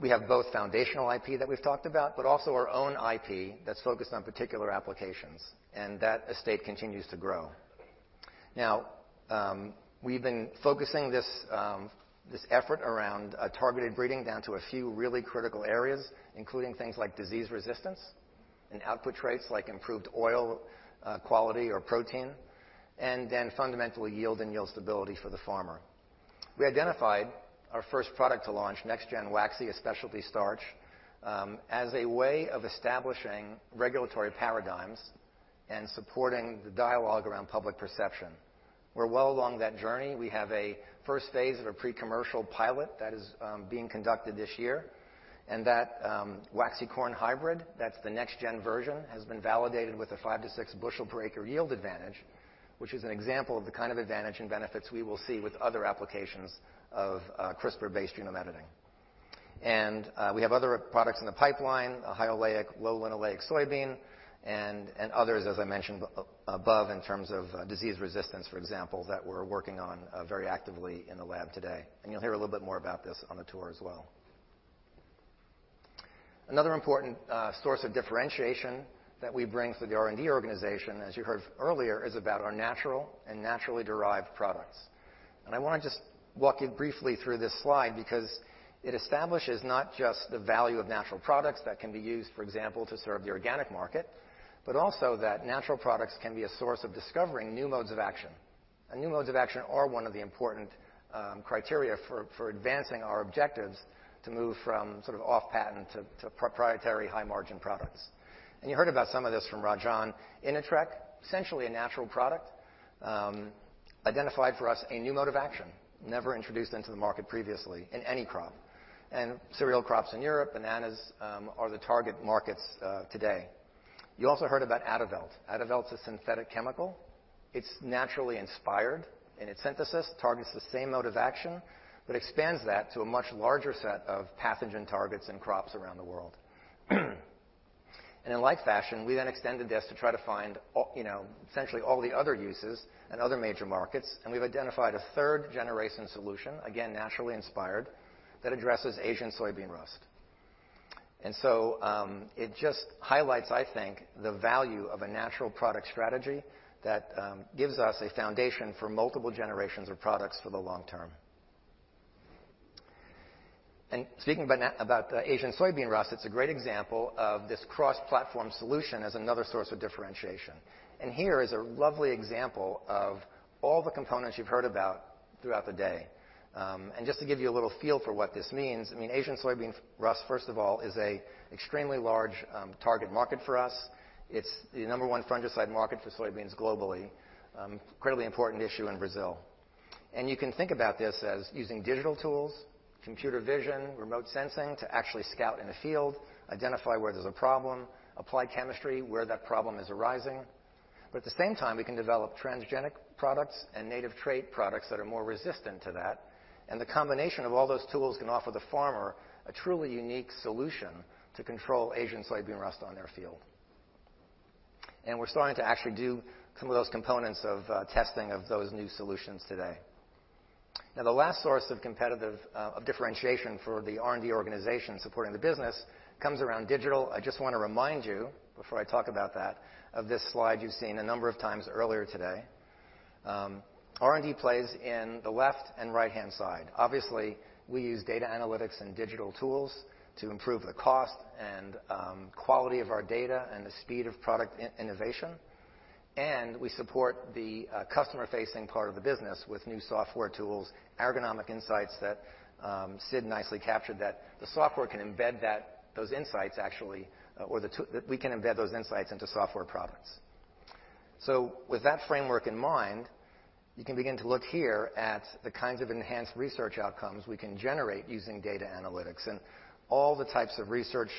We have both foundational IP that we've talked about, but also our own IP that's focused on particular applications, and that estate continues to grow. We've been focusing this effort around targeted breeding down to a few really critical areas, including things like disease resistance and output traits like improved oil quality or protein, and then fundamentally yield and yield stability for the farmer. We identified our first product to launch, NextGen Waxy, a specialty starch, as a way of establishing regulatory paradigms and supporting the dialogue around public perception. We're well along that journey. We have a first phase of a pre-commercial pilot that is being conducted this year, and that waxy corn hybrid, that's the NextGen version, has been validated with a 5-6 bushel per acre yield advantage, which is an example of the kind of advantage and benefits we will see with other applications of CRISPR-based genome editing. We have other products in the pipeline, a high oleic, low linoleic soybean, and others, as I mentioned above, in terms of disease resistance, for example, that we're working on very actively in the lab today. You'll hear a little bit more about this on the tour as well. Another important source of differentiation that we bring to the R&D organization, as you heard earlier, is about our natural and naturally derived products. I want to just walk you briefly through this slide because it establishes not just the value of natural products that can be used, for example, to serve the organic market, but also that natural products can be a source of discovering new modes of action. New modes of action are one of the important criteria for advancing our objectives to move from sort of off-patent to proprietary high-margin products. You heard about some of this from Rajan. Inatreq, essentially a natural product, identified for us a new mode of action never introduced into the market previously in any crop. Cereal crops in Europe, bananas, are the target markets today. You also heard about Adavelt. Adavelt is a synthetic chemical. It's naturally inspired in its synthesis, targets the same mode of action, but expands that to a much larger set of pathogen targets and crops around the world. In like fashion, we then extended this to try to find essentially all the other uses and other major markets, and we've identified a third-generation solution, again, naturally inspired, that addresses Asian soybean rust. It just highlights, I think, the value of a natural product strategy that gives us a foundation for multiple generations of products for the long term. Speaking about Asian soybean rust, it's a great example of this cross-platform solution as another source of differentiation. Here is a lovely example of all the components you've heard about throughout the day. Just to give you a little feel for what this means, Asian soybean rust, first of all, is an extremely large target market for us. It's the number one fungicide market for soybeans globally. Incredibly important issue in Brazil. You can think about this as using digital tools, computer vision, remote sensing, to actually scout in the field, identify where there's a problem, apply chemistry where that problem is arising. At the same time, we can develop transgenic products and native trait products that are more resistant to that. The combination of all those tools can offer the farmer a truly unique solution to control Asian soybean rust on their field. We're starting to actually do some of those components of testing of those new solutions today. Now, the last source of competitive differentiation for the R&D organization supporting the business comes around digital. I just want to remind you before I talk about that, of this slide you've seen a number of times earlier today. R&D plays in the left and right-hand side. Obviously, we use data analytics and digital tools to improve the cost and quality of our data and the speed of product innovation. We support the customer-facing part of the business with new software tools, agronomic insights that Sid nicely captured, that the software can embed those insights actually, or we can embed those insights into software products. With that framework in mind, you can begin to look here at the kinds of enhanced research outcomes we can generate using data analytics. All the types of research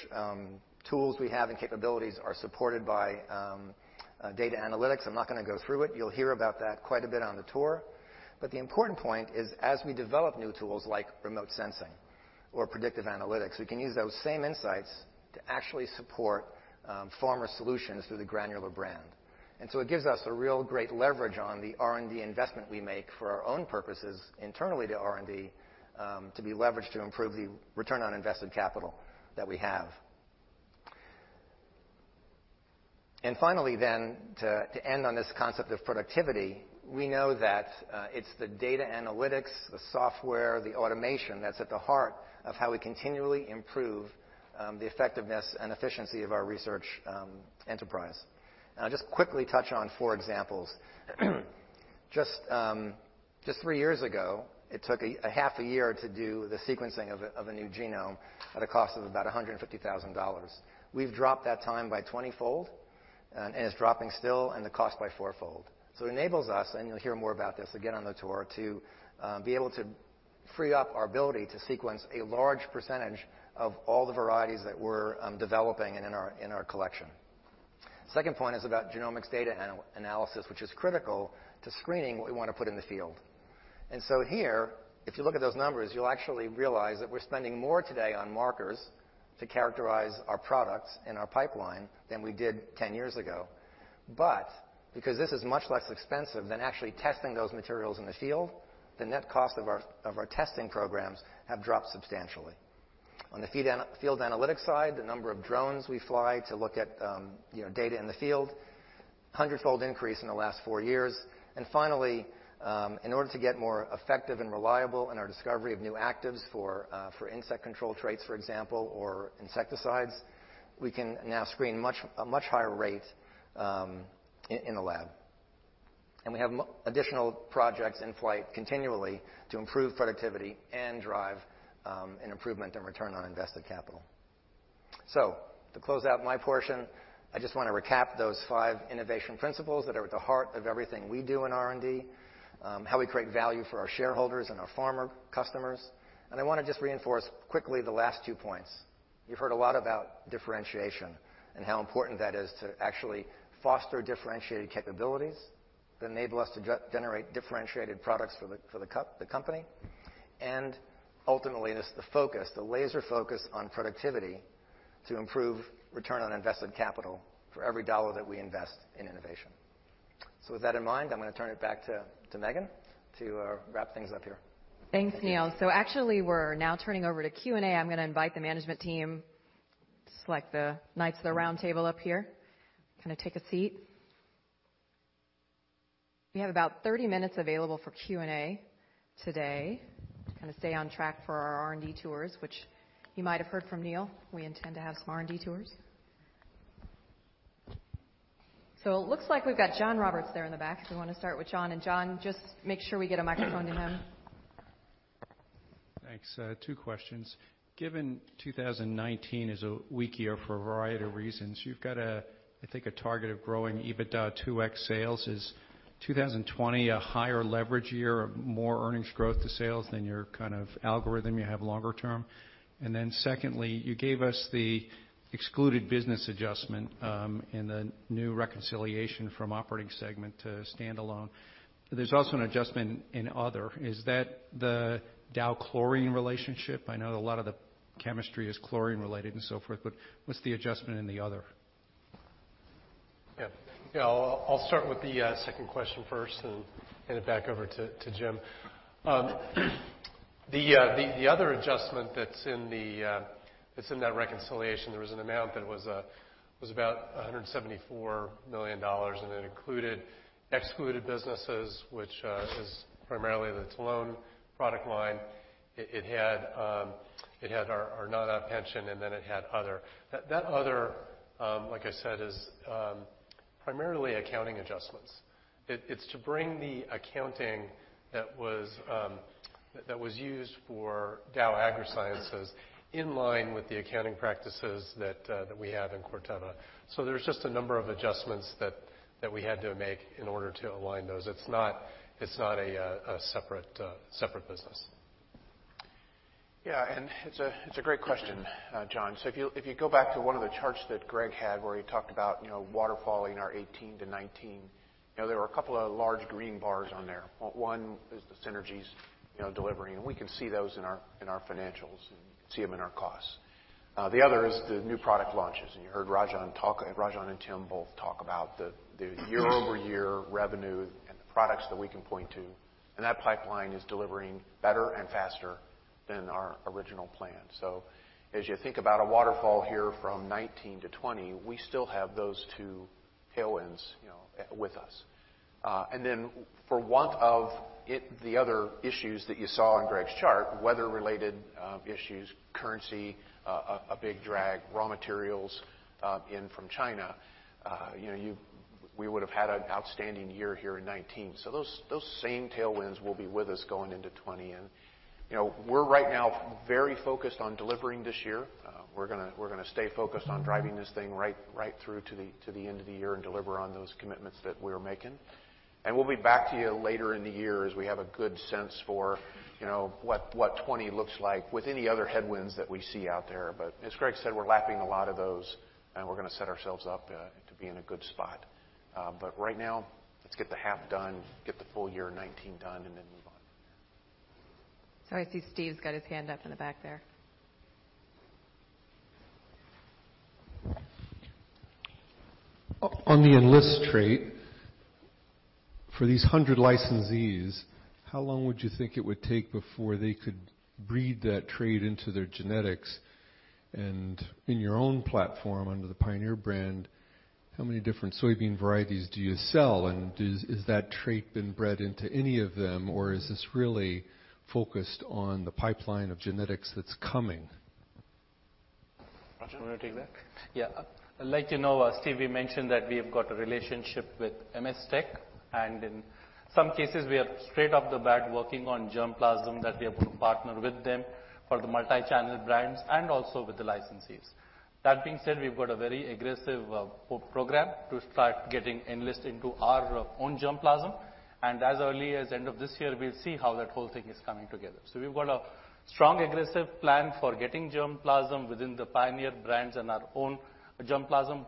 tools we have and capabilities are supported by data analytics. I'm not going to go through it. You'll hear about that quite a bit on the tour. The important point is as we develop new tools like remote sensing or predictive analytics, we can use those same insights to actually support farmer solutions through the Granular brand. It gives us a real great leverage on the R&D investment we make for our own purposes internally to R&D, to be leveraged to improve the return on invested capital that we have. Finally, to end on this concept of productivity, we know that it's the data analytics, the software, the automation that's at the heart of how we continually improve the effectiveness and efficiency of our research enterprise. I'll just quickly touch on four examples. Just three years ago, it took a half a year to do the sequencing of a new genome at a cost of about $150,000. We've dropped that time by 20-fold, and it's dropping still, and the cost by fourfold. It enables us, and you'll hear more about this again on the tour, to be able to free up our ability to sequence a large percentage of all the varieties that we're developing and in our collection. Second point is about genomics data analysis, which is critical to screening what we want to put in the field. Here, if you look at those numbers, you'll actually realize that we're spending more today on markers to characterize our products in our pipeline than we did 10 years ago. Because this is much less expensive than actually testing those materials in the field, the net cost of our testing programs have dropped substantially. On the field analytics side, the number of drones we fly to look at data in the field, 100-fold increase in the last four years. Finally, in order to get more effective and reliable in our discovery of new actives for insect control traits, for example, or insecticides, we can now screen a much higher rate in the lab. We have additional projects in flight continually to improve productivity and drive an improvement in return on invested capital. To close out my portion, I just want to recap those five innovation principles that are at the heart of everything we do in R&D, how we create value for our shareholders and our farmer customers. I want to just reinforce quickly the last two points. You've heard a lot about differentiation and how important that is to actually foster differentiated capabilities that enable us to generate differentiated products for the company, and ultimately, just the focus, the laser focus, on productivity to improve return on invested capital for every dollar that we invest in innovation. With that in mind, I'm going to turn it back to Megan to wrap things up here. Thanks, Neal. Actually, we're now turning over to Q&A. I'm going to invite the management team, just like the knights of the round table up here. Kind of take a seat. We have about 30 minutes available for Q&A today to kind of stay on track for our R&D tours, which you might have heard from Neal, we intend to have some R&D tours. It looks like we've got John Roberts there in the back. We want to start with John. John, just make sure we get a microphone to him. Thanks. Two questions. Given 2019 is a weak year for a variety of reasons, you've got, I think, a target of growing EBITDA 2x sales. Is 2020 a higher leverage year of more earnings growth to sales than your kind of algorithm you have longer term? Secondly, you gave us the excluded business adjustment, and the new reconciliation from operating segment to standalone. There's also an adjustment in other. Is that the Dow chlorine relationship? I know a lot of the chemistry is chlorine related and so forth, but what's the adjustment in the other? Yeah. I'll start with the second question first, and hand it back over to Jim. The other adjustment that's in that reconciliation, there was an amount that was about $174 million, and it included excluded businesses, which is primarily the Telone product line. It had our non-op pension, and then it had other. That other, like I said, is primarily accounting adjustments. It's to bring the accounting that was used for Dow AgroSciences in line with the accounting practices that we have in Corteva. There's just a number of adjustments that we had to make in order to align those. It's not a separate business. Yeah, it's a great question, John. If you go back to one of the charts that Greg had where he talked about waterfalling our 2018 to 2019, there were a couple of large green bars on there. One is the synergies delivery, and we can see those in our financials and see them in our costs. The other is the new product launches. You heard Rajan and Tim both talk about the year-over-year revenue and the products that we can point to, and that pipeline is delivering better and faster than our original plan. As you think about a waterfall here from 2019 to 2020, we still have those two tailwinds with us. For want of the other issues that you saw on Greg's chart, weather-related issues, currency, a big drag, raw materials in from China, you- We would have had an outstanding year here in 2019. Those same tailwinds will be with us going into 2020. We're right now very focused on delivering this year. We're going to stay focused on driving this thing right through to the end of the year and deliver on those commitments that we're making. We'll be back to you later in the year as we have a good sense for what 2020 looks like with any other headwinds that we see out there. As Greg said, we're lapping a lot of those, and we're going to set ourselves up to be in a good spot. Right now, let's get the half done, get the full year 2019 done, and then move on from there. Sorry, I see Steve's got his hand up in the back there. On the Enlist trait, for these 100 licensees, how long would you think it would take before they could breed that trait into their genetics? In your own platform under the Pioneer brand, how many different soybean varieties do you sell? Has that trait been bred into any of them? Is this really focused on the pipeline of genetics that's coming? Rajan, do you want to take that? Like you know, Steve, we mentioned that we have got a relationship with MS Tech, and in some cases, we are straight off the bat working on germplasm, that we are going to partner with them for the multichannel brands and also with the licensees. That being said, we've got a very aggressive program to start getting Enlist into our own germplasm. As early as end of this year, we'll see how that whole thing is coming together. We've got a strong, aggressive plan for getting germplasm within the Pioneer brands and our own germplasm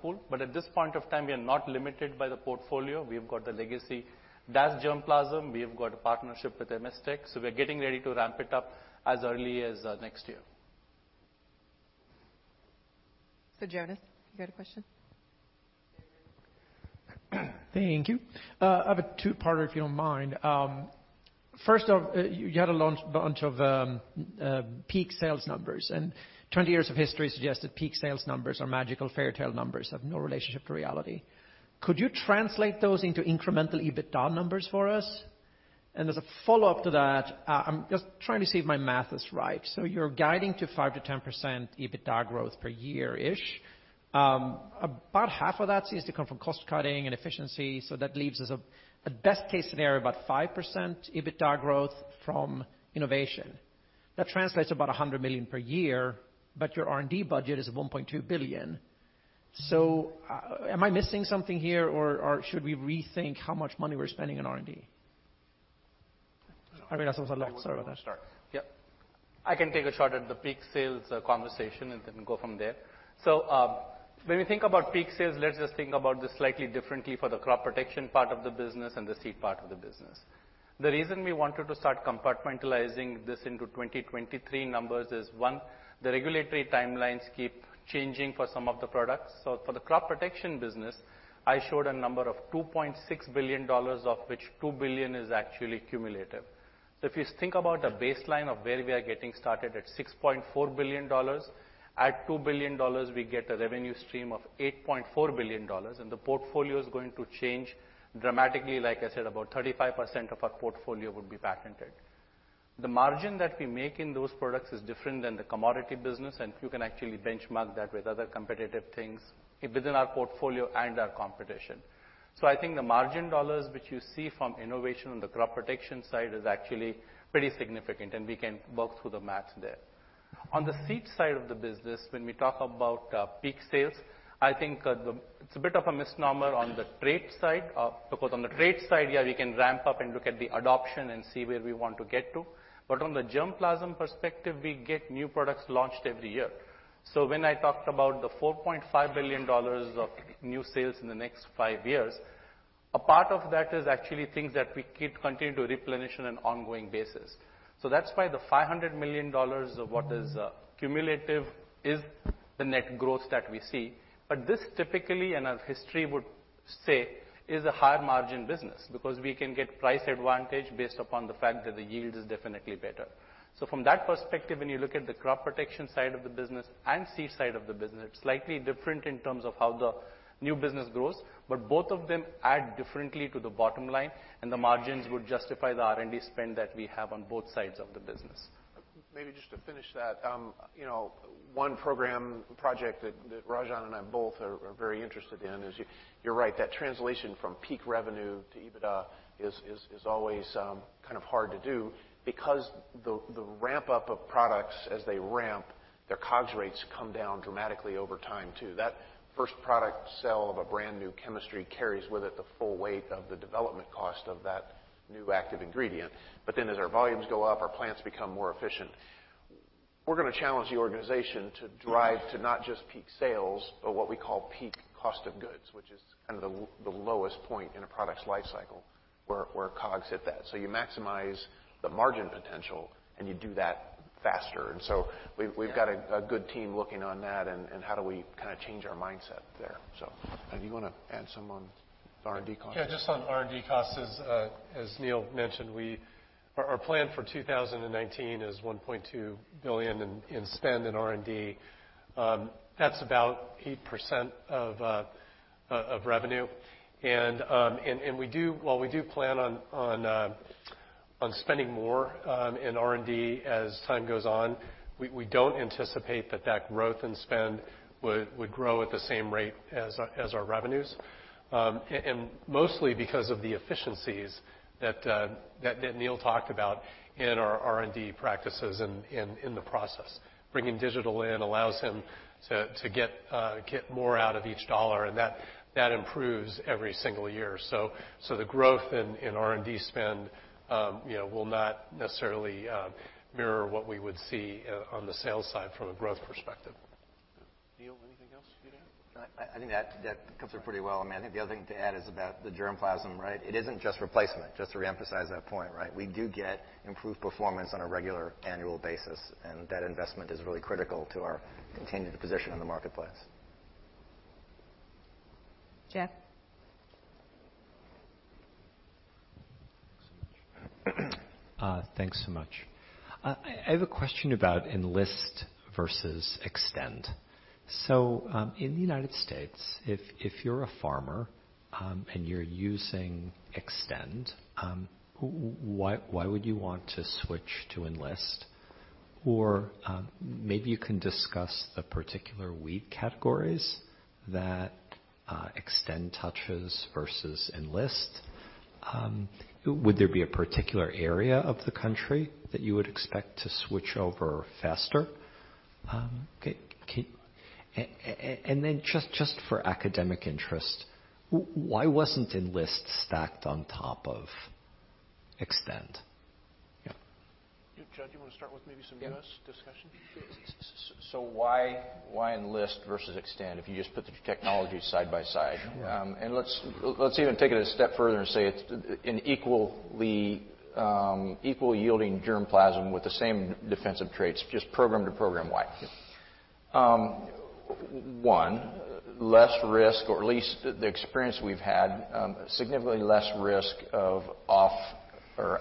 pool. At this point of time, we are not limited by the portfolio. We have got the legacy DAS germplasm. We have got a partnership with MS Tech, we're getting ready to ramp it up as early as next year. Jonas, you had a question? Thank you. I have a two-parter, if you don't mind. First off, you had a bunch of peak sales numbers, and 20 years of history suggested peak sales numbers are magical fairytale numbers, have no relationship to reality. Could you translate those into incremental EBITDA numbers for us? As a follow-up to that, I'm just trying to see if my math is right. You're guiding to 5%-10% EBITDA growth per year-ish. About half of that seems to come from cost-cutting and efficiency, that leaves us a best-case scenario, about 5% EBITDA growth from innovation. That translates to about $100 million per year, but your R&D budget is $1.2 billion. Am I missing something here? Or should we rethink how much money we're spending on R&D? I mean, that was a lot. Sorry about that. I can take a shot at the peak sales conversation and then go from there. When we think about peak sales, let's just think about this slightly differently for the crop protection part of the business and the seed part of the business. The reason we wanted to start compartmentalizing this into 2023 numbers is one, the regulatory timelines keep changing for some of the products. For the crop protection business, I showed a number of $2.6 billion, of which $2 billion is actually cumulative. If you think about a baseline of where we are getting started at $6.4 billion, at $2 billion, we get a revenue stream of $8.4 billion, and the portfolio is going to change dramatically. Like I said, about 35% of our portfolio would be patented. The margin that we make in those products is different than the commodity business, and you can actually benchmark that with other competitive things within our portfolio and our competition. I think the margin dollars which you see from innovation on the crop protection side is actually pretty significant, and we can work through the math there. On the seed side of the business, when we talk about peak sales, I think it's a bit of a misnomer on the trait side. Because on the trait side, yeah, we can ramp up and look at the adoption and see where we want to get to. But on the germplasm perspective, we get new products launched every year. When I talked about the $4.5 billion of new sales in the next five years, a part of that is actually things that we keep continuing to replenish on an ongoing basis. That's why the $500 million of what is cumulative is the net growth that we see. But this typically, and as history would say, is a higher margin business because we can get price advantage based upon the fact that the yield is definitely better. From that perspective, when you look at the crop protection side of the business and seed side of the business, slightly different in terms of how the new business grows, but both of them add differently to the bottom line and the margins would justify the R&D spend that we have on both sides of the business. Maybe just to finish that. One program project that Rajan and I both are very interested in is, you're right, that translation from peak revenue to EBITDA is always kind of hard to do because the ramp-up of products as they ramp, their COGS rates come down dramatically over time, too. That first product sell of a brand-new chemistry carries with it the full weight of the development cost of that new active ingredient. As our volumes go up, our plants become more efficient. We're going to challenge the organization to drive to not just peak sales, but what we call peak cost of goods, which is kind of the lowest point in a product's life cycle where COGS hit that. You maximize the margin potential, and you do that faster. We've got a good team working on that and how do we kind of change our mindset there. Do you want to add some on R&D costs? Just on R&D costs, as Neal mentioned, our plan for 2019 is $1.2 billion in spend in R&D. That's about 8% of revenue. While we do plan on spending more on R&D as time goes on, we don't anticipate that that growth in spend would grow at the same rate as our revenues. Mostly because of the efficiencies that Neal talked about in our R&D practices and in the process. Bringing digital in allows him to get more out of each dollar, and that improves every single year. The growth in R&D spend will not necessarily mirror what we would see on the sales side from a growth perspective. Neal, anything else you'd add? I think that covers it pretty well. I think the other thing to add is about the germplasm, right? It isn't just replacement, just to reemphasize that point, right? We do get improved performance on a regular annual basis, and that investment is really critical to our continued position in the marketplace. Jeff? Thanks so much. Thanks so much. I have a question about Enlist versus Xtend. In the U.S., if you're a farmer and you're using Xtend, why would you want to switch to Enlist? Maybe you can discuss the particular weed categories that Xtend touches versus Enlist. Would there be a particular area of the country that you would expect to switch over faster? Just for academic interest, why wasn't Enlist stacked on top of Xtend? Yeah. Judd, you want to start with maybe some U.S. discussion? Why Enlist versus Xtend, if you just put the two technologies side by side? Yeah. Let's even take it a step further and say it's an equally yielding germplasm with the same defensive traits, just program to program. Why? One, less risk or at least the experience we've had, significantly less risk of off or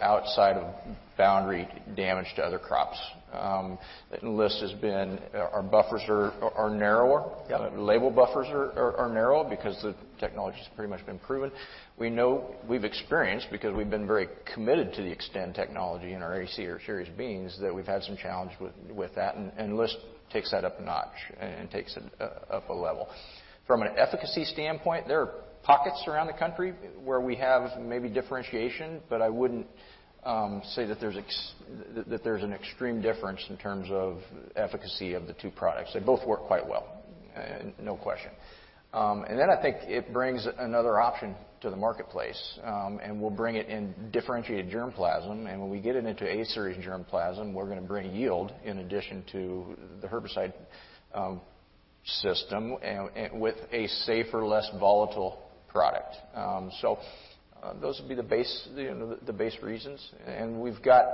outside-of-boundary damage to other crops. Our buffers are narrower. Yeah. Label buffers are narrow because the technology has pretty much been proven. We know we've experienced, because we've been very committed to the Xtend technology in our A-Series or A-Series beans, that we've had some challenge with that. Enlist takes that up a notch and takes it up a level. From an efficacy standpoint, there are pockets around the country where we have maybe differentiation, but I wouldn't say that there's an extreme difference in terms of efficacy of the two products. They both work quite well, no question. I think it brings another option to the marketplace, and we'll bring it in differentiated germplasm. When we get it into A-Series germplasm, we're going to bring yield in addition to the herbicide system with a safer, less volatile product. Those would be the base reasons. We've got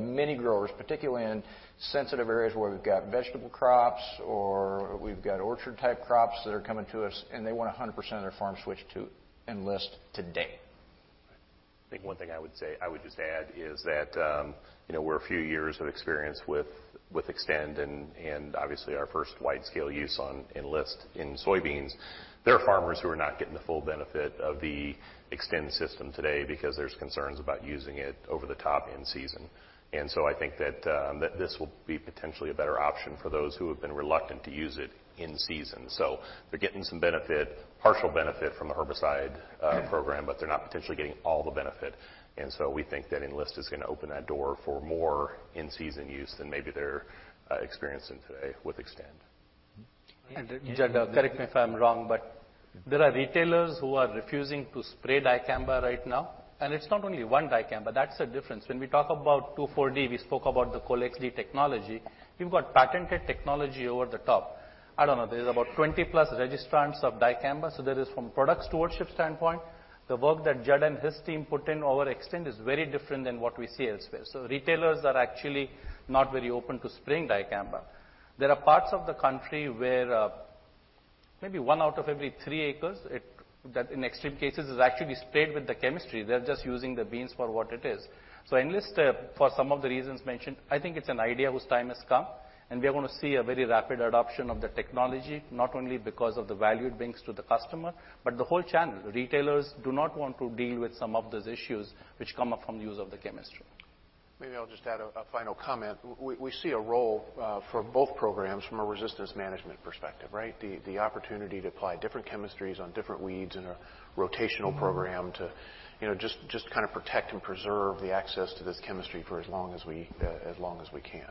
many growers, particularly in sensitive areas where we've got vegetable crops or we've got orchard-type crops that are coming to us, they want 100% of their farm switched to Enlist today. I think one thing I would just add is that we're a few years of experience with Xtend and obviously our first wide-scale use on Enlist in soybeans. There are farmers who are not getting the full benefit of the Xtend system today because there's concerns about using it over the top in-season. I think that this will be potentially a better option for those who have been reluctant to use it in-season. They're getting some benefit, partial benefit from the herbicide program, but they're not potentially getting all the benefit. We think that Enlist is going to open that door for more in-season use than maybe they're experiencing today with Xtend. Judd, correct me if I'm wrong, there are retailers who are refusing to spray dicamba right now, it's not only one dicamba, that's the difference. When we talk about 2,4-D, we spoke about the Colex-D technology. We've got patented technology over the top. I don't know, there's about 20-plus registrants of dicamba. There is from product stewardship standpoint, the work that Judd and his team put in over Xtend is very different than what we see elsewhere. Retailers are actually not very open to spraying dicamba. There are parts of the country where maybe one out of every three acres, that in extreme cases is actually sprayed with the chemistry. They're just using the beans for what it is. Enlist, for some of the reasons mentioned, I think it's an idea whose time has come, and we are going to see a very rapid adoption of the technology, not only because of the value it brings to the customer, but the whole channel. Retailers do not want to deal with some of those issues which come up from use of the chemistry. Maybe I'll just add a final comment. We see a role for both programs from a resistance management perspective, right? The opportunity to apply different chemistries on different weeds in a rotational program to just kind of protect and preserve the access to this chemistry for as long as we can.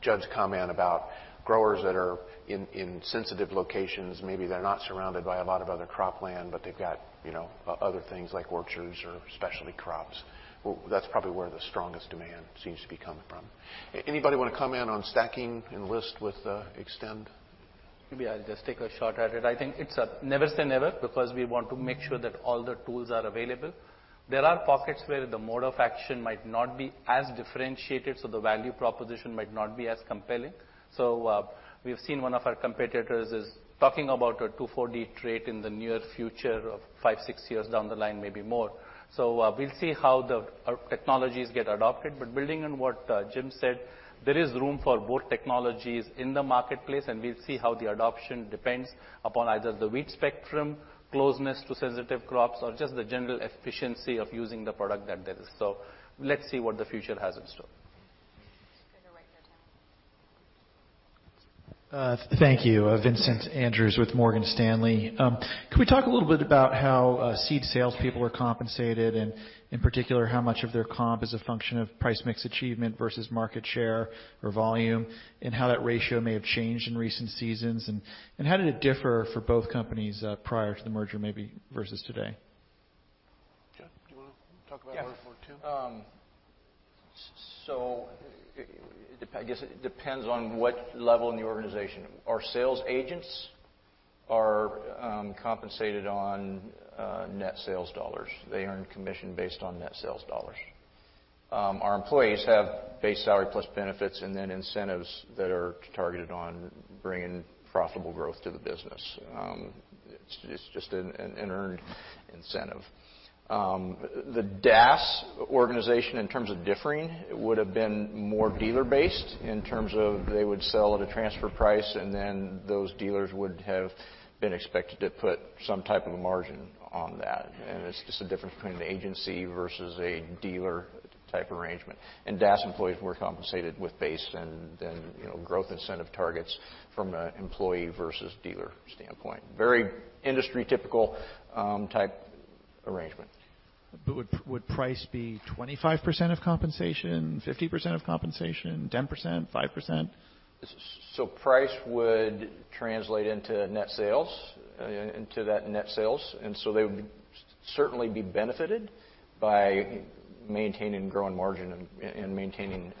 Judd's comment about growers that are in sensitive locations, maybe they're not surrounded by a lot of other cropland, but they've got other things like orchards or specialty crops. That's probably where the strongest demand seems to be coming from. Anybody want to comment on stacking Enlist with Xtend? Maybe I'll just take a shot at it. I think it's never say never, because we want to make sure that all the tools are available. There are pockets where the mode of action might not be as differentiated, so the value proposition might not be as compelling. We've seen one of our competitors is talking about a 2,4-D trait in the near future of five, six years down the line, maybe more. We'll see how the technologies get adopted. Building on what Jim said, there is room for both technologies in the marketplace, and we'll see how the adoption depends upon either the weed spectrum, closeness to sensitive crops, or just the general efficiency of using the product that there is. Let's see what the future has in store. Thank you. Vincent Andrews with Morgan Stanley. Could we talk a little bit about how seed salespeople are compensated, and in particular, how much of their comp is a function of price mix achievement versus market share or volume? How that ratio may have changed in recent seasons. How did it differ for both companies prior to the merger, maybe versus today? Judd, do you want to talk about where for too? Yes. I guess it depends on what level in the organization. Our sales agents are compensated on net sales dollars. They earn commission based on net sales dollars. Our employees have base salary plus benefits and then incentives that are targeted on bringing profitable growth to the business. It's just an earned incentive. The DAS organization, in terms of differing, would've been more dealer-based in terms of they would sell at a transfer price, and then those dealers would have been expected to put some type of a margin on that. It's just a difference between an agency versus a dealer type arrangement. DAS employees were compensated with base and then growth incentive targets from an employee versus dealer standpoint. Very industry-typical type arrangement. Would price be 25% of compensation, 50% of compensation, 10%, 5%? Price would translate into net sales, into that net sales. They would certainly be benefited by maintaining growing margin and maintaining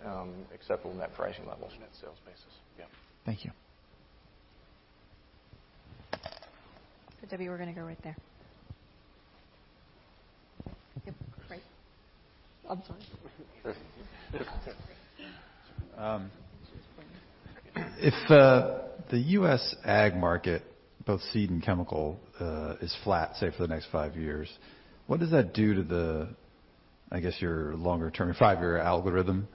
acceptable net pricing levels. Net sales basis. Yeah. Thank you. Debbie, we're going to go right there. Yep, right. Oh, I'm sorry. If the U.S. ag market, both seed and chemical, is flat, say, for the next five years, what does that do to the, I guess, your longer-term, five-year algorithm?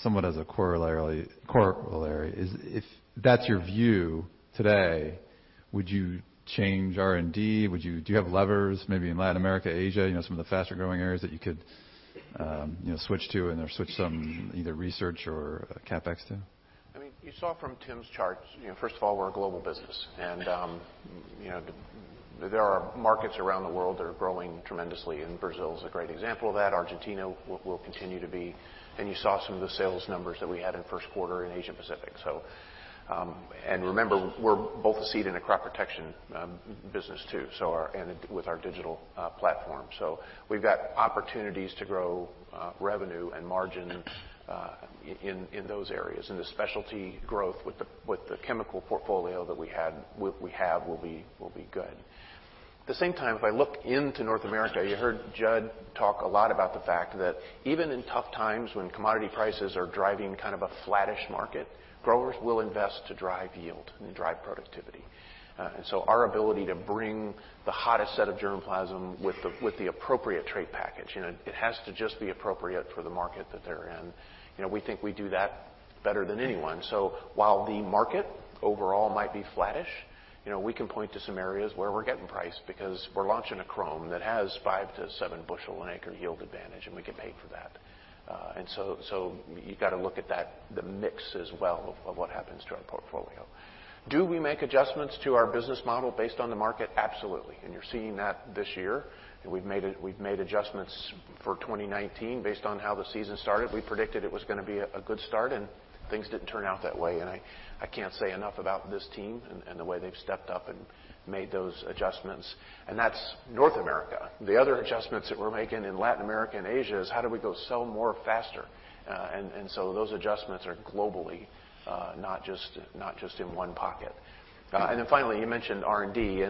Somewhat as a corollary, if that's your view today, would you change R&D? Do you have levers maybe in Latin America, Asia, some of the faster-growing areas that you could switch to and/or switch some either research or CapEx to? You saw from Tim's charts, first of all, we're a global business. There are markets around the world that are growing tremendously, and Brazil is a great example of that. Argentina will continue to be. You saw some of the sales numbers that we had in the first quarter in Asia Pacific. Remember, we're both a seed and a crop protection business too, and with our digital platform. We've got opportunities to grow revenue and margin in those areas, and the specialty growth with the chemical portfolio that we have will be good. At the same time, if I look into North America, you heard Judd talk a lot about the fact that even in tough times when commodity prices are driving kind of a flattish market, growers will invest to drive yield and drive productivity. Our ability to bring the hottest set of germplasm with the appropriate trait package, it has to just be appropriate for the market that they're in. We think we do that better than anyone. While the market overall might be flattish, we can point to some areas where we're getting price because we're launching a Qrome that has 5 to 7 bushel an acre yield advantage, and we get paid for that. You got to look at that, the mix as well of what happens to our portfolio. Do we make adjustments to our business model based on the market? Absolutely. You're seeing that this year. We've made adjustments for 2019 based on how the season started. We predicted it was going to be a good start, things didn't turn out that way. I can't say enough about this team and the way they've stepped up and made those adjustments. That's North America. The other adjustments that we're making in Latin America and Asia is how do we go sell more faster? Those adjustments are globally, not just in one pocket. Finally, you mentioned R&D.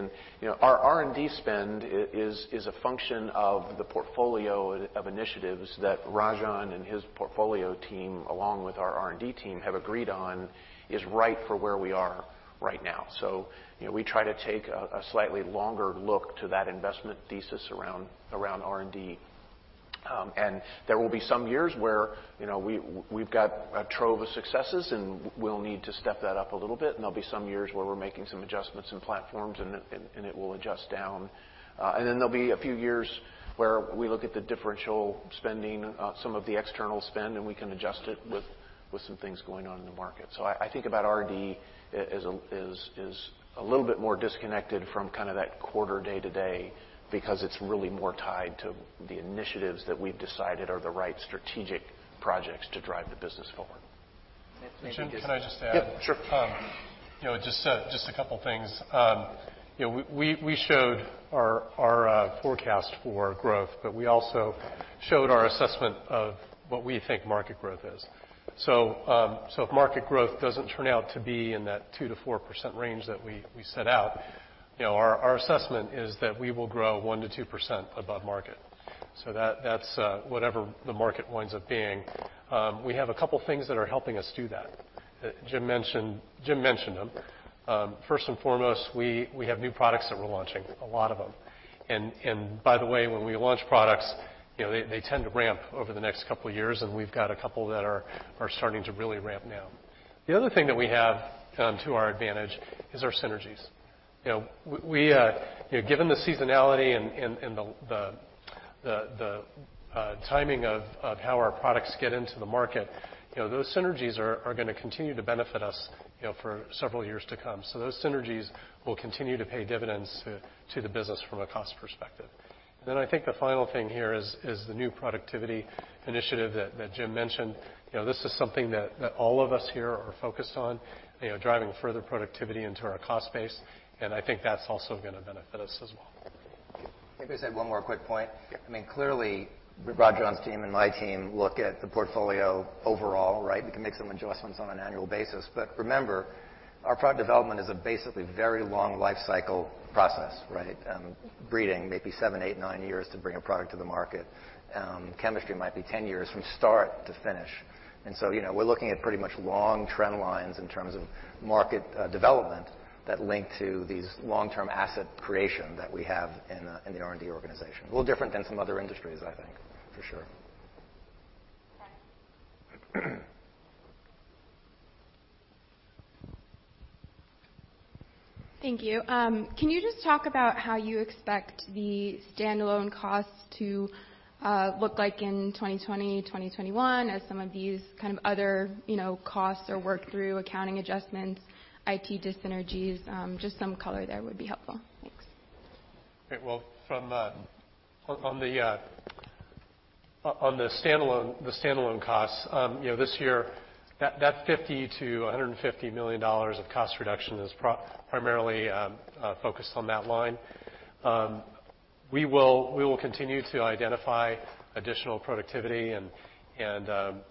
Our R&D spend is a function of the portfolio of initiatives that Rajan and his portfolio team, along with our R&D team, have agreed on is right for where we are right now. We try to take a slightly longer look to that investment thesis around R&D. There will be some years where we've got a trove of successes, and we'll need to step that up a little bit. There'll be some years where we're making some adjustments in platforms, and it will adjust down. There'll be a few years where we look at the differential spending, some of the external spend, and we can adjust it with some things going on in the market. I think about R&D as a little bit more disconnected from kind of that quarter day-to-day, because it's really more tied to the initiatives that we've decided are the right strategic projects to drive the business forward. Jim, can I just add? Yeah, sure. Just a couple of things. We also showed our assessment of what we think market growth is. If market growth doesn't turn out to be in that 2%-4% range that we set out, our assessment is that we will grow 1%-2% above market. That's whatever the market winds up being. We have a couple of things that are helping us do that. Jim mentioned them. First and foremost, we have new products that we're launching, a lot of them. By the way, when we launch products, they tend to ramp over the next couple of years, and we've got a couple that are starting to really ramp now. The other thing that we have to our advantage is our synergies. Given the seasonality and the timing of how our products get into the market, those synergies are going to continue to benefit us for several years to come. Those synergies will continue to pay dividends to the business from a cost perspective. I think the final thing here is the new productivity initiative that Jim mentioned. This is something that all of us here are focused on, driving further productivity into our cost base. I think that's also going to benefit us as well. Maybe just add one more quick point. Yeah. Clearly, Rajan's team and my team look at the portfolio overall, right? We can make some adjustments on an annual basis, but remember, our product development is a basically very long lifecycle process, right? Breeding, maybe seven, eight, nine years to bring a product to the market. Chemistry might be 10 years from start to finish. We're looking at pretty much long trend lines in terms of market development that link to these long-term asset creation that we have in the R&D organization. A little different than some other industries, I think, for sure. Frank. Thank you. Can you just talk about how you expect the standalone costs to look like in 2020, 2021, as some of these kind of other costs or work-through accounting adjustments, IT dyssynergies, just some color there would be helpful. Thanks. Great. Well, on the standalone costs, this year, that $50 million-$150 million of cost reduction is primarily focused on that line. We will continue to identify additional productivity and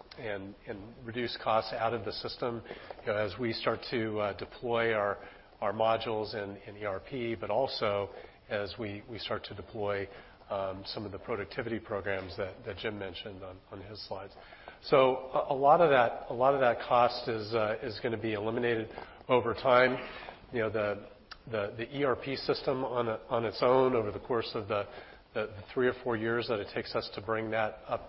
reduce costs out of the system as we start to deploy our modules in ERP, but also as we start to deploy some of the productivity programs that Jim mentioned on his slides. A lot of that cost is going to be eliminated over time. The ERP system on its own over the course of the three or four years that it takes us to bring that up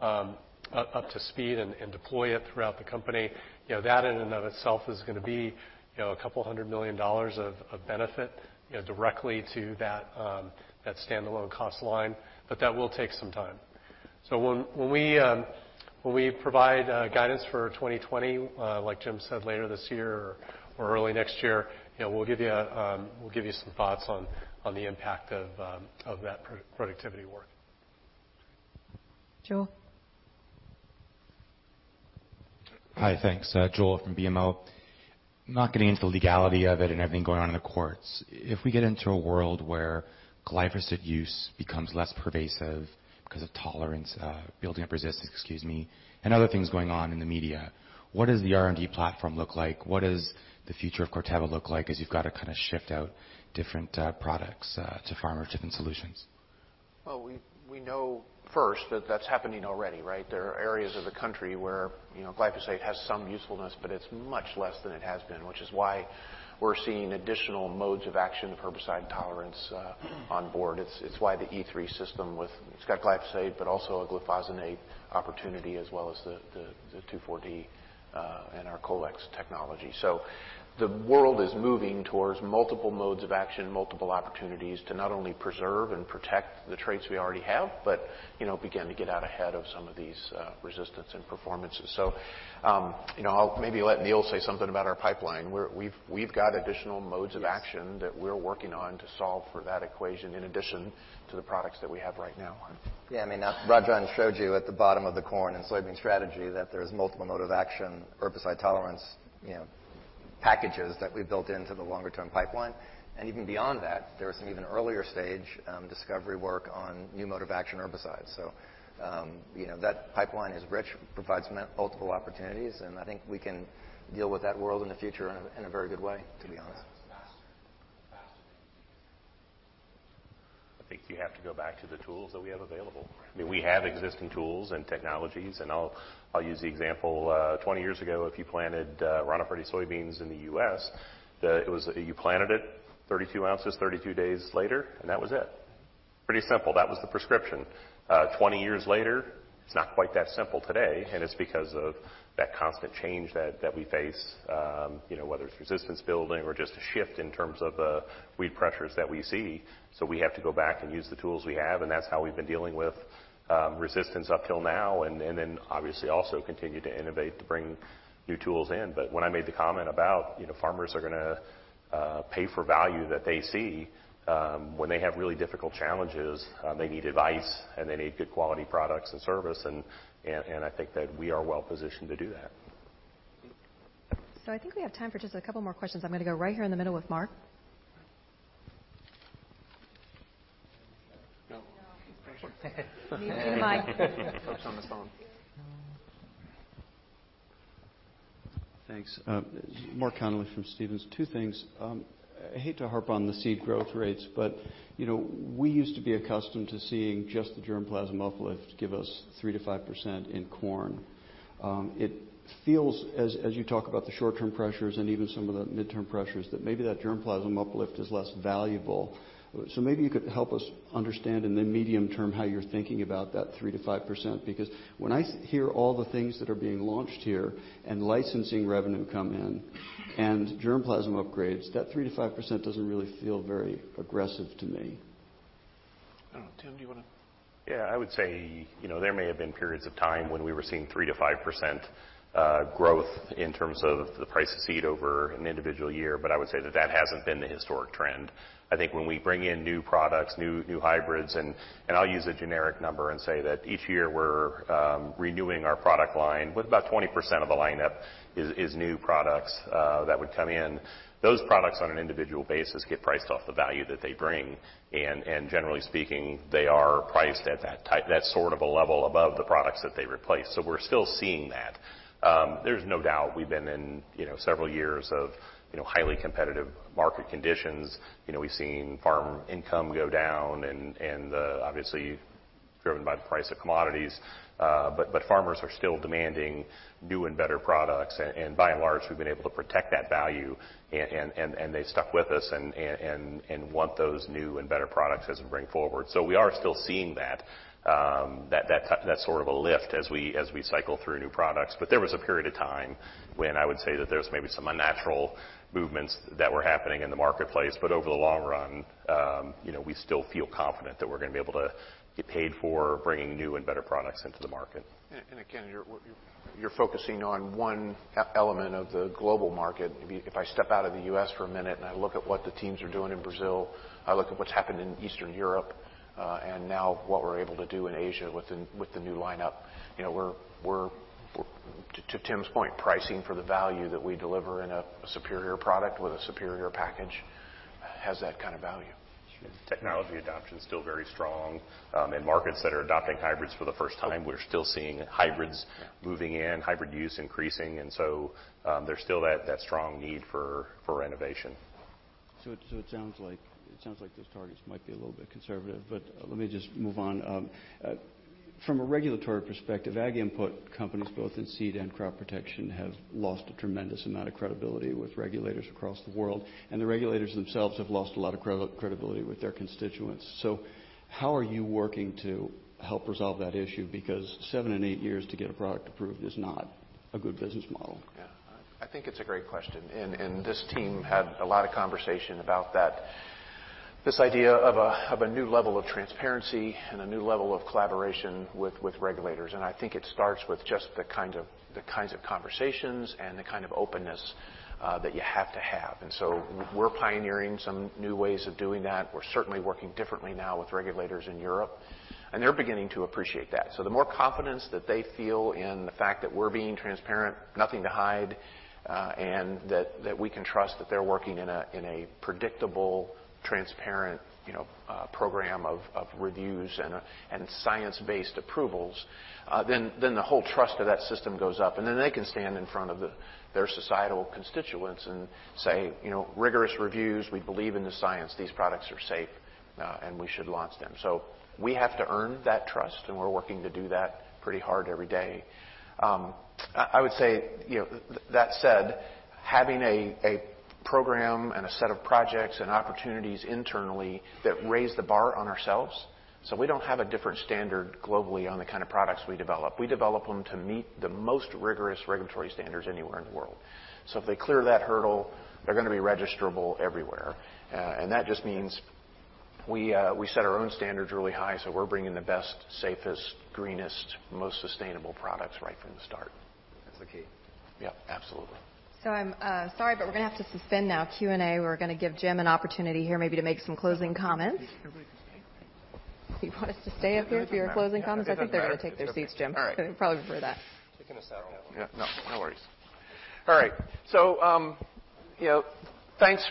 to speed and deploy it throughout the company. That in and of itself is going to be a couple hundred million dollars of benefit directly to that standalone cost line. That will take some time. When we provide guidance for 2020, like Jim said, later this year or early next year, we'll give you some thoughts on the impact of that productivity work. Joel. Hi, thanks. Joel from BMO. Not getting into the legality of it and everything going on in the courts, if we get into a world where glyphosate use becomes less pervasive because of tolerance, building up resistance, excuse me, and other things going on in the media, what does the R&D platform look like? What does the future of Corteva look like as you've got to kind of shift out different products to farmers, different solutions? We know first that that's happening already, right? There are areas of the country where glyphosate has some usefulness, but it's much less than it has been, which is why we're seeing additional modes of action of herbicide tolerance on board. It's why the E3 system with, it's got glyphosate, but also a glyphosate opportunity as well as the 2,4-D and our Colex technology. The world is moving towards multiple modes of action, multiple opportunities to not only preserve and protect the traits we already have, but begin to get out ahead of some of these resistance and performances. I'll maybe let Neal say something about our pipeline. We've got additional modes of action- Yes that we're working on to solve for that equation in addition to the products that we have right now. Rajan showed you at the bottom of the corn and soybean strategy that there's multiple mode of action, herbicide tolerance packages that we built into the longer-term pipeline. Even beyond that, there was some even earlier-stage discovery work on new mode of action herbicides. That pipeline is rich, provides multiple opportunities, and I think we can deal with that world in the future in a very good way, to be honest. Neil. I think you have to go back to the tools that we have available. We have existing tools and technologies, and I'll use the example, 20 years ago, if you planted Roundup Ready soybeans in the U.S., you planted it 32 ounces 32 days later, and that was it. Pretty simple. That was the prescription. 20 years later, it's not quite that simple today, and it's because of that constant change that we face, whether it's resistance building or just a shift in terms of the weed pressures that we see. We have to go back and use the tools we have, and that's how we've been dealing with resistance up till now, and then obviously also continue to innovate to bring new tools in. When I made the comment about farmers are going to pay for value that they see when they have really difficult challenges. They need advice, and they need good quality products and service, and I think that we are well-positioned to do that. I think we have time for just a couple more questions. I'm going to go right here in the middle with Mark. No. Need the mic. Folks on the phone. Oh. Thanks. Mark Connelly from Stephens. Two things. I hate to harp on the seed growth rates, we used to be accustomed to seeing just the germplasm uplift give us 3%-5% in corn. It feels as you talk about the short-term pressures and even some of the midterm pressures, that maybe that germplasm uplift is less valuable. Maybe you could help us understand in the medium term how you're thinking about that 3%-5%, because when I hear all the things that are being launched here and licensing revenue come in and germplasm upgrades, that 3%-5% doesn't really feel very aggressive to me. I don't know. Tim, do you want to? I would say, there may have been periods of time when we were seeing 3%-5% growth in terms of the price of seed over an individual year. I would say that that hasn't been the historic trend. I think when we bring in new products, new hybrids, and I'll use a generic number and say that each year we're renewing our product line with about 20% of the lineup is new products that would come in. Those products on an individual basis get priced off the value that they bring, and generally speaking, they are priced at that sort of a level above the products that they replace. We're still seeing that. There's no doubt we've been in several years of highly competitive market conditions. We've seen farm income go down and obviously driven by the price of commodities. Farmers are still demanding new and better products, and by and large, we've been able to protect that value and they've stuck with us and want those new and better products as we bring forward. We are still seeing that sort of a lift as we cycle through new products. There was a period of time when I would say that there's maybe some unnatural movements that were happening in the marketplace. Over the long run, we still feel confident that we're going to be able to get paid for bringing new and better products into the market. Again, you're focusing on one element of the global market. If I step out of the U.S. for a minute and I look at what the teams are doing in Brazil, I look at what's happened in Eastern Europe, and now what we're able to do in Asia with the new lineup. To Tim's point, pricing for the value that we deliver in a superior product with a superior package has that kind of value. Sure. Technology adoption's still very strong. In markets that are adopting hybrids for the first time, we're still seeing hybrids moving in, hybrid use increasing, there's still that strong need for innovation. It sounds like those targets might be a little bit conservative, but let me just move on. From a regulatory perspective, ag input companies both in seed and crop protection have lost a tremendous amount of credibility with regulators across the world, and the regulators themselves have lost a lot of credibility with their constituents. How are you working to help resolve that issue? Because seven and eight years to get a product approved is not a good business model. Yeah. I think it's a great question, and this team had a lot of conversation about that. This idea of a new level of transparency and a new level of collaboration with regulators. I think it starts with just the kinds of conversations and the kind of openness that you have to have. We're pioneering some new ways of doing that. We're certainly working differently now with regulators in Europe, and they're beginning to appreciate that. The more confidence that they feel in the fact that we're being transparent, nothing to hide, and that we can trust that they're working in a predictable, transparent program of reviews and science-based approvals, then the whole trust of that system goes up, and then they can stand in front of their societal constituents and say, "Rigorous reviews. We believe in the science. These products are safe. We should launch them." We have to earn that trust, and we're working to do that pretty hard every day. I would say, that said, having a program and a set of projects and opportunities internally that raise the bar on ourselves so we don't have a different standard globally on the kind of products we develop. We develop them to meet the most rigorous regulatory standards anywhere in the world. If they clear that hurdle, they're going to be registerable everywhere. That just means we set our own standards really high, so we're bringing the best, safest, greenest, most sustainable products right from the start. That's the key. Yep, absolutely. I'm sorry, but we're going to have to suspend now Q&A. We're going to give Jim an opportunity here maybe to make some closing comments. Everybody can stay. You want us to stay up here for your closing comments? They can stay up there. I think they're going to take their seats, Jim. All right. They would probably prefer that. Thanks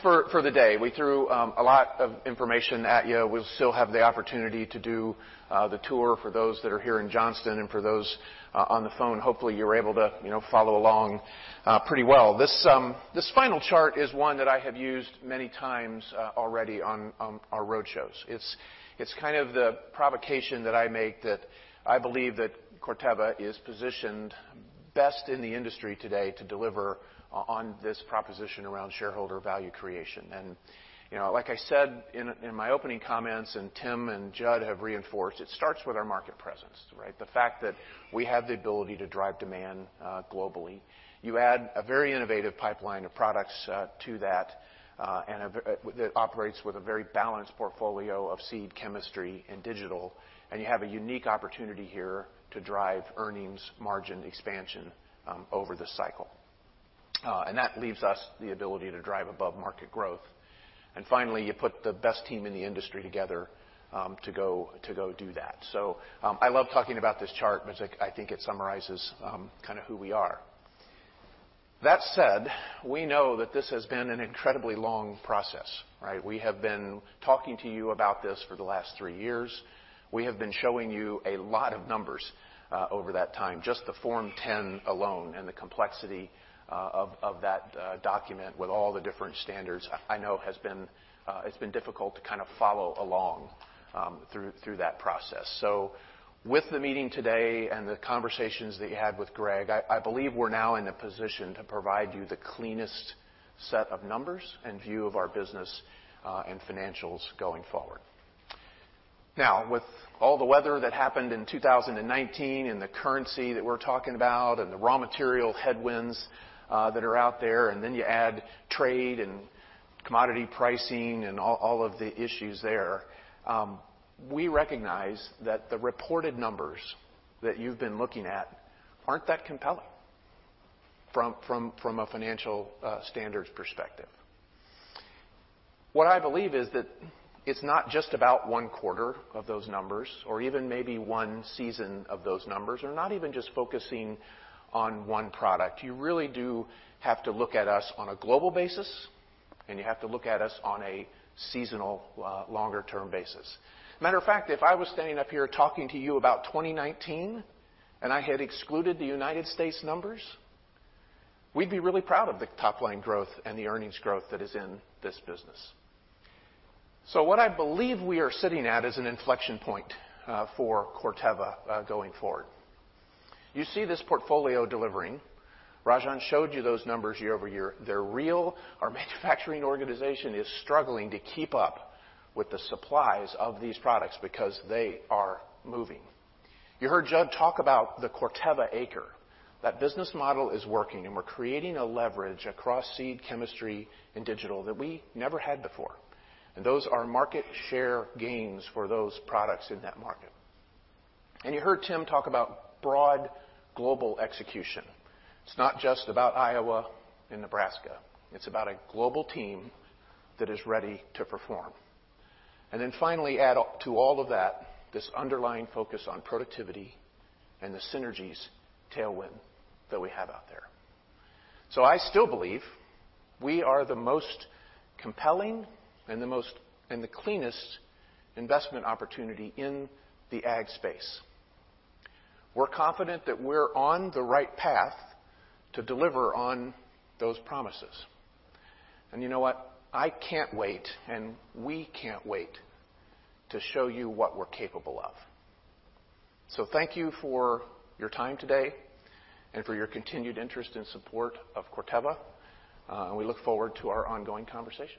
for the day. We threw a lot of information at you. We'll still have the opportunity to do the tour for those that are here in Johnston and for those on the phone. Hopefully, you were able to follow along pretty well. This final chart is one that I have used many times already on our road shows. It's kind of the provocation that I make that I believe that Corteva is positioned best in the industry today to deliver on this proposition around shareholder value creation. Like I said in my opening comments, and Tim and Judd have reinforced, it starts with our market presence. The fact that we have the ability to drive demand globally. You add a very innovative pipeline of products to that, and that operates with a very balanced portfolio of seed chemistry and digital, and you have a unique opportunity here to drive earnings margin expansion over the cycle. That leaves us the ability to drive above-market growth. Finally, you put the best team in the industry together to go do that. I love talking about this chart because I think it summarizes kind of who we are. That said, we know that this has been an incredibly long process. We have been talking to you about this for the last three years. We have been showing you a lot of numbers over that time, just the Form 10 alone and the complexity of that document with all the different standards, I know it's been difficult to kind of follow along through that process. With the meeting today and the conversations that you had with Greg, I believe we're now in a position to provide you the cleanest set of numbers and view of our business and financials going forward. Now, with all the weather that happened in 2019 and the currency that we're talking about and the raw material headwinds that are out there, then you add trade and commodity pricing and all of the issues there. We recognize that the reported numbers that you've been looking at aren't that compelling from a financial standards perspective. What I believe is that it's not just about one quarter of those numbers, or even maybe one season of those numbers, or not even just focusing on one product. You really do have to look at us on a global basis, and you have to look at us on a seasonal longer term basis. Matter of fact, if I was standing up here talking to you about 2019 and I had excluded the United States numbers, we'd be really proud of the top-line growth and the earnings growth that is in this business. What I believe we are sitting at is an inflection point for Corteva going forward. You see this portfolio delivering. Rajan showed you those numbers year-over-year. They're real. Our manufacturing organization is struggling to keep up with the supplies of these products because they are moving. You heard Judd talk about the Corteva acre. That business model is working, and we're creating a leverage across seed chemistry and digital that we never had before, and those are market share gains for those products in that market. You heard Tim talk about broad global execution. It's not just about Iowa and Nebraska. It's about a global team that is ready to perform. Then finally, add up to all of that, this underlying focus on productivity and the synergies tailwind that we have out there. I still believe we are the most compelling and the cleanest investment opportunity in the ag space. We're confident that we're on the right path to deliver on those promises. You know what? I can't wait, and we can't wait to show you what we're capable of. Thank you for your time today and for your continued interest and support of Corteva, and we look forward to our ongoing conversation